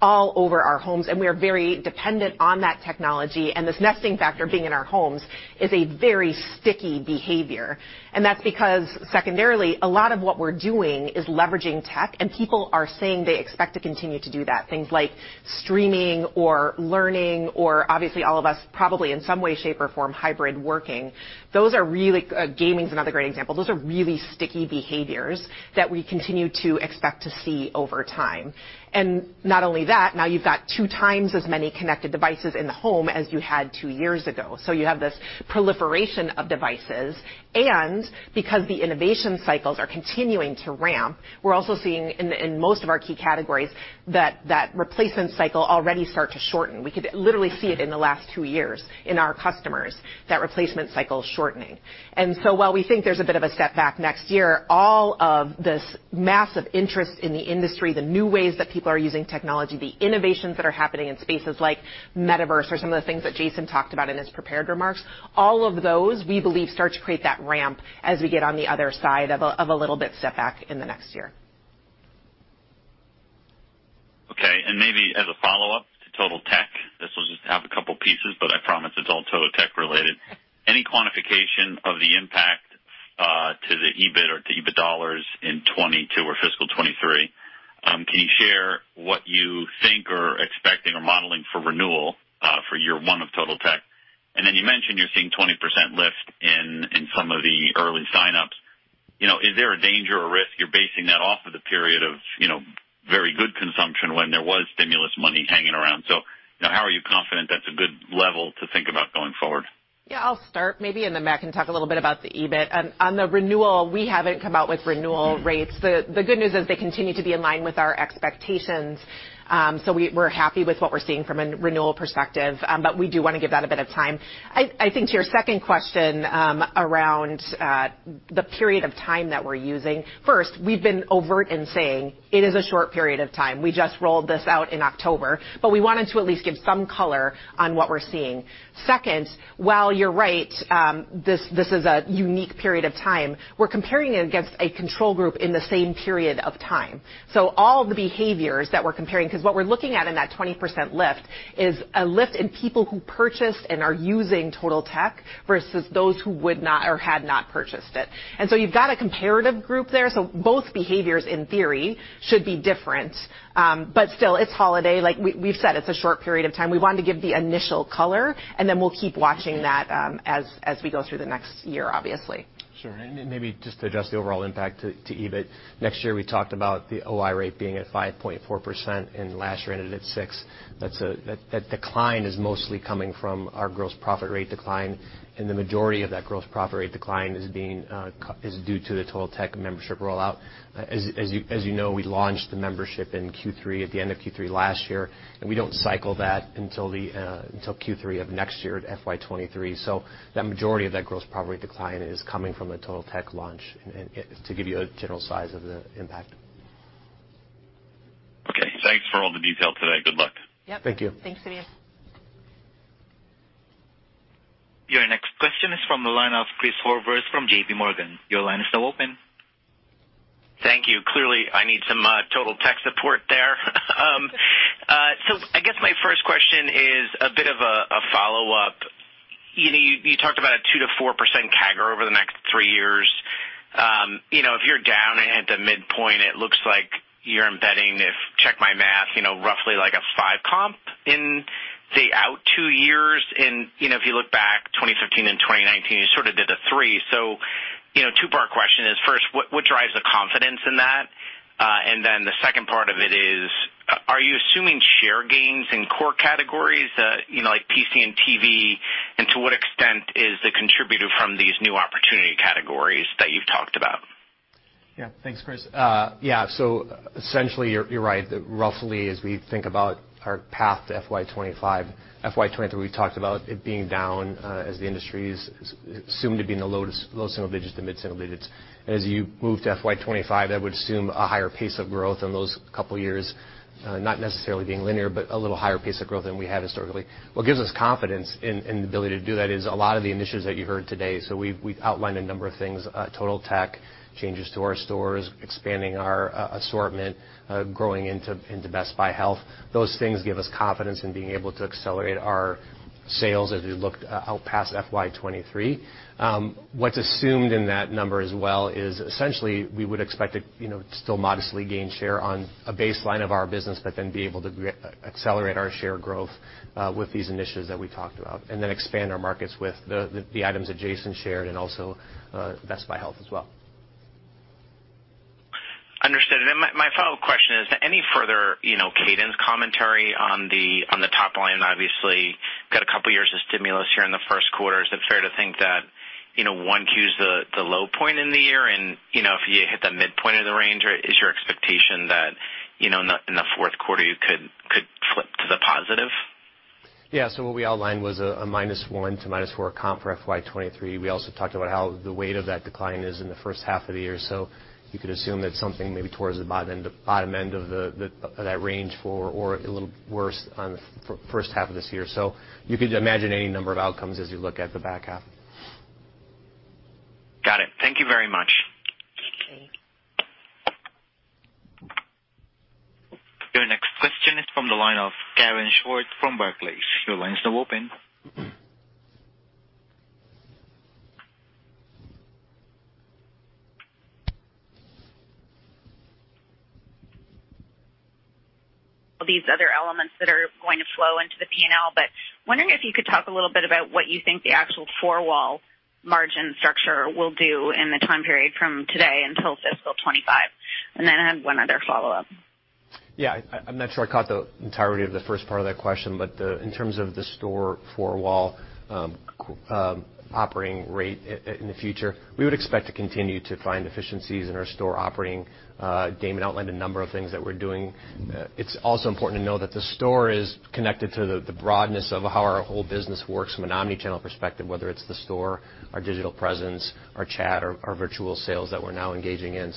all over our homes, and we are very dependent on that technology, and this nesting factor being in our homes is a very sticky behavior. That's because secondarily, a lot of what we're doing is leveraging tech, and people are saying they expect to continue to do that. Things like streaming or learning or obviously all of us probably in some way, shape, or form hybrid working. Gaming is another great example. Those are really sticky behaviors that we continue to expect to see over time. Not only that, now you've got two times as many connected devices in the home as you had two years ago. You have this proliferation of devices. Because the innovation cycles are continuing to ramp, we're also seeing in most of our key categories that replacement cycle already start to shorten. We could literally see it in the last two years in our customers, that replacement cycle shortening. While we think there's a bit of a step back next year, all of this massive interest in the industry, the new ways that people are using technology, the innovations that are happening in spaces like metaverse or some of the things that Jason talked about in his prepared remarks, all of those, we believe, start to create that ramp as we get on the other side of a little bit of a setback in the next year. Okay. Maybe as a follow-up to Totaltech, this will just have a couple pieces, but I promise it's all Totaltech related. Any quantification of the impact to the EBIT or to EBIT dollars in 2022 or fiscal 2023? Can you share what you think or expecting or modeling for renewal for year one of Totaltech? You mentioned you're seeing 20% lift in some of the early signups. You know, is there a danger or risk you're basing that off of the period of very good consumption when there was stimulus money hanging around? You know, how are you confident that's a good level to think about going forward? Yeah, I'll start maybe, and then Matt can talk a little bit about the EBIT. On the renewal, we haven't come out with renewal rates. The good news is they continue to be in line with our expectations, so we're happy with what we're seeing from a renewal perspective, but we do wanna give that a bit of time. I think to your second question, around the period of time that we're using, first, we've been overt in saying it is a short period of time. We just rolled this out in October, but we wanted to at least give some color on what we're seeing. Second, while you're right, this is a unique period of time, we're comparing it against a control group in the same period of time. All the behaviors that we're comparing, 'cause what we're looking at in that 20% lift is a lift in people who purchased and are using Totaltech versus those who would not or had not purchased it. You've got a comparative group there, so both behaviors in theory should be different. Still it's holiday. Like, we've said it's a short period of time. We wanted to give the initial color, and then we'll keep watching that, as we go through the next year, obviously. Sure. Maybe just to address the overall impact to EBIT. Next year, we talked about the OI rate being at 5.4%, and last year ended at 6%. That decline is mostly coming from our gross profit rate decline, and the majority of that gross profit rate decline is due to the Totaltech membership rollout. As you know, we launched the membership in Q3, at the end of Q3 last year, and we don't cycle that until Q3 of next year at FY 2023. That majority of that gross profit decline is coming from the Totaltech launch and to give you a general size of the impact. Okay. Thanks for all the detail today. Good luck. Yep. Thank you. Thanks, Simeon Gutman. Your next question is from the line of Chris Horvers from JP Morgan. Your line is now open. Thank you. Clearly, I need some Totaltech support there. I guess my first question is a bit of a follow-up. You know, you talked about a 2%-4% CAGR over the next three years. You know, if you're down at the midpoint, it looks like you're embedding, if I check my math, you know, roughly like a 5 comp in, say, two years out. You know, if you look back 2015 and 2019, you sort of did a three. You know, two-part question is, first, what drives the confidence in that? And then the second part of it is, are you assuming share gains in core categories, you know, like PC and TV? And to what extent is the contributor from these new opportunity categories that you've talked about? Thanks, Chris. Essentially, you're right. Roughly, as we think about our path to FY 2025, FY 2023, we talked about it being down, as the industry's assumed to be in the low- to mid-single digits. As you move to FY 2025, I would assume a higher pace of growth in those couple years, not necessarily being linear, but a little higher pace of growth than we have historically. What gives us confidence in the ability to do that is a lot of the initiatives that you heard today. We have outlined a number of things, Totaltech, changes to our stores, expanding our assortment, growing into Best Buy Health. Those things give us confidence in being able to accelerate our sales as we look out past FY 2023. What's assumed in that number as well is essentially we would expect to, you know, still modestly gain share on a baseline of our business, but then be able to accelerate our share growth with these initiatives that we talked about, and then expand our markets with the items that Jason shared and also Best Buy Health as well. Understood. My follow-up question is, any further, you know, cadence commentary on the top line? Obviously, got a couple years of stimulus here in the first quarter. Is it fair to think that, you know, 1 Q's the low point in the year and, you know, if you hit that midpoint of the range, or is your expectation that, you know, in the fourth quarter, you could flip to the positive? Yeah. What we outlined was a minus 1% to minus 4% comp for FY 2023. We also talked about how the weight of that decline is in the first half of the year. You could assume that something maybe towards the bottom end of that range for or a little worse on the first half of this year. You could imagine any number of outcomes as you look at the back half. Got it. Thank you very much. Karen Short from Barclays. Your line is now open. All these other elements that are going to flow into the P&L, but wondering if you could talk a little bit about what you think the actual four wall margin structure will do in the time period from today until fiscal 2025. I have one other follow-up. I'm not sure I caught the entirety of the first part of that question, but in terms of the store four-wall operating rate in the future, we would expect to continue to find efficiencies in our store operating. Damien outlined a number of things that we're doing. It's also important to know that the store is connected to the breadth of how our whole business works from an omnichannel perspective, whether it's the store, our digital presence, our chat, our virtual sales that we're now engaging in.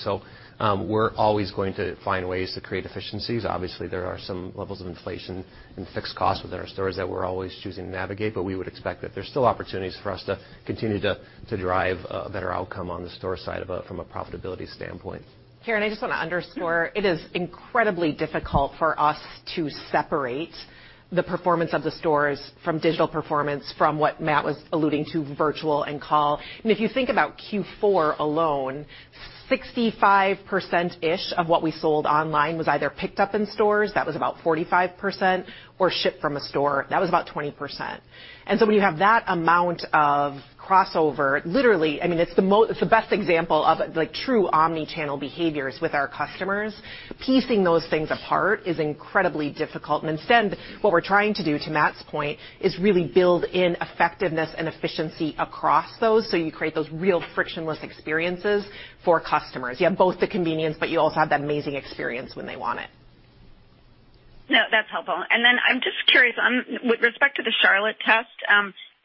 We're always going to find ways to create efficiencies. Obviously, there are some levels of inflation and fixed costs within our stores that we're always choosing to navigate, but we would expect that there's still opportunities for us to continue to derive a better outcome on the store side from a profitability standpoint. Karen, I just wanna underscore, it is incredibly difficult for us to separate the performance of the stores from digital performance from what Matt was alluding to virtual and call. If you think about Q4 alone, 65%ish of what we sold online was either picked up in stores, that was about 45%, or shipped from a store, that was about 20%. When you have that amount of crossover, literally, I mean, it's the best example of, like, true omni-channel behaviors with our customers. Piecing those things apart is incredibly difficult. Instead, what we're trying to do, to Matt's point, is really build in effectiveness and efficiency across those, so you create those real frictionless experiences for customers. You have both the convenience, but you also have that amazing experience when they want it. No, that's helpful. I'm just curious, with respect to the Charlotte test,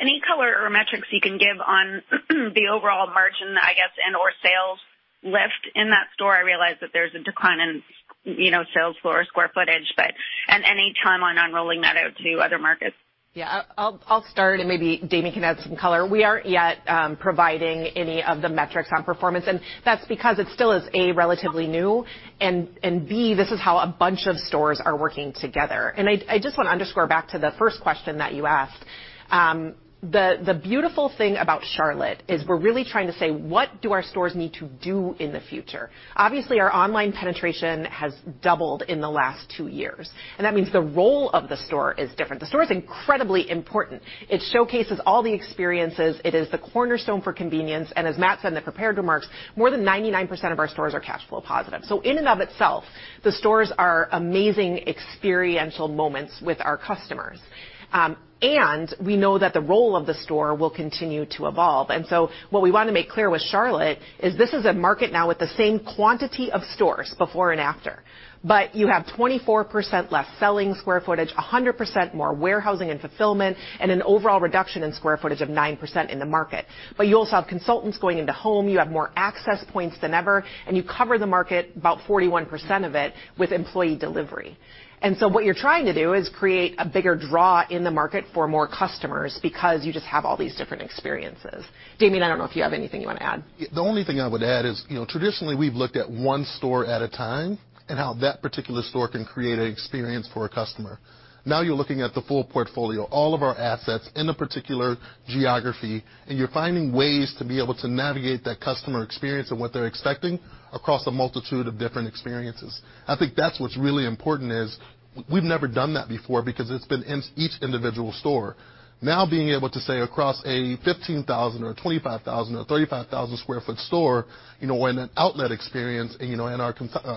any color or metrics you can give on the overall margin, I guess, and/or sales lift in that store? I realize that there's a decline in, you know, sales floor square footage, but any timeline on rolling that out to other markets. Yeah. I'll start, and maybe Damien can add some color. We aren't yet providing any of the metrics on performance, and that's because it still is, A, relatively new and B, this is how a bunch of stores are working together. I just wanna underscore back to the first question that you asked. The beautiful thing about Charlotte is we're really trying to say, "What do our stores need to do in the future?" Obviously, our online penetration has doubled in the last two years, and that means the role of the store is different. The store is incredibly important. It showcases all the experiences. It is the cornerstone for convenience. As Matt said in the prepared remarks, more than 99% of our stores are cash flow positive. In and of itself, the stores are amazing experiential moments with our customers. We know that the role of the store will continue to evolve. What we wanna make clear with Charlotte is this is a market now with the same quantity of stores before and after. You have 24% less selling square footage, 100% more warehousing and fulfillment, and an overall reduction in square footage of 9% in the market. You also have consultants going into homes. You have more access points than ever, and you cover the market, about 41% of it, with employee delivery. What you're trying to do is create a bigger draw in the market for more customers because you just have all these different experiences. Damien, I don't know if you have anything you wanna add. The only thing I would add is, you know, traditionally, we've looked at one store at a time and how that particular store can create an experience for a customer. Now you're looking at the full portfolio, all of our assets in a particular geography, and you're finding ways to be able to navigate that customer experience and what they're expecting across a multitude of different experiences. I think that's what's really important is we've never done that before because it's been in each individual store. Now being able to say across a 15,000- or 25,000- or 35,000-sq ft store, you know, in an outlet experience and, you know, in our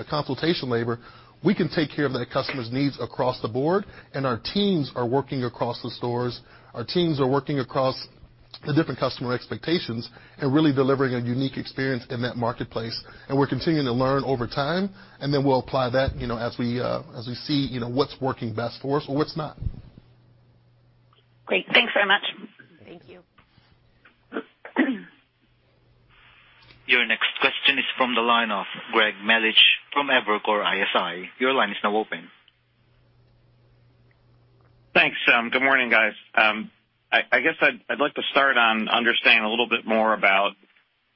consultation labor, we can take care of the customer's needs across the board, and our teams are working across the stores. Our teams are working across the different customer expectations and really delivering a unique experience in that marketplace. We're continuing to learn over time, and then we'll apply that, you know, as we see, you know, what's working best for us or what's not. Great. Thanks very much. Thank you. Your next question is from the line of Greg Melich from Evercore ISI. Your line is now open. Thanks. Good morning, guys. I guess I'd like to start on understanding a little bit more about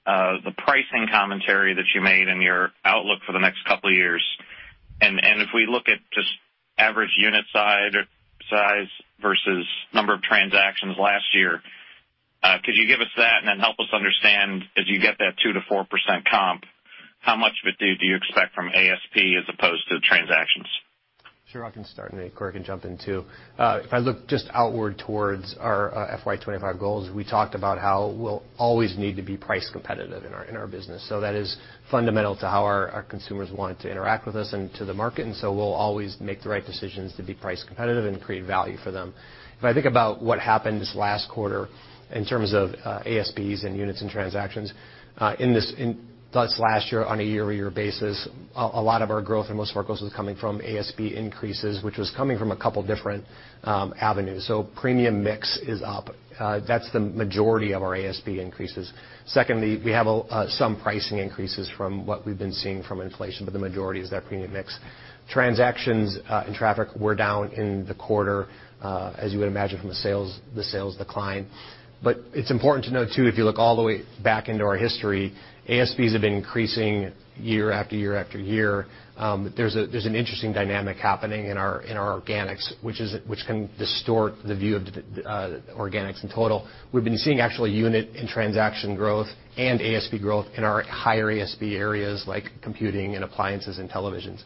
the pricing commentary that you made in your outlook for the next couple of years. If we look at just average unit size versus number of transactions last year, could you give us that and then help us understand as you get that 2%-4% comp, how much of it do you expect from ASP as opposed to transactions? Sure. I can start, and then Greg can jump in, too. If I look just outward towards our FY 2025 goals, we talked about how we'll always need to be price competitive in our business. That is fundamental to how our consumers want to interact with us and to the market, and so we'll always make the right decisions to be price competitive and create value for them. If I think about what happened this last quarter in terms of ASPs and units and transactions, in this last year on a year-over-year basis, a lot of our growth and most of our growth was coming from ASP increases, which was coming from a couple different avenues. Premium mix is up. That's the majority of our ASP increases. Secondly, we have some pricing increases from what we've been seeing from inflation, but the majority is that premium mix. Transactions and traffic were down in the quarter as you would imagine from the sales decline. It's important to note, too, if you look all the way back into our history, ASPs have been increasing year after year after year. There's an interesting dynamic happening in our organics, which can distort the view of organics in total. We've been seeing actually unit and transaction growth and ASP growth in our higher ASP areas like computing and appliances and televisions.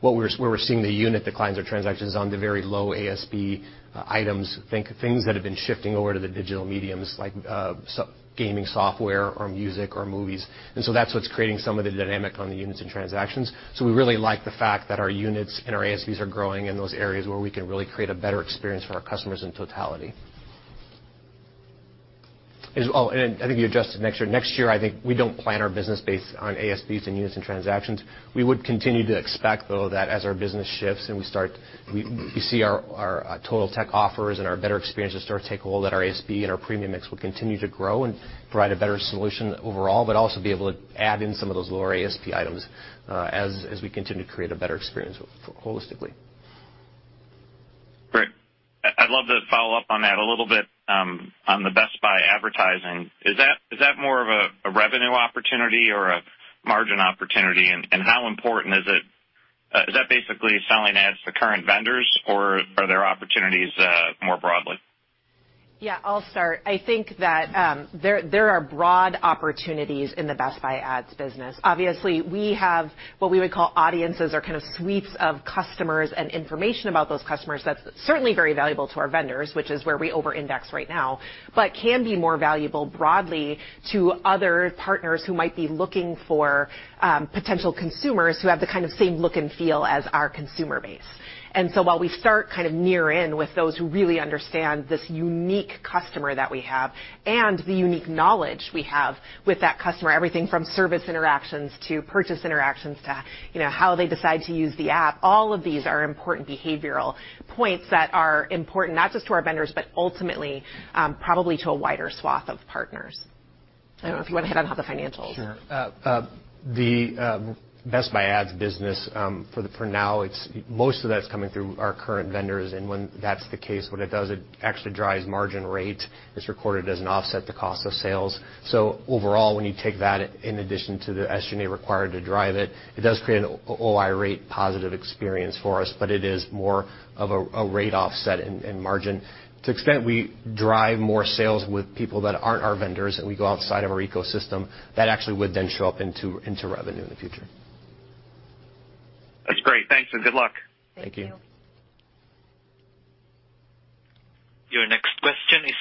Where we're seeing the unit declines or transactions on the very low ASP items, think things that have been shifting over to the digital media like gaming software or music or movies. That's what's creating some of the dynamic on the units and transactions. We really like the fact that our units and our ASPs are growing in those areas where we can really create a better experience for our customers in totality. Oh, and I think you adjusted next year. Next year, I think we don't plan our business based on ASPs and units and transactions. We would continue to expect, though, that as our business shifts and we see our Totaltech offers and our better experiences start to take hold at our ASP and our premium mix will continue to grow and provide a better solution overall, but also be able to add in some of those lower ASP items as we continue to create a better experience holistically. Great. I'd love to follow up on that a little bit on the Best Buy advertising. Is that more of a revenue opportunity or a margin opportunity? How important is it? Is that basically selling ads to current vendors or are there opportunities more broadly? Yeah, I'll start. I think that there are broad opportunities in the Best Buy Ads business. Obviously, we have what we would call audiences or kind of suites of customers and information about those customers that's certainly very valuable to our vendors, which is where we over-index right now, but can be more valuable broadly to other partners who might be looking for potential consumers who have the kind of same look and feel as our consumer base. While we start kind of near in with those who really understand this unique customer that we have and the unique knowledge we have with that customer, everything from service interactions to purchase interactions to, you know, how they decide to use the app, all of these are important behavioral points that are important not just to our vendors, but ultimately, probably to a wider swath of partners. I don't know if you wanna hit on how the financials. Sure. The Best Buy Ads business, for now, it's most of that's coming through our current vendors. When that's the case, what it does, it actually drives margin rate. It's recorded as an offset to the cost of sales. Overall, when you take that in addition to the SG&A required to drive it does create an OI rate positive experience for us, but it is more of a rate offset in margin. To the extent we drive more sales with people that aren't our vendors, and we go outside of our ecosystem, that actually would then show up into revenue in the future. That's great. Thanks and good luck. Thank you. Thank you. Your next question is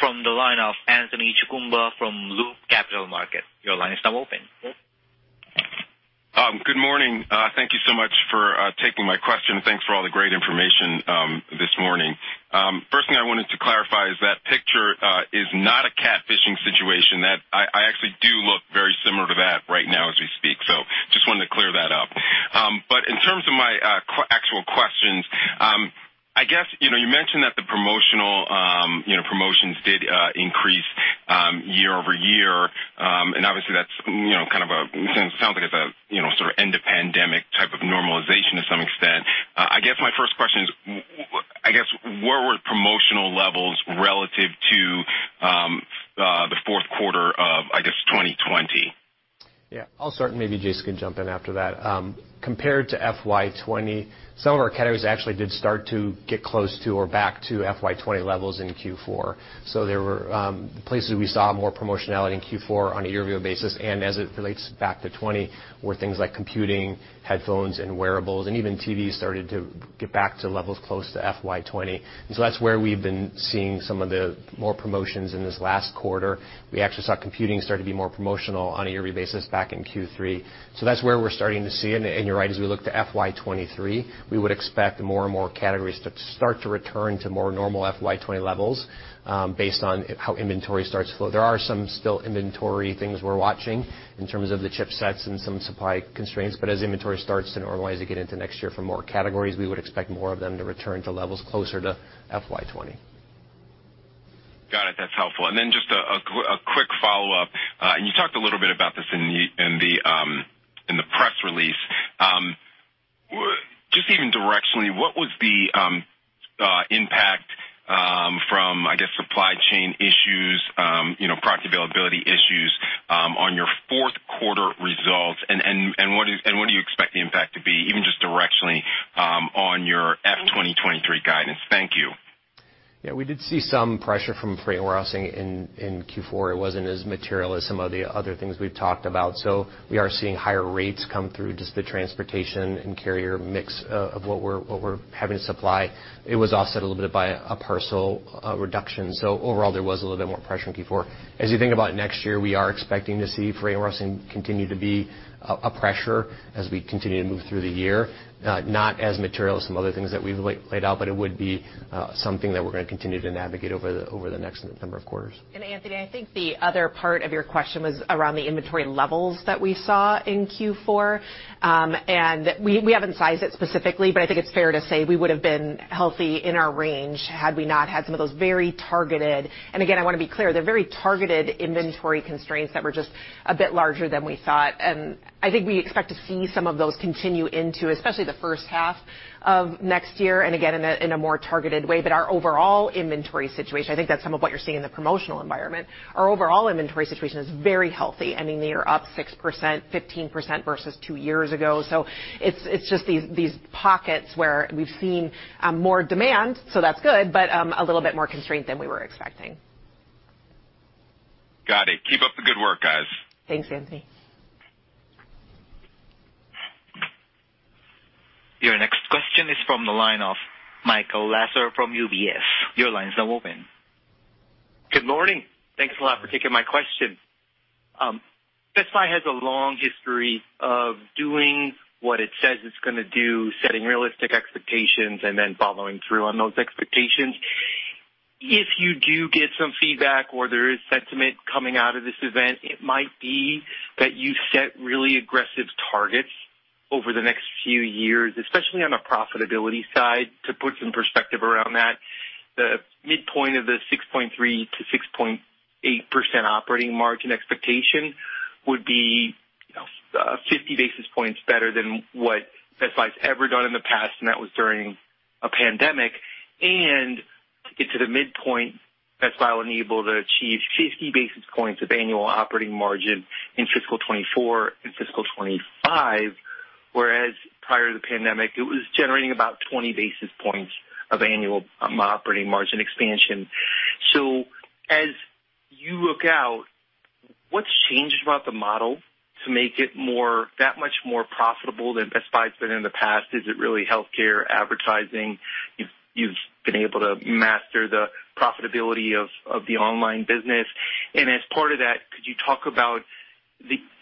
from the line of Anthony Chukumba from Loop Capital Markets. Your line is now open. Good morning. Thank you so much for taking my question. Thanks for all the great information this morning. First thing I wanted to clarify is that picture is not a catfishing situation. I actually do look very similar to that right now as we speak, so just wanted to clear that up. In terms of my actual questions, I guess, you know, you mentioned that the promotional, you know, promotions did increase year over year. Obviously, that's, you know, kind of it sounds like it's a, you know, sort of end of pandemic type of normalization to some extent. I guess my first question is, I guess, where were promotional levels relative to the fourth quarter of 2020? Yeah, I'll start, and maybe Jason can jump in after that. Compared to FY 2020, some of our categories actually did start to get close to or back to FY 2020 levels in Q4. There were places we saw more promotionality in Q4 on a year-over-year basis, and as it relates back to 2020, were things like computing, headphones and wearables, and even TVs started to get back to levels close to FY 2020. That's where we've been seeing some of the more promotions in this last quarter. We actually saw computing start to be more promotional on a yearly basis back in Q3. That's where we're starting to see it. You're right, as we look to FY 2023, we would expect more and more categories to start to return to more normal FY 2020 levels, based on how inventory starts to flow. There are some still inventory things we're watching in terms of the chipsets and some supply constraints, but as inventory starts to normalize again into next year for more categories, we would expect more of them to return to levels closer to FY 2020. Got it. That's helpful. Just a quick follow-up. You talked a little bit about this in the press release. Just even directionally, what was the impact from, I guess, supply chain issues, you know, product availability issues, on your fourth quarter results? What do you expect the impact to be, even just directionally, on your FY 2023 guidance? Thank you. Yeah, we did see some pressure from freight warehousing in Q4. It wasn't as material as some of the other things we've talked about. We are seeing higher rates come through just the transportation and carrier mix of what we're having to supply. It was offset a little bit by a parcel reduction. Overall, there was a little bit more pressure in Q4. As you think about next year, we are expecting to see freight warehousing continue to be a pressure as we continue to move through the year. Not as material as some other things that we've laid out, but it would be something that we're gonna continue to navigate over the next number of quarters. Anthony, I think the other part of your question was around the inventory levels that we saw in Q4. We haven't sized it specifically, but I think it's fair to say we would have been healthy in our range had we not had some of those very targeted inventory constraints that were just a bit larger than we thought. I think we expect to see some of those continue into, especially the first half of next year, and again, in a more targeted way. Our overall inventory situation, I think that's some of what you're seeing in the promotional environment. Our overall inventory situation is very healthy. I mean, they are up 6%, 15% versus two years ago. It's just these pockets where we've seen more demand, so that's good, but a little bit more constraint than we were expecting. Got it. Keep up the good work, guys. Thanks, Anthony. Your next question is from the line of Michael Lasser from UBS. Your line is now open. Good morning. Thanks a lot for taking my question. Best Buy has a long history of doing what it says it's gonna do, setting realistic expectations and then following through on those expectations. If you do get some feedback or there is sentiment coming out of this event, it might be that you set really aggressive targets over the next few years, especially on a profitability side. To put some perspective around that, the midpoint of the 6.3%-6.8% operating margin expectation would be, you know, 50 basis points better than what Best Buy's ever done in the past, and that was during a pandemic. To get to the midpoint, Best Buy will enable to achieve 50 basis points of annual operating margin in fiscal 2024 and fiscal 2025, whereas prior to the pandemic, it was generating about 20 basis points of annual operating margin expansion. As you look out, what's changed about the model to make it that much more profitable than Best Buy's been in the past? Is it really healthcare advertising? You've been able to master the profitability of the online business. As part of that, could you talk about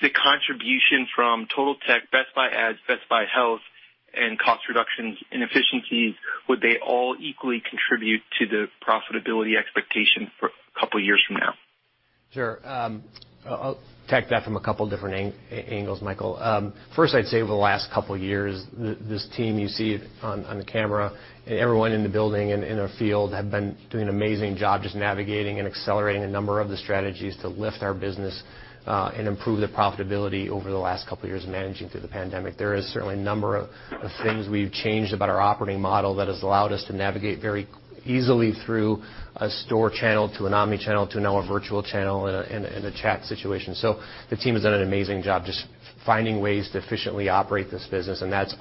the contribution from Totaltech, Best Buy Ads, Best Buy Health and cost reductions in efficiencies? Would they all equally contribute to the profitability expectation for a couple of years from now? Sure. I'll take that from a couple different angles, Michael. First, I'd say over the last couple of years, this team you see on the camera, everyone in the building and in our field have been doing an amazing job just navigating and accelerating a number of the strategies to lift our business, and improve the profitability over the last couple of years of managing through the pandemic. There is certainly a number of things we've changed about our operating model that has allowed us to navigate very easily through a store channel to an omni-channel to now a virtual channel and a chat situation. The team has done an amazing job just finding ways to efficiently operate this business, and that's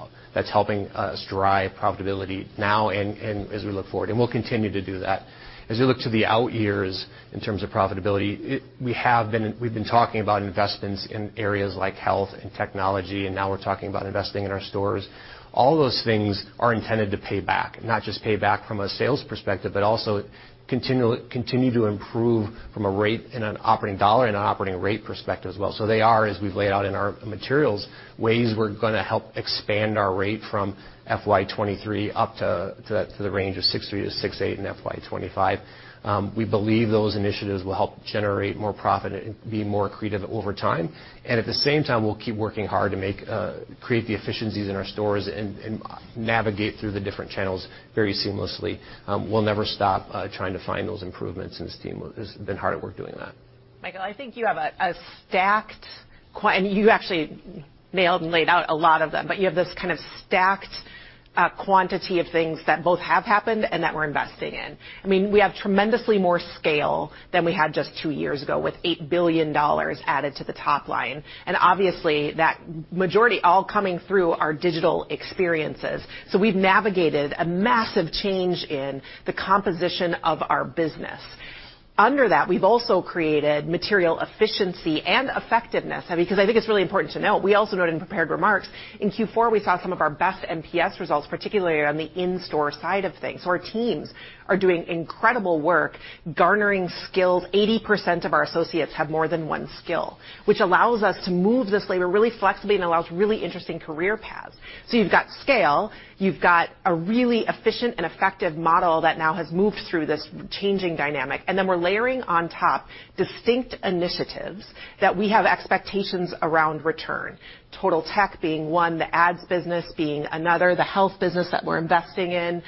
helping us drive profitability now and as we look forward. We'll continue to do that. As we look to the out years in terms of profitability, we've been talking about investments in areas like health and technology, and now we're talking about investing in our stores. All those things are intended to pay back, not just pay back from a sales perspective, but also continue to improve from a rate in an operating dollar and an operating rate perspective as well. They are, as we've laid out in our materials, ways we're gonna help expand our rate from FY 2023 up to the range of 6.3%-6.8% in FY 2025. We believe those initiatives will help generate more profit and be more accretive over time. We'll keep working hard to create the efficiencies in our stores and navigate through the different channels very seamlessly. We'll never stop trying to find those improvements, and this team has been hard at work doing that. Michael, I think you have a stacked and you actually nailed and laid out a lot of them, but you have this kind of stacked quantity of things that both have happened and that we're investing in. I mean, we have tremendously more scale than we had just two years ago with $8 billion added to the top line, and obviously, that majority all coming through our digital experiences. We've navigated a massive change in the composition of our business. Under that, we've also created material efficiency and effectiveness. I mean, 'cause I think it's really important to note, we also noted in prepared remarks, in Q4, we saw some of our best NPS results, particularly on the in-store side of things. Our teams are doing incredible work garnering skills. 80% of our associates have more than one skill, which allows us to move this labor really flexibly and allows really interesting career paths. You've got scale, you've got a really efficient and effective model that now has moved through this changing dynamic, and then we're layering on top distinct initiatives that we have expectations around return. Totaltech being one, the ads business being another, the health business that we're investing in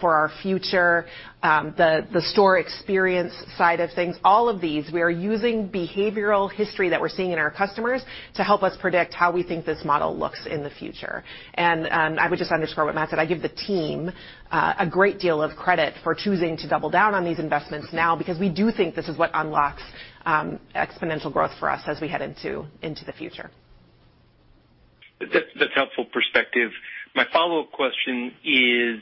for our future, the store experience side of things. All of these, we are using behavioral history that we're seeing in our customers to help us predict how we think this model looks in the future. I would just underscore what Matt said. I give the team a great deal of credit for choosing to double down on these investments now because we do think this is what unlocks exponential growth for us as we head into the future. That's helpful perspective. My follow-up question is,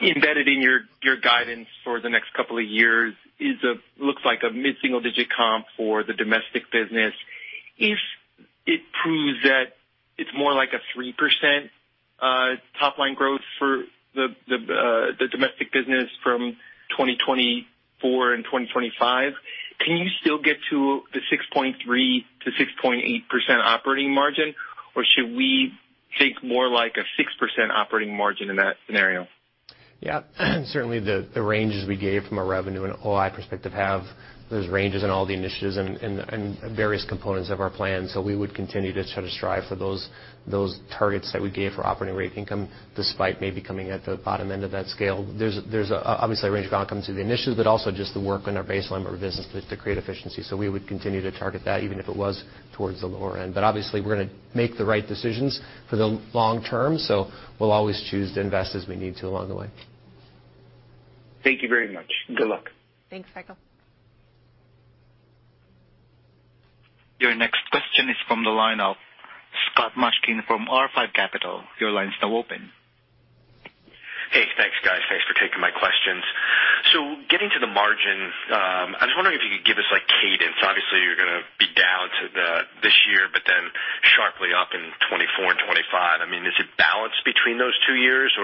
embedded in your guidance for the next couple of years is a looks like a mid-single-digit comp for the domestic business. If it proves that it's more like a 3% top-line growth for the domestic business from 2024 and 2025, can you still get to the 6.3%-6.8% operating margin, or should we think more like a 6% operating margin in that scenario? Certainly, the ranges we gave from a revenue and OI perspective have those ranges and all the initiatives and various components of our plan. We would continue to sort of strive for those targets that we gave for operating income, despite maybe coming at the bottom end of that scale. There's obviously a range of outcomes to the initiatives, but also just the work on our baseline of our business to create efficiency. We would continue to target that even if it was towards the lower end. Obviously, we're gonna make the right decisions for the long term. We'll always choose to invest as we need to along the way. Thank you very much. Good luck. Thanks, Michael. Your next question is from the line of Scott Mushkin from R5 Capital. Your line's now open. Hey. Thanks, guys. Thanks for taking my questions. Getting to the margin, I was wondering if you could give us, like, cadence. Obviously, you're gonna be down this year, but then sharply up in 2024 and 2025. I mean, is it balanced between those two years?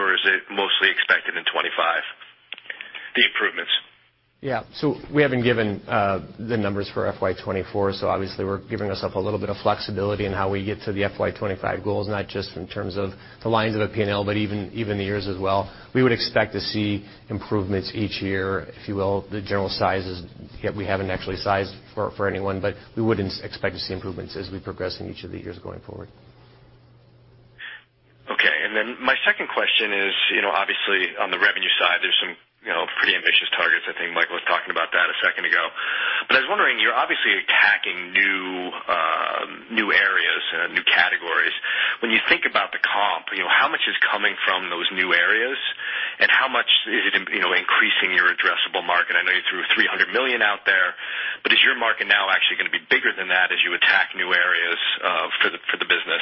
Yeah. We haven't given the numbers for FY 2024, so obviously we're giving ourself a little bit of flexibility in how we get to the FY 2025 goals, not just in terms of the lines of a P&L, but even the years as well. We would expect to see improvements each year, if you will. The general size is. We haven't actually sized for anyone, but we would expect to see improvements as we progress in each of the years going forward. Okay. My second question is, you know, obviously on the revenue side, there's some, you know, pretty ambitious targets. I think Mike was talking about that a second ago. But I was wondering, you're obviously attacking new areas and new categories. When you think about the comp, you know, how much is coming from those new areas and how much is it, you know, increasing your addressable market? I know you threw $300 million out there, but is your market now actually gonna be bigger than that as you attack new areas for the business?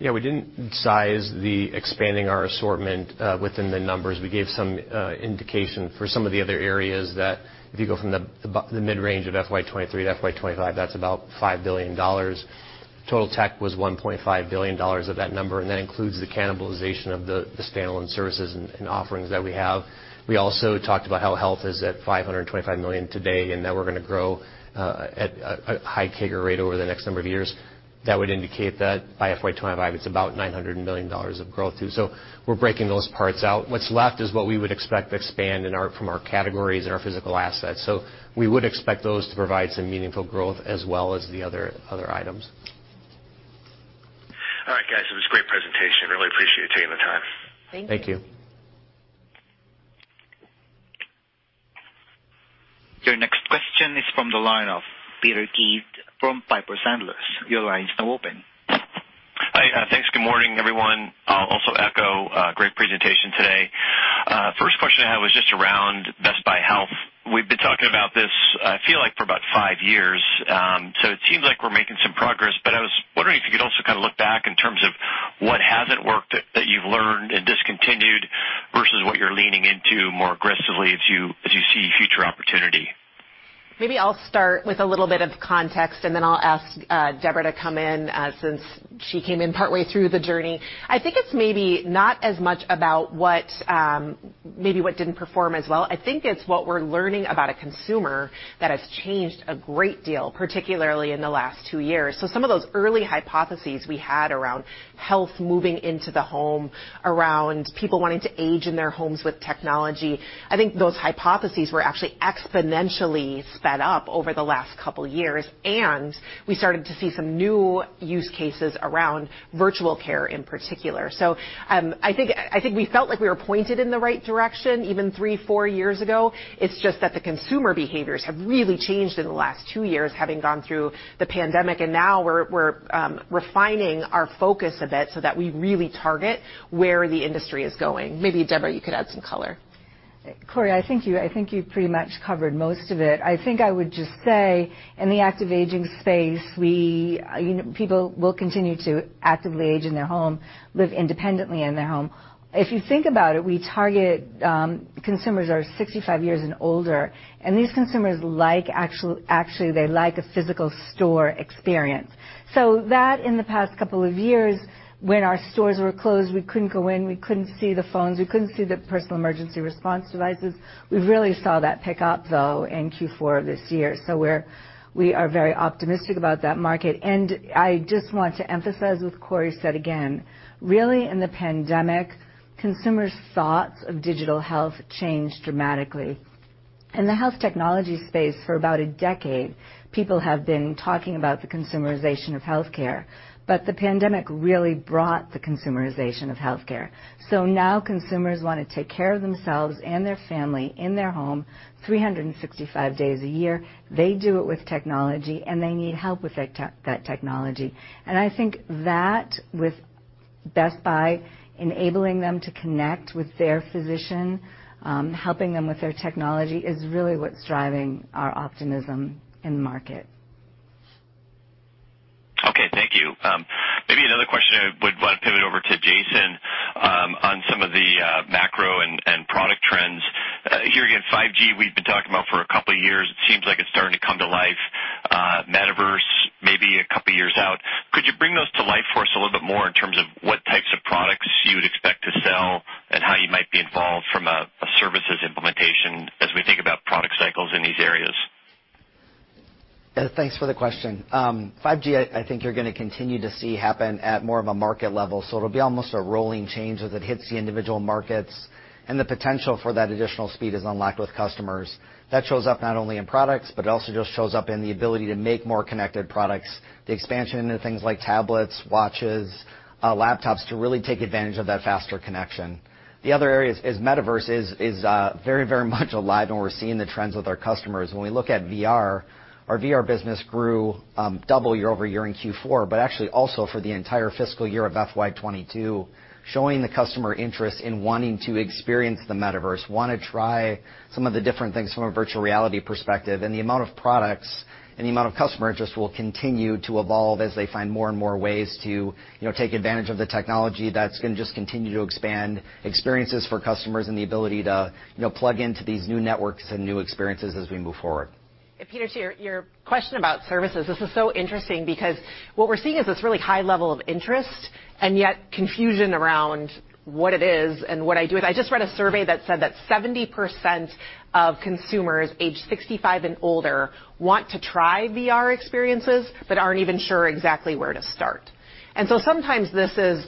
We didn't size the expanding our assortment within the numbers. We gave some indication for some of the other areas that if you go from the mid-range of FY 2023 to FY 2025, that's about $5 billion. Totaltech was $1.5 billion of that number, and that includes the cannibalization of the standalone services and offerings that we have. We also talked about how health is at $525 million today, and that we're gonna grow at a high CAGR rate over the next number of years. That would indicate that by FY 2025, it's about $900 million of growth too. We're breaking those parts out. What's left is what we would expect to expand from our categories and our physical assets. We would expect those to provide some meaningful growth as well as the other items. All right, guys, it was a great presentation. Really appreciate you taking the time. Thank you. Thank you. Your next question is from the line of Peter Keith from Piper Sandler. Your line's now open. Hi. Thanks. Good morning, everyone. I'll also echo great presentation today. First question I had was just around Best Buy Health. We've been talking about this, I feel like, for about five years. It seems like we're making some progress, but I was wondering if you could also kind of look back in terms of what hasn't worked that you've learned and discontinued versus what you're leaning into more aggressively as you see future opportunity. Maybe I'll start with a little bit of context, and then I'll ask Deborah to come in, since she came in partway through the journey. I think it's maybe not as much about what didn't perform as well. I think it's what we're learning about a consumer that has changed a great deal, particularly in the last two years. Some of those early hypotheses we had around health moving into the home, around people wanting to age in their homes with technology. I think those hypotheses were actually exponentially sped up over the last couple years, and we started to see some new use cases around virtual care in particular. I think we felt like we were pointed in the right direction even three, four years ago. It's just that the consumer behaviors have really changed in the last two years, having gone through the pandemic, and now we're refining our focus a bit so that we really target where the industry is going. Maybe, Deborah, you could add some color. Corie, I think you pretty much covered most of it. I think I would just say in the active aging space, we, you know, people will continue to actively age in their home, live independently in their home. If you think about it, we target consumers that are 65 years and older, and these consumers like actually, they like a physical store experience. That in the past couple of years, when our stores were closed, we couldn't go in, we couldn't see the phones, we couldn't see the personal emergency response devices. We really saw that pick up, though, in Q4 of this year. We are very optimistic about that market. I just want to emphasize what Corie said again. Really, in the pandemic, consumers' thoughts of digital health changed dramatically. In the health technology space for about a decade, people have been talking about the consumerization of healthcare, but the pandemic really brought the consumerization of healthcare. Now consumers wanna take care of themselves and their family in their home 365 days a year. They do it with technology, and they need help with that technology. I think that with Best Buy enabling them to connect with their physician, helping them with their technology is really what's driving our optimism in the market. Okay. Thank you. Maybe another question I would wanna pivot over to Jason on some of the macro and product trends. Here again, 5G, we've been talking about for a couple years. It seems like it's starting to come to life. Metaverse maybe a couple years out. Could you bring those to life for us a little bit more in terms of what types of products you would expect to sell and how you might be involved from a services implementation as we think about product cycles in these areas? Yeah. Thanks for the question. 5G, I think you're gonna continue to see happen at more of a market level, so it'll be almost a rolling change as it hits the individual markets and the potential for that additional speed is unlocked with customers. That shows up not only in products, but it also just shows up in the ability to make more connected products, the expansion into things like tablets, watches, laptops to really take advantage of that faster connection. The other area is metaverse is very, very much alive, and we're seeing the trends with our customers. When we look at VR, our VR business doubled year-over-year in Q4, but actually also for the entire fiscal year of FY 2022, showing the customer interest in wanting to experience the metaverse, wanna try some of the different things from a virtual reality perspective. The amount of products and the amount of customer interest will continue to evolve as they find more and more ways to, you know, take advantage of the technology that's gonna just continue to expand experiences for customers and the ability to, you know, plug into these new networks and new experiences as we move forward. Peter, to your question about services, this is so interesting because what we're seeing is this really high level of interest and yet confusion around what it is and what I do with. I just read a survey that said that 70% of consumers aged 65 and older want to try VR experiences but aren't even sure exactly where to start. Sometimes this is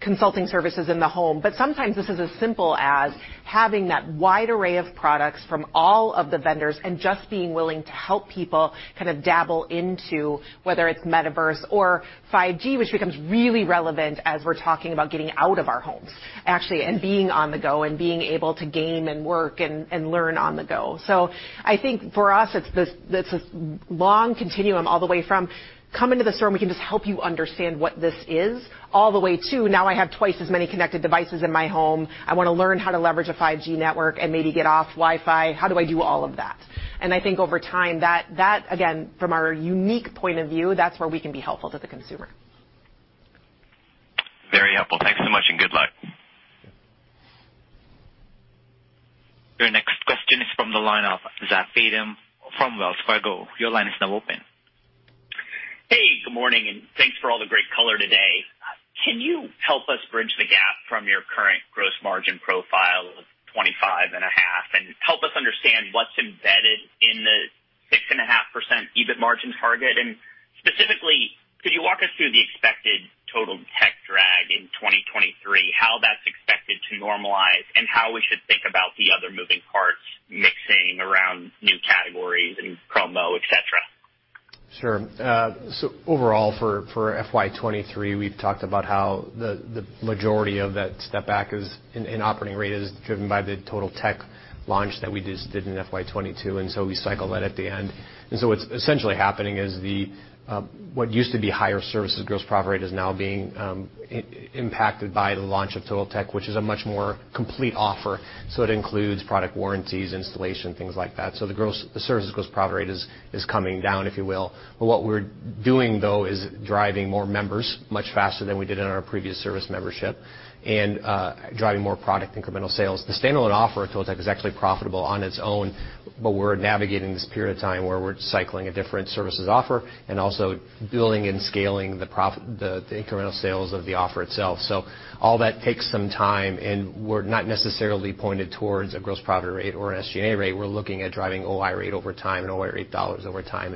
consulting services in the home, but sometimes this is as simple as having that wide array of products from all of the vendors and just being willing to help people kind of dabble into whether it's metaverse or 5G, which becomes really relevant as we're talking about getting out of our homes actually, and being on the go and being able to game and work and learn on the go. I think for us, it's this long continuum all the way from come into the store and we can just help you understand what this is, all the way to now I have twice as many connected devices in my home. I wanna learn how to leverage a 5G network and maybe get off Wi-Fi. How do I do all of that? I think over time, that again, from our unique point of view, that's where we can be helpful to the consumer. Very helpful. Thanks so much and good luck. Your next question is from the line of Zach Fadem from Wells Fargo. Your line is now open. Hey, good morning, and thanks for all the great color today. Can you help us bridge the gap from your current gross margin profile of 25.5%? Help us understand what's embedded in the 6.5% EBIT margin target. Specifically, could you walk us through the expected Total Tech drag in 2023, how that's expected to normalize, and how we should think about the other moving parts mixing around new categories, I mean, promo, et cetera. Overall for FY 2023, we've talked about how the majority of that step back is in operating rate is driven by the Totaltech launch that we just did in FY 2022, and we cycle that at the end. What's essentially happening is what used to be higher services gross profit rate is now being impacted by the launch of Totaltech, which is a much more complete offer. It includes product warranties, installation, things like that. The services gross profit rate is coming down, if you will. What we're doing, though, is driving more members much faster than we did in our previous service membership and driving more product incremental sales. The standalone offer at Totaltech is actually profitable on its own, but we're navigating this period of time where we're cycling a different services offer and also building and scaling the incremental sales of the offer itself. All that takes some time, and we're not necessarily pointed towards a gross profit rate or an SG&A rate. We're looking at driving OI rate over time and OI rate dollars over time.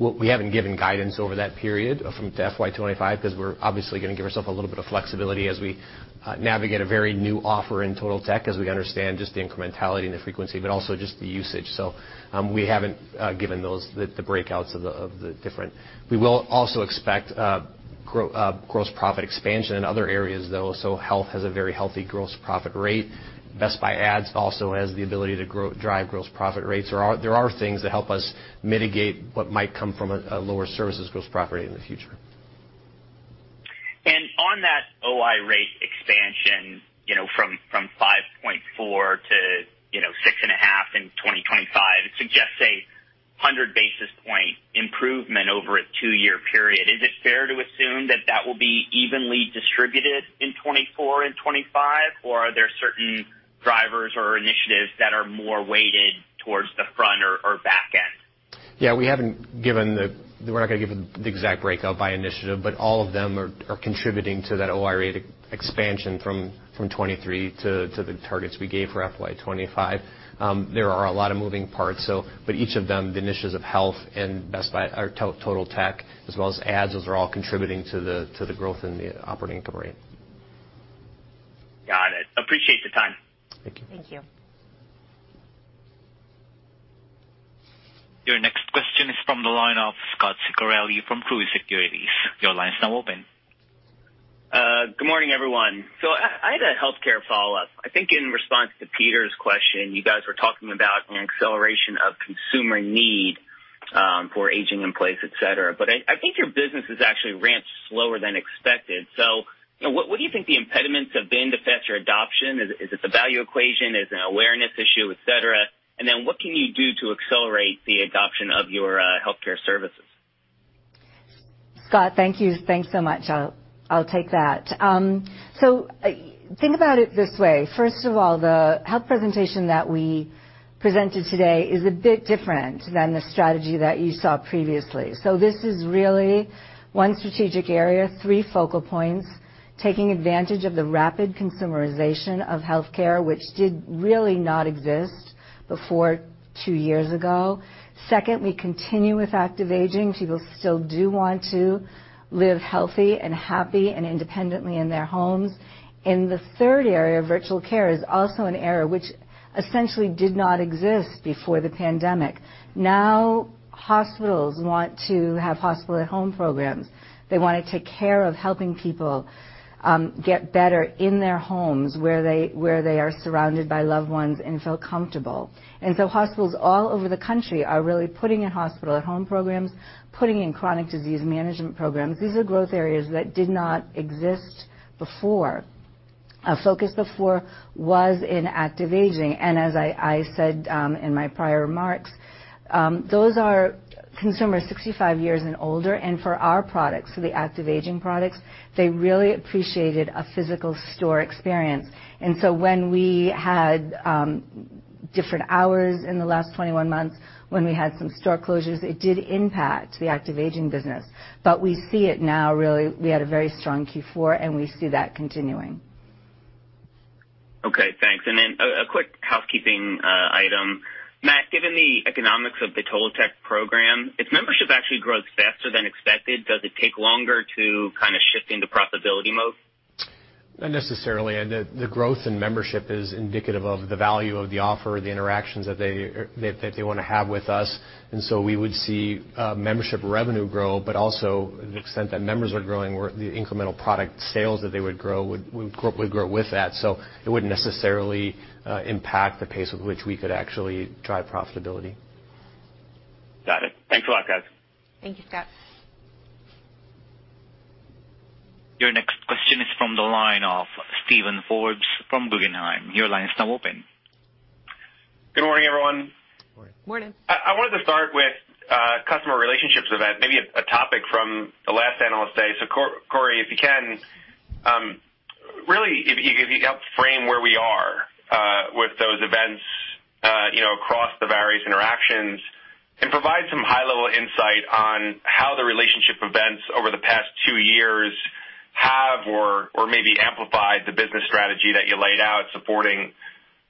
We haven't given guidance over that period to FY 2025, 'cause we're obviously gonna give ourselves a little bit of flexibility as we navigate a very new offer in Totaltech as we understand just the incrementality and the frequency, but also just the usage. We haven't given those the breakouts of the different. We will also expect gross profit expansion in other areas, though. Health has a very healthy gross profit rate. Best Buy Ads also has the ability to drive gross profit rates. There are things that help us mitigate what might come from a lower services gross profit rate in the future. On that OI rate expansion, you know, from 5.4% to, you know, 6.5% in 2025, it suggests a 100 basis point improvement over a 2-year period. Is it fair to assume that will be evenly distributed in 2024 and 2025, or are there certain drivers or initiatives that are more weighted towards the front or back end? Yeah, we're not gonna give the exact breakout by initiative, but all of them are contributing to that OI rate expansion from 23 to the targets we gave for FY 2025. There are a lot of moving parts, but each of them, the initiatives of Best Buy Health, Totaltech as well as Ads, those are all contributing to the growth in the operating income rate. Got it. I appreciate the time. Thank you. Thank you. Your next question is from the line of Scott Ciccarelli from Truist Securities. Your line's now open. Good morning, everyone. I had a healthcare follow-up. I think in response to Peter's question, you guys were talking about an acceleration of consumer need for aging in place, et cetera. I think your business has actually ramped slower than expected. You know, what do you think the impediments have been to faster adoption? Is it the value equation? Is it an awareness issue, et cetera? Then what can you do to accelerate the adoption of your healthcare services? Scott, thank you. Thanks so much. I'll take that. Think about it this way. First of all, the health presentation that we presented today is a bit different than the strategy that you saw previously. This is really one strategic area, three focal points, taking advantage of the rapid consumerization of healthcare which did really not exist before two years ago. Second, we continue with active aging. People still do want to live healthy and happy and independently in their homes. The third area, virtual care, is also an area which essentially did not exist before the pandemic. Now, hospitals want to have hospital-at-home programs. They wanna take care of helping people get better in their homes, where they are surrounded by loved ones and feel comfortable. Hospitals all over the country are really putting in hospital-at-home programs, putting in chronic disease management programs. These are growth areas that did not exist before. Our focus before was in active aging, and as I said, in my prior remarks, those are- Consumers 65 years and older and for our products, for the active aging products, they really appreciated a physical store experience. When we had different hours in the last 21 months, when we had some store closures, it did impact the active aging business. We see it now, really, we had a very strong Q4, and we see that continuing. Okay, thanks. A quick housekeeping item. Matt, given the economics of the Totaltech program, if membership actually grows faster than expected, does it take longer to kind of shift into profitability mode? Not necessarily. The growth in membership is indicative of the value of the offer, the interactions that they want to have with us. We would see membership revenue grow, but also to the extent that members are growing, the incremental product sales that they would grow would grow with that. It wouldn't necessarily impact the pace at which we could actually drive profitability. Got it. Thanks a lot, guys. Thank you, Scott. Your next question is from the line of Steven Forbes from Guggenheim. Your line is now open. Good morning, everyone. Morning. Morning. I wanted to start with customer relationships event, maybe a topic from the last analyst day. Corie, if you could help frame where we are with those events, you know, across the various interactions and provide some high-level insight on how the relationship events over the past two years have or maybe amplified the business strategy that you laid out supporting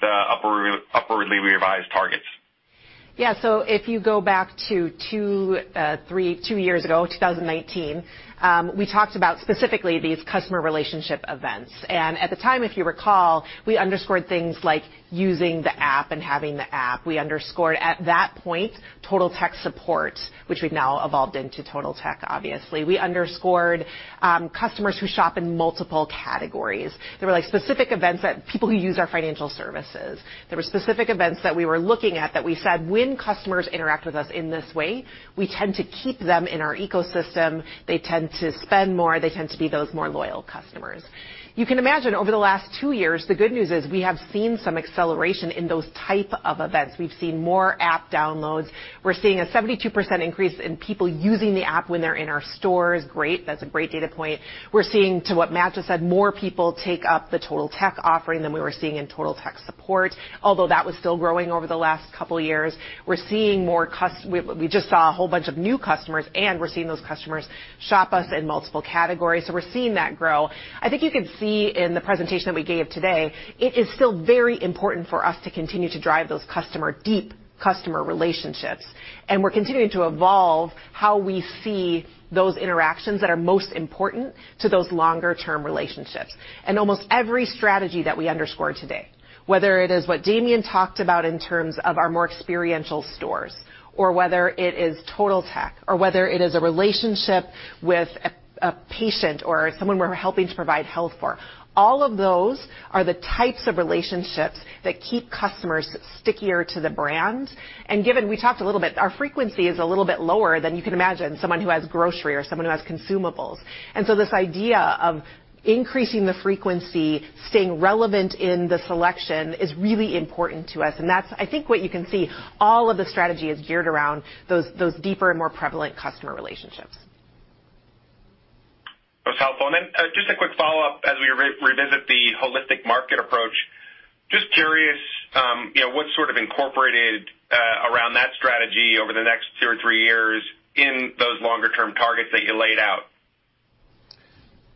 the upwardly revised targets. Yeah. If you go back to two years ago, 2019, we talked about specifically these customer relationship events. At the time, if you recall, we underscored things like using the app and having the app. We underscored at that point, Total Tech Support, which we've now evolved into Total Tech, obviously. We underscored customers who shop in multiple categories. There were, like, specific events that people who use our financial services. There were specific events that we were looking at that we said, "When customers interact with us in this way, we tend to keep them in our ecosystem. They tend to spend more, they tend to be those more loyal customers." You can imagine over the last two years, the good news is we have seen some acceleration in those type of events. We've seen more app downloads. We're seeing a 72% increase in people using the app when they're in our stores. Great. That's a great data point. We're seeing, to what Matt just said, more people take up the Totaltech offering than we were seeing in Total Tech Support, although that was still growing over the last couple of years. We just saw a whole bunch of new customers, and we're seeing those customers shop us in multiple categories. We're seeing that grow. I think you could see in the presentation that we gave today, it is still very important for us to continue to drive those deep customer relationships. We're continuing to evolve how we see those interactions that are most important to those longer-term relationships. Almost every strategy that we underscored today, whether it is what Damien talked about in terms of our more experiential stores or whether it is Totaltech or whether it is a relationship with a patient or someone we're helping to provide health for, all of those are the types of relationships that keep customers stickier to the brand. Given we talked a little bit, our frequency is a little bit lower than you can imagine someone who has grocery or someone who has consumables. This idea of increasing the frequency, staying relevant in the selection is really important to us. That's, I think, what you can see all of the strategy is geared around those deeper and more prevalent customer relationships. That's helpful. Just a quick follow-up as we revisit the holistic market approach. Just curious, you know, what sort of incorporated around that strategy over the next two or three years in those longer-term targets that you laid out.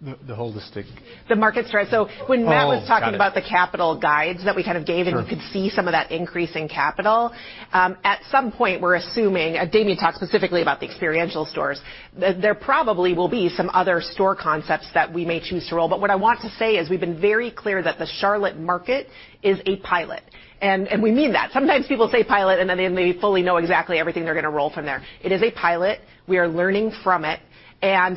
The holistic- The market strategy. When Matt was talking about the capital guidance that we kind of gave- Sure. You could see some of that increase in capital at some point. We're assuming Damien talked specifically about the experiential stores. There probably will be some other store concepts that we may choose to roll. But what I want to say is we've been very clear that the Charlotte market is a pilot, and we mean that. Sometimes people say pilot, and then they may fully know exactly everything they're going to roll from there. It is a pilot. We are learning from it.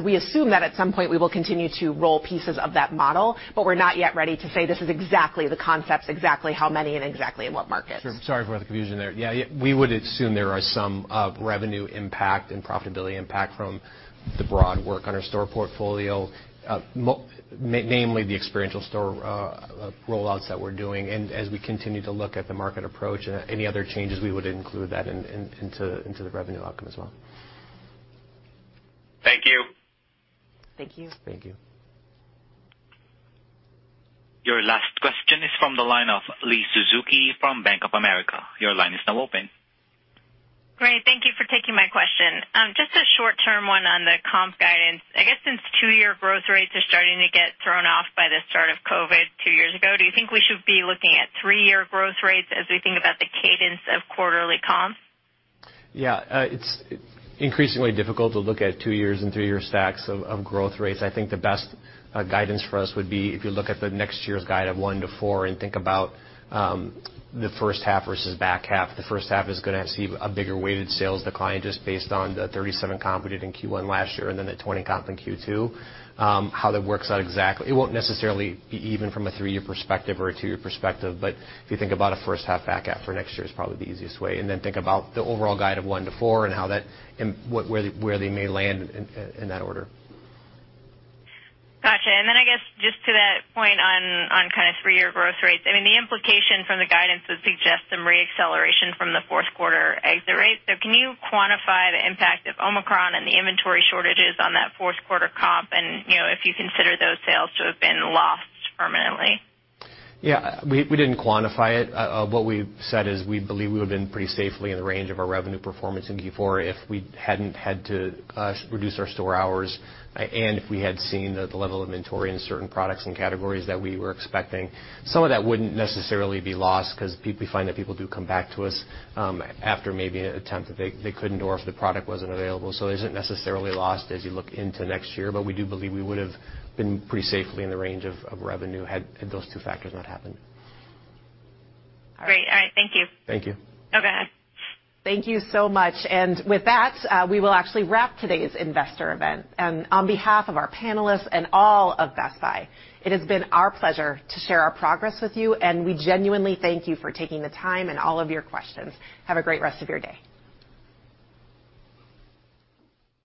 We assume that at some point we will continue to roll pieces of that model, but we're not yet ready to say this is exactly the concepts, exactly how many and exactly in what markets. Sure. Sorry for the confusion there. Yeah, we would assume there are some revenue impact and profitability impact from the broad work on our store portfolio, namely the experiential store rollouts that we're doing. As we continue to look at the market approach, any other changes, we would include that into the revenue outcome as well. Thank you. Thank you. Thank you. Your last question is from the line of Liz Suzuki from Bank of America. Your line is now open. Great. Thank you for taking my question. Just a short-term one on the comp guidance. I guess since two-year growth rates are starting to get thrown off by the start of COVID two years ago, do you think we should be looking at three-year growth rates as we think about the cadence of quarterly comps? Yeah. It's increasingly difficult to look at two years and three years stacks of growth rates. I think the best guidance for us would be if you look at the next year's guide of 1%-4% and think about the first half versus back half. The first half is gonna see a bigger weighted sales decline just based on the 37% comp we did in Q1 last year and then the 20% comp in Q2. How that works out exactly, it won't necessarily be even from a three-year perspective or a two-year perspective. If you think about a first half back half for next year is probably the easiest way. Then think about the overall guide of 1%-4% and how that and what where they may land in that order. Gotcha. I guess just to that point on kind of three-year growth rates, I mean, the implication from the guidance would suggest some re-acceleration from the fourth quarter exit rate. Can you quantify the impact of Omicron and the inventory shortages on that fourth quarter comp and, you know, if you consider those sales to have been lost permanently? Yeah. We didn't quantify it. What we've said is we believe we would've been pretty safely in the range of our revenue performance in Q4 if we hadn't had to reduce our store hours and if we had seen the level of inventory in certain products and categories that we were expecting. Some of that wouldn't necessarily be lost because we find that people do come back to us after maybe an attempt that they couldn't, or if the product wasn't available. It isn't necessarily lost as you look into next year, but we do believe we would've been pretty safely in the range of revenue had those two factors not happened. Great. All right. Thank you. Thank you. Okay. Thank you so much. With that, we will actually wrap today's investor event. On behalf of our panelists and all of Best Buy, it has been our pleasure to share our progress with you, and we genuinely thank you for taking the time and all of your questions. Have a great rest of your day.